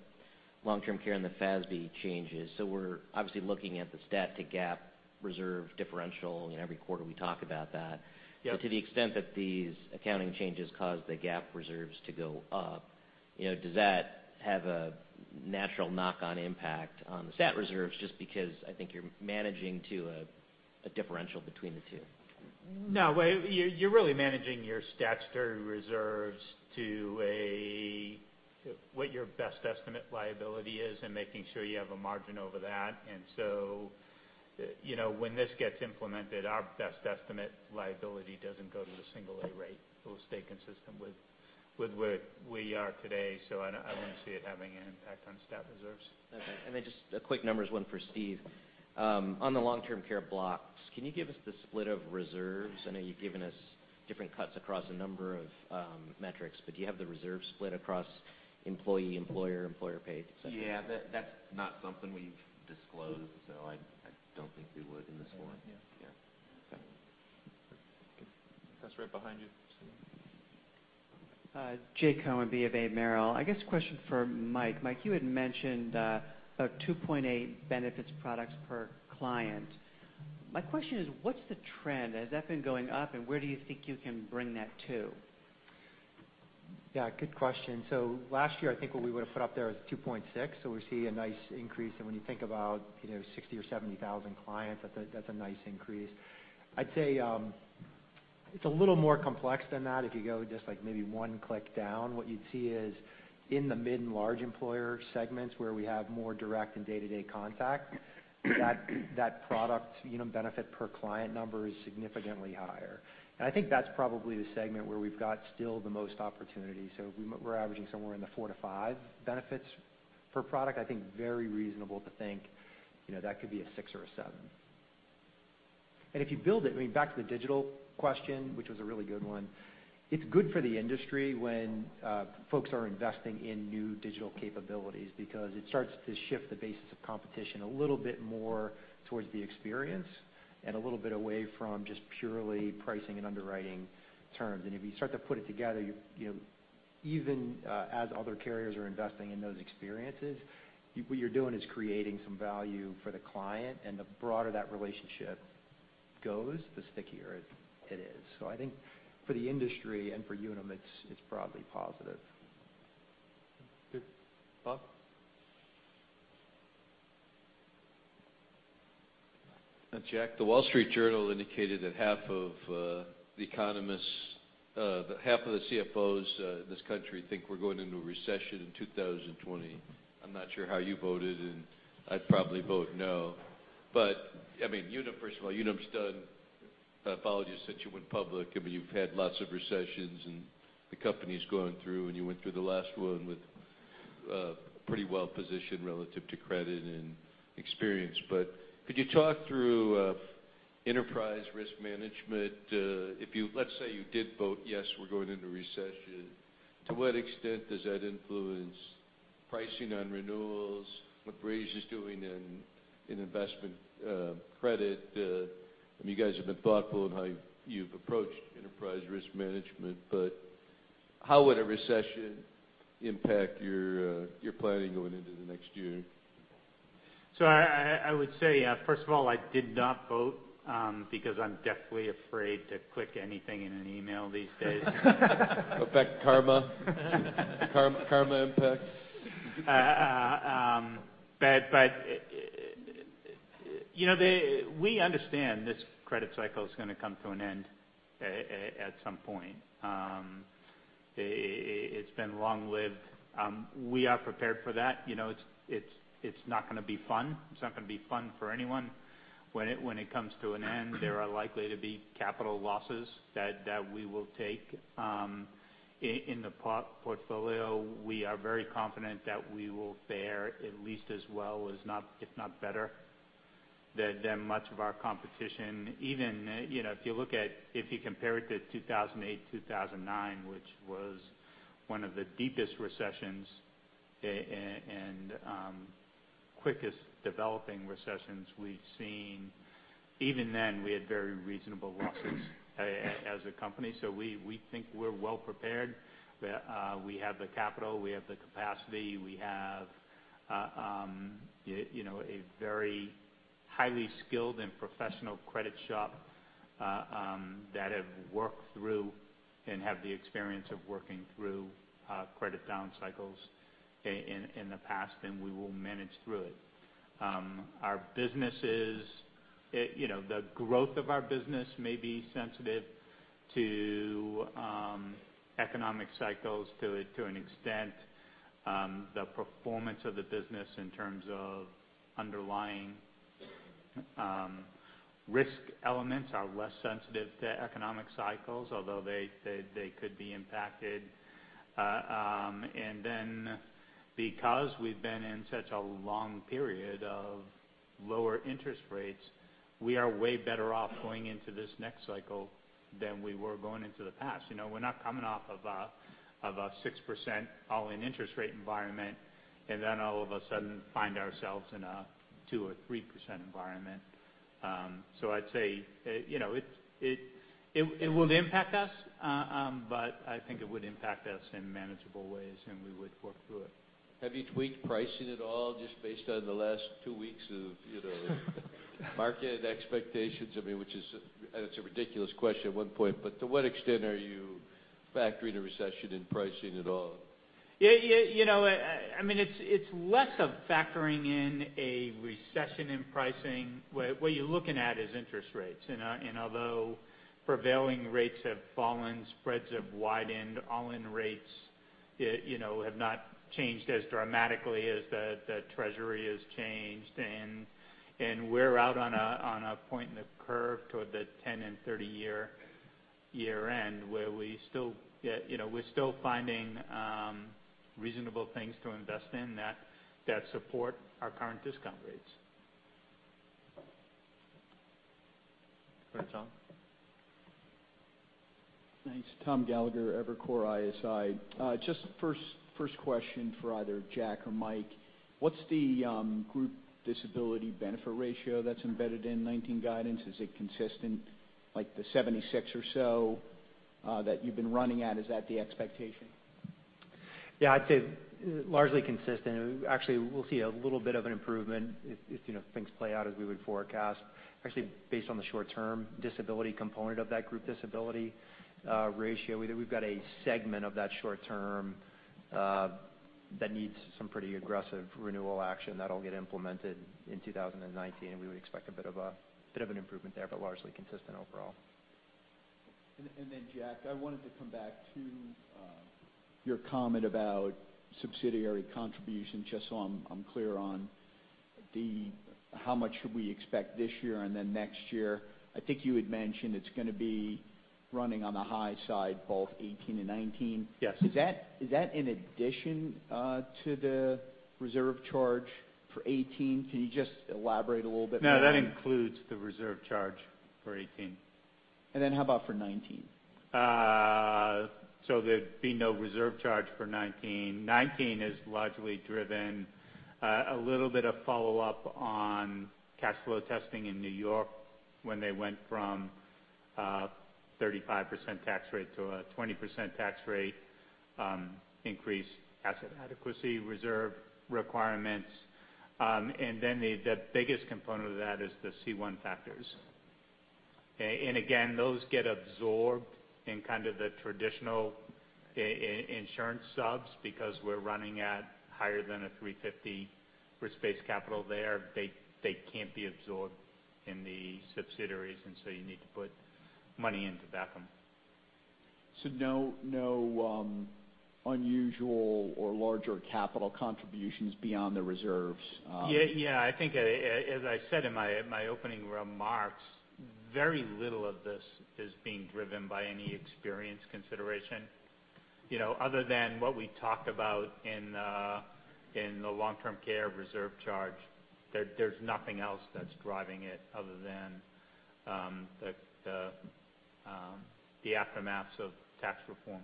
Long-Term Care and the FASB changes, so we're obviously looking at the stat to GAAP reserve differential, and every quarter we talk about that. Yeah. To the extent that these accounting changes cause the GAAP reserves to go up, does that have a natural knock-on impact on the stat reserves, just because I think you're managing to a differential between the two? No. You're really managing your statutory reserves to what your best estimate liability is and making sure you have a margin over that. When this gets implemented, our best estimate liability doesn't go to the single A rate. It will stay consistent with where we are today. I wouldn't see it having an impact on stat reserves. Okay. Then just a quick numbers one for Steve. On the long-term care blocks, can you give us the split of reserves? I know you've given us different cuts across a number of metrics, do you have the reserve split across employee, employer paid, et cetera? Yeah. That's not something we've disclosed, I don't think we would in this forum. Okay. Yeah. Yeah. Okay. That's right behind you, Steve. Jay Cohen, BofA Merrill. I guess a question for Mike. Mike, you had mentioned, about 2.8 benefits products per client. My question is, what's the trend? Has that been going up, and where do you think you can bring that to? Yeah, good question. Last year, I think what we would've put up there was 2.6, so we're seeing a nice increase. When you think about 60,000 or 70,000 clients, that's a nice increase. I'd say it's a little more complex than that. If you go just maybe one click down, what you'd see is in the mid and large employer segments where we have more direct and day-to-day contact, that product benefit per client number is significantly higher. I think that's probably the segment where we've got still the most opportunity. We're averaging somewhere in the four to five benefits per product. I think very reasonable to think that could be a six or a seven. If you build it, back to the digital question, which was a really good one, it's good for the industry when folks are investing in new digital capabilities because it starts to shift the basis of competition a little bit more towards the experience and a little bit away from just purely pricing and underwriting terms. If you start to put it together, even as other carriers are investing in those experiences, what you're doing is creating some value for the client, and the broader that relationship goes, the stickier it is. I think for the industry and for Unum, it's broadly positive. Good. Bob? Jack, the Wall Street Journal indicated that Half of the CFOs in this country think we're going into a recession in 2020. I'm not sure how you voted, and I'd probably vote no. First of all, Unum's done apologies that you went public. You've had lots of recessions, and the company's going through, and you went through the last one with pretty well positioned relative to credit and experience. Could you talk through enterprise risk management? Let's say you did vote yes, we're going into recession. To what extent does that influence pricing on renewals, what Breege is doing in investment credit? You guys have been thoughtful in how you've approached enterprise risk management, how would a recession impact your planning going into the next year? I would say, first of all, I did not vote because I'm deathly afraid to click anything in an email these days. Affect karma. Karma impact. We understand this credit cycle is going to come to an end at some point. It's been long-lived. We are prepared for that. It's not going to be fun. It's not going to be fun for anyone. When it comes to an end, there are likely to be capital losses that we will take. In the portfolio, we are very confident that we will fare at least as well, if not better than much of our competition. Even if you compare it to 2008, 2009, which was one of the deepest recessions and quickest developing recessions we've seen. Even then, we had very reasonable losses as a company. We think we're well prepared. We have the capital, we have the capacity, we have a very highly skilled and professional credit shop that have worked through and have the experience of working through credit down cycles in the past. We will manage through it. The growth of our business may be sensitive to economic cycles to an extent. The performance of the business in terms of underlying risk elements are less sensitive to economic cycles, although they could be impacted. Because we've been in such a long period of lower interest rates, we are way better off going into this next cycle than we were going into the past. We're not coming off of a 6% all-in interest rate environment, and then all of a sudden find ourselves in a 2% or 3% environment. I'd say it will impact us, but I think it would impact us in manageable ways, and we would work through it. Have you tweaked pricing at all, just based on the last two weeks of market expectations? It's a ridiculous question at one point, but to what extent are you factoring a recession in pricing at all? It's less of factoring in a recession in pricing. What you're looking at is interest rates, and although prevailing rates have fallen, spreads have widened, all-in rates have not changed as dramatically as the treasury has changed, and we're out on a point in the curve toward the 10 and 30 year-end, where we're still finding reasonable things to invest in that support our current discount rates. Go ahead, Tom. Thanks. Thomas Gallagher, Evercore ISI. Just first question for either Jack or Mike. What's the group disability benefit ratio that's embedded in 2019 guidance? Is it consistent, like the 76 or so that you've been running at? Is that the expectation? Yeah, I'd say largely consistent. Actually, we'll see a little bit of an improvement if things play out as we would forecast. Actually, based on the short-term disability component of that group disability ratio, we've got a segment of that short term that needs some pretty aggressive renewal action. That'll get implemented in 2019. We would expect a bit of an improvement there, but largely consistent overall. Jack, I wanted to come back to your comment about subsidiary contributions, just so I'm clear on how much should we expect this year and then next year. I think you had mentioned it's going to be running on the high side both 2018 and 2019. Yes. Is that in addition to the reserve charge for 2018? Can you just elaborate a little bit more on. No, that includes the reserve charge for 2018. How about for 2019? There'd be no reserve charge for 2019. 2019 is largely driven, a little bit of follow-up on cash flow testing in New York when they went from 35% tax rate to a 20% tax rate increase, asset adequacy reserve requirements. The biggest component of that is the C1 factors. Again, those get absorbed in kind of the traditional. Insurance subs, because we're running at higher than a 350 risk-based capital there. They can't be absorbed in the subsidiaries. You need to put money into Beckham. No unusual or larger capital contributions beyond the reserves? Yeah. I think, as I said in my opening remarks, very little of this is being driven by any experience consideration. Other than what we talked about in the Long-Term Care reserve charge, there's nothing else that's driving it other than the aftermath of tax reform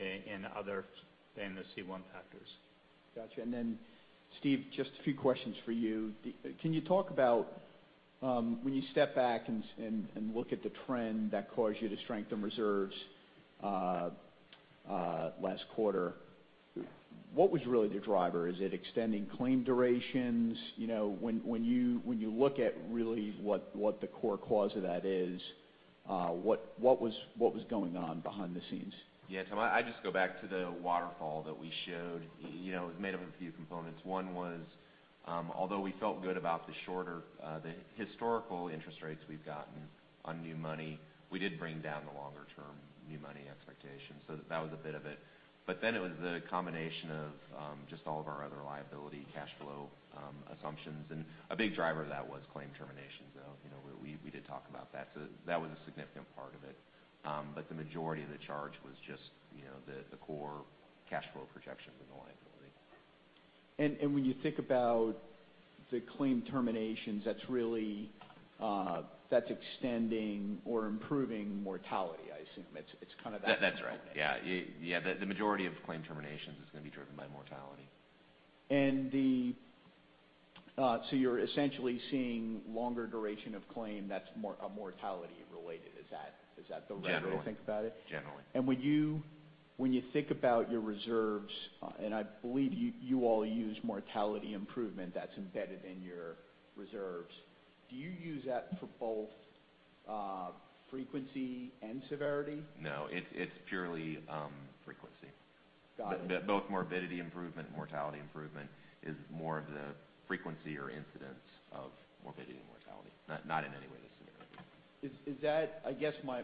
in other than the C1 factors. Got you. Steve, just a few questions for you. Can you talk about when you step back and look at the trend that caused you to strengthen reserves last quarter, what was really the driver? Is it extending claim durations? When you look at really what the core cause of that is, what was going on behind the scenes? Tom, I just go back to the waterfall that we showed. It was made up of a few components. One was, although we felt good about the historical interest rates we've gotten on new money, we did bring down the longer-term new money expectations. That was a bit of it. It was the combination of just all of our other liability cash flow assumptions. A big driver of that was claim terminations, though. We did talk about that. That was a significant part of it. The majority of the charge was just the core cash flow projections in the liability. When you think about the claim terminations, that's extending or improving mortality, I assume. That's right. Yeah. The majority of claim terminations is going to be driven by mortality. You're essentially seeing longer duration of claim that's mortality related. Is that the right way to think about it? Generally. When you think about your reserves, I believe you all use mortality improvement that's embedded in your reserves, do you use that for both frequency and severity? No, it's purely frequency. Got it. Both morbidity improvement and mortality improvement is more of the frequency or incidence of morbidity and mortality, not in any way the severity. I guess my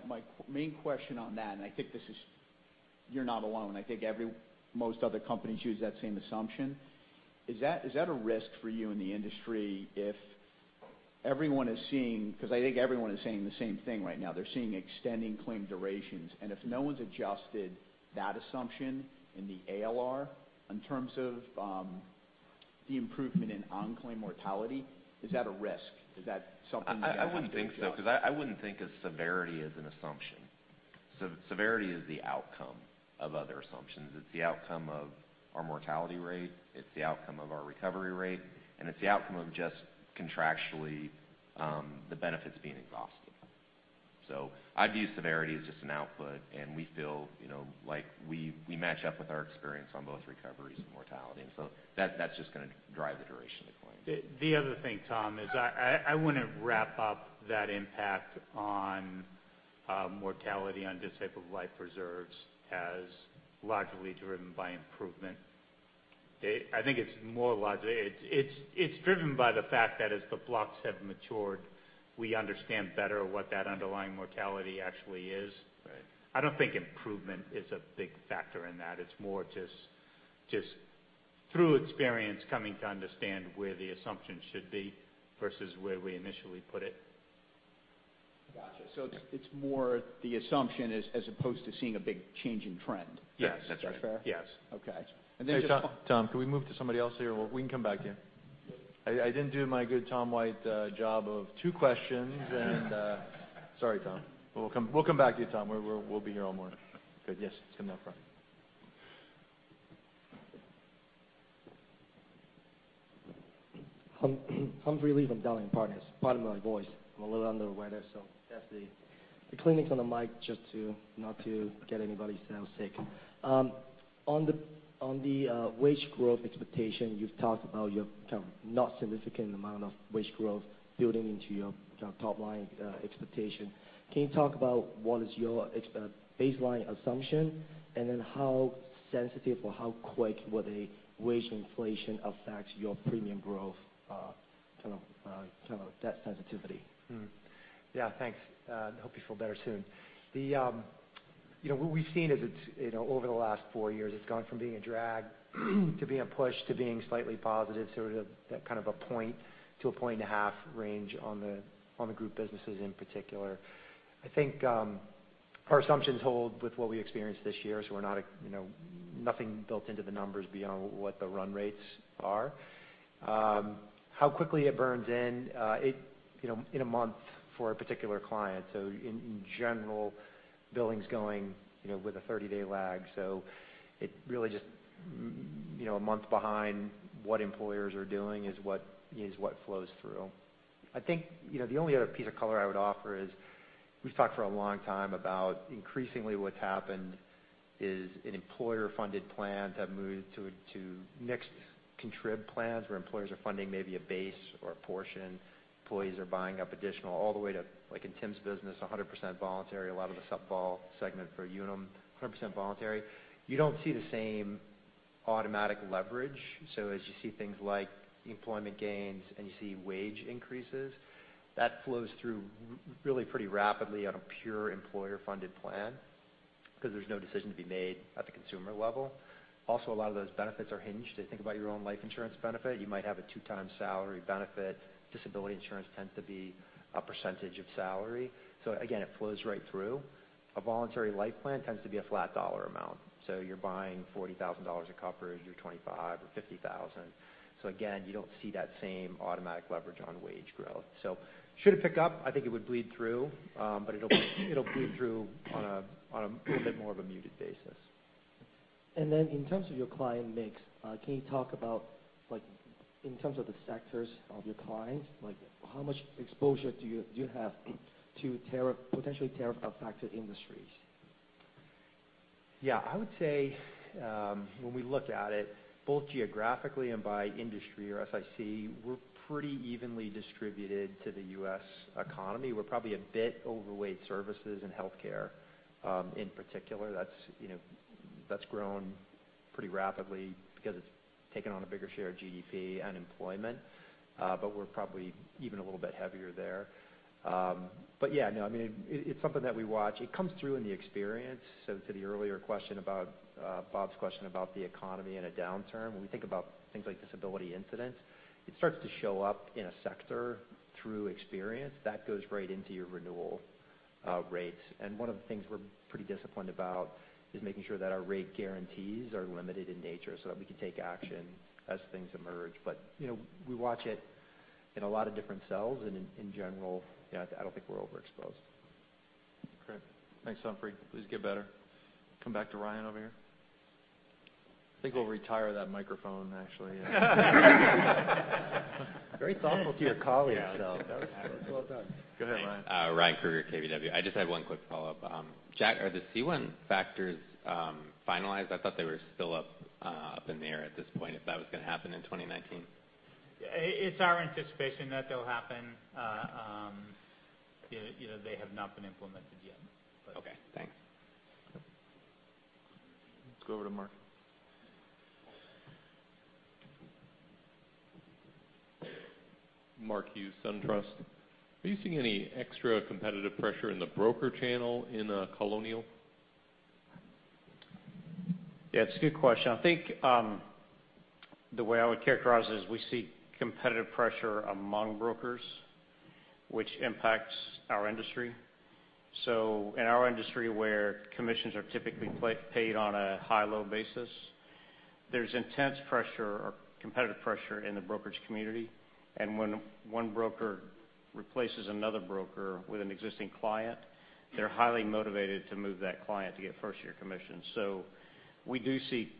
main question on that, and I think you're not alone, I think most other companies use that same assumption. Is that a risk for you in the industry if everyone is seeing, because I think everyone is saying the same thing right now. They're seeing extending claim durations, and if no one's adjusted that assumption in the ALR in terms of the improvement in on-claim mortality, is that a risk? Is that something you guys have to adjust? I wouldn't think so because I wouldn't think of severity as an assumption. Severity is the outcome of other assumptions. It's the outcome of our mortality rate, it's the outcome of our recovery rate, and it's the outcome of just contractually the benefits being exhausted. I view severity as just an output, and we feel like we match up with our experience on both recoveries and mortality. That's just going to drive the duration of the claim. The other thing, Tom, is I wouldn't wrap up that impact on mortality on disabled life reserves as largely driven by improvement. I think it's driven by the fact that as the blocks have matured, we understand better what that underlying mortality actually is. Right. I don't think improvement is a big factor in that. It's more just through experience, coming to understand where the assumption should be versus where we initially put it. Got you. It's more the assumption as opposed to seeing a big change in trend. Yes, that's right. Is that fair? Yes. Okay. Tom, can we move to somebody else here? We can come back to you. I didn't do my good Tom White job of two questions. Sorry, Tom. We'll come back to you, Tom. We'll be here all morning. Good. Yes. Come down front. Humphrey Lee from Dallan Partners. Pardon my voice. I'm a little under the weather, so hence the cleaning on the mic just to not to get anybody else sick. On the wage growth expectation, you've talked about your not significant amount of wage growth building into your top-line expectation. Can you talk about what is your baseline assumption, and then how sensitive or how quick would a wage inflation affect your premium growth, that sensitivity? Yeah. Thanks. Hope you feel better soon. What we've seen is over the last 4 years, it's gone from being a drag to being a push, to being slightly positive. Kind of a point to a point and a half range on the group businesses in particular. I think our assumptions hold with what we experienced this year, so nothing built into the numbers beyond what the run rates are. How quickly it burns in a month for a particular client. In general, billing's going with a 30-day lag, so it really just a month behind what employers are doing is what flows through. I think the only other piece of color I would offer is we've talked for a long time about increasingly what's happened is an employer-funded plan to have moved to mixed contrib plans where employers are funding maybe a base or a portion. Employees are buying up additional all the way to, like in Tim's business, 100% voluntary. A lot of the voluntary segment for Unum, 100% voluntary. You don't see the same Automatic leverage. As you see things like employment gains and you see wage increases, that flows through really pretty rapidly on a pure employer-funded plan because there's no decision to be made at the consumer level. Also, a lot of those benefits are hinged. If you think about your own life insurance benefit, you might have a two times salary benefit. Disability insurance tends to be a percentage of salary. Again, it flows right through. A voluntary life plan tends to be a flat dollar amount. You're buying $40,000 of coverage or $25,000 or $50,000. Again, you don't see that same automatic leverage on wage growth. Should it pick up, I think it would bleed through, but it'll bleed through on a little bit more of a muted basis. In terms of your client mix, can you talk about in terms of the sectors of your clients, how much exposure do you have to potentially tariff-affected industries? Yeah. I would say, when we look at it both geographically and by industry or SIC, we're pretty evenly distributed to the U.S. economy. We're probably a bit overweight services and healthcare, in particular. That's grown pretty rapidly because it's taken on a bigger share of GDP and employment. We're probably even a little bit heavier there. Yeah. No, it's something that we watch. It comes through in the experience. To the earlier question about, Bob's question about the economy in a downturn, when we think about things like disability incidents, it starts to show up in a sector through experience. That goes right into your renewal rates. One of the things we're pretty disciplined about is making sure that our rate guarantees are limited in nature so that we can take action as things emerge. We watch it in a lot of different cells, in general, I don't think we're overexposed. Great. Thanks, Humphrey. Please get better. Come back to Ryan over here. I think we'll retire that microphone, actually. Very thoughtful to your colleagues. Well done. Go ahead, Ryan. Ryan Krueger, KBW. I just have one quick follow-up. Jack, are the C1 factors finalized? I thought they were still up in the air at this point, if that was going to happen in 2019. It's our anticipation that they'll happen. They have not been implemented yet. Okay, thanks. Let's go over to Mark. Mark Hughes, SunTrust. Are you seeing any extra competitive pressure in the broker channel in Colonial? Yeah, it's a good question. I think, the way I would characterize it is we see competitive pressure among brokers, which impacts our industry. In our industry, where commissions are typically paid on a high-low basis, there's intense pressure or competitive pressure in the brokerage community. When one broker replaces another broker with an existing client, they're highly motivated to move that client to get first-year commission. We do see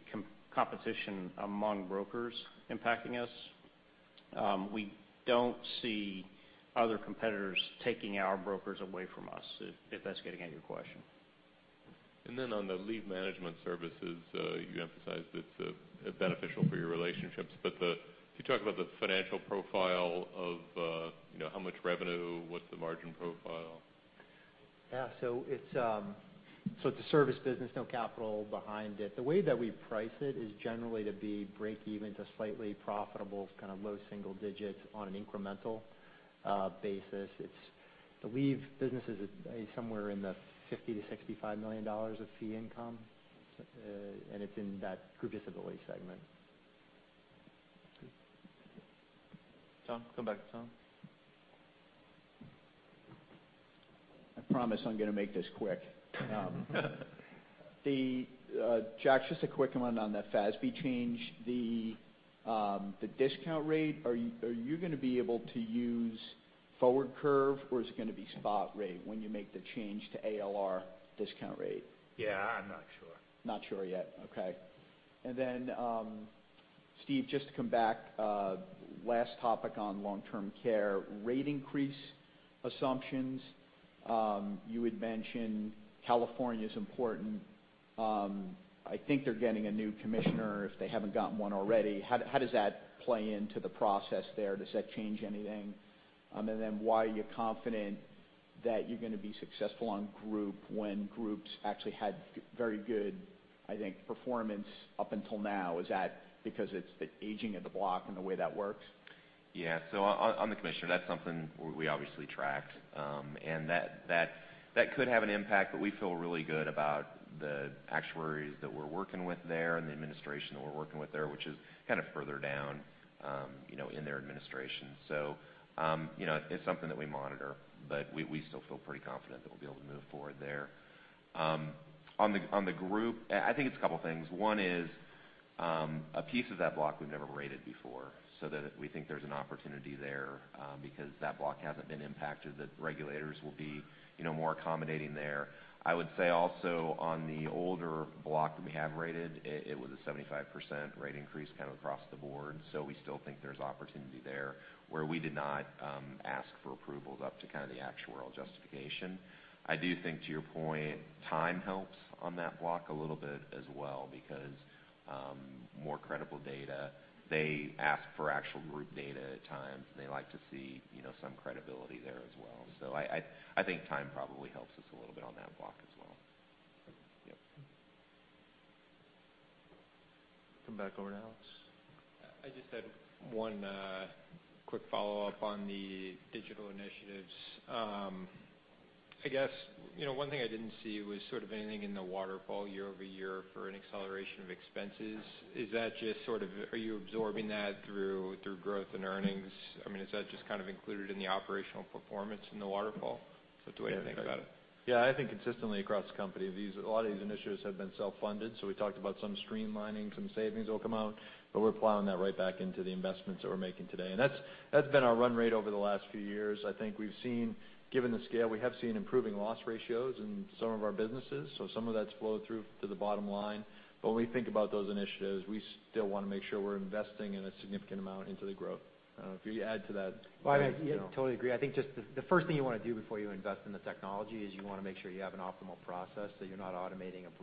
competition among brokers impacting us. We don't see other competitors taking our brokers away from us, if that's getting at your question. On the leave management services, you emphasized it's beneficial for your relationships. Could you talk about the financial profile of how much revenue, what's the margin profile? Yeah. It's a service business, no capital behind it. The way that we price it is generally to be breakeven to slightly profitable, kind of low single digits on an incremental basis. The leave business is somewhere in the $50 million-$65 million of fee income, and it's in that group disability segment. Tom. Come back, Tom. I promise I'm going to make this quick. Jack, just a quick one on that FASB change. The discount rate, are you going to be able to use forward curve or is it going to be spot rate when you make the change to ALR discount rate? Yeah, I'm not sure. Not sure yet. Okay. Steve, just to come back, last topic on long-term care rate increase assumptions. You had mentioned California's important. I think they're getting a new commissioner, if they haven't gotten one already. How does that play into the process there? Does that change anything? Why are you confident that you're going to be successful on group when groups actually had very good, I think, performance up until now? Is that because it's the aging of the block and the way that works? Yeah. On the commissioner, that's something we obviously track. That could have an impact, we feel really good about the actuaries that we're working with there and the administration that we're working with there, which is kind of further down in their administration. It's something that we monitor, we still feel pretty confident that we'll be able to move forward there. On the group, I think it's a couple things. One is, a piece of that block we've never rated before, we think there's an opportunity there because that block hasn't been impacted, that regulators will be more accommodating there. I would say also on the older block that we have rated, it was a 75% rate increase kind of across the board, we still think there's opportunity there where we did not ask for approvals up to kind of the actuarial justification. I do think to your point, time helps on that block a little bit as well because more credible data, they ask for actual group data at times, and they like to see some credibility there as well. I think time probably helps us a little bit on that block as well. Come back over to Alex. I just had one quick follow-up on the digital initiatives. I guess one thing I didn't see was anything in the waterfall year-over-year for an acceleration of expenses. Are you absorbing that through growth and earnings? Is that just kind of included in the operational performance in the waterfall? What's the way to think about it? Yeah, I think consistently across the company, a lot of these initiatives have been self-funded. We talked about some streamlining, some savings that will come out, but we're plowing that right back into the investments that we're making today. That's been our run rate over the last few years. I think given the scale, we have seen improving loss ratios in some of our businesses, so some of that's flowed through to the bottom line. When we think about those initiatives, we still want to make sure we're investing in a significant amount into the growth. Well, I mean, totally agree. I think just the first thing you want to do before you invest in the technology is you want to make sure you have an optimal process so you're not automating a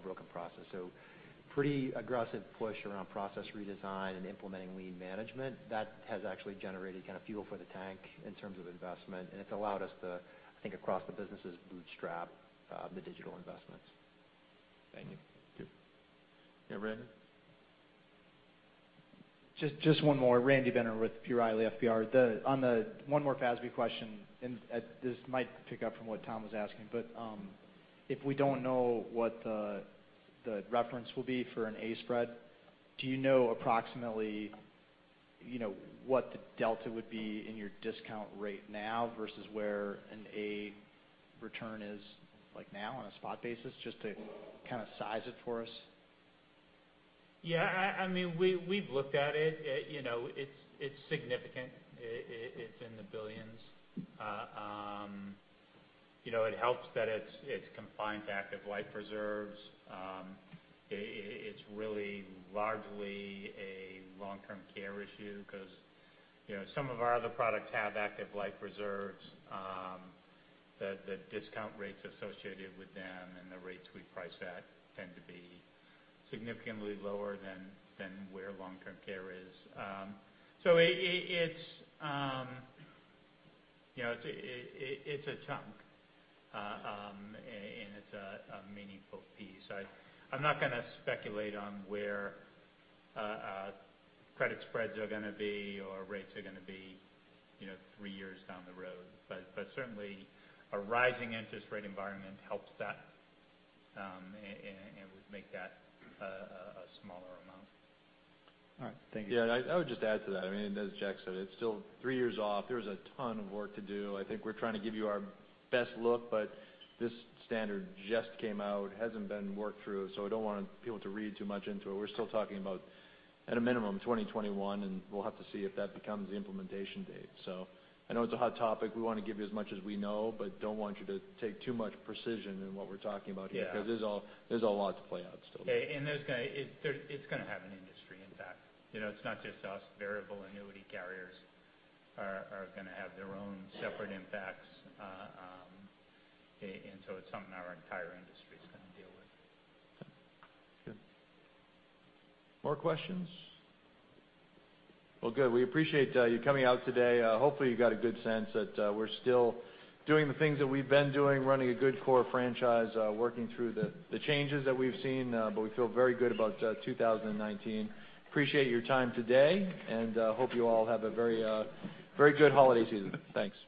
broken process. Pretty aggressive push around process redesign and implementing lean management. That has actually generated kind of fuel for the tank in terms of investment, and it's allowed us to, I think, across the businesses, bootstrap the digital investments. Thank you. Yeah. Randy? Just one more. Randy Binner with B. Riley FBR. On the one more FASB question, and this might pick up from what Tom was asking, but if we don't know what the reference will be for an A spread, do you know approximately what the delta would be in your discount rate now versus where an A return is like now on a spot basis, just to kind of size it for us? Yeah, I mean, we've looked at it. It's significant. It's in the $ billions. It helps that it's confined to active life reserves. It's really largely a long-term care issue because some of our other products have active life reserves. The discount rates associated with them and the rates we price at tend to be significantly lower than where long-term care is. It's a chunk. It's a meaningful piece. I'm not going to speculate on where credit spreads are going to be or rates are going to be three years down the road. Certainly, a rising interest rate environment helps that and would make that a smaller amount. All right. Thank you. Yeah, I mean, as Jack said, it's still three years off. There's a ton of work to do. I think we're trying to give you our best look, but this standard just came out. It hasn't been worked through, so I don't want people to read too much into it. We're still talking about, at a minimum, 2021, and we'll have to see if that becomes the implementation date. I know it's a hot topic. We want to give you as much as we know, but don't want you to take too much precision in what we're talking about here. Yeah. There's a lot to play out still. It's going to have an industry impact. It's not just us. Variable annuity carriers are going to have their own separate impacts. It's something our entire industry is going to deal with. Good. More questions? Well, good. We appreciate you coming out today. Hopefully you got a good sense that we're still doing the things that we've been doing, running a good core franchise, working through the changes that we've seen. We feel very good about 2019. Appreciate your time today, and hope you all have a very good holiday season. Thanks.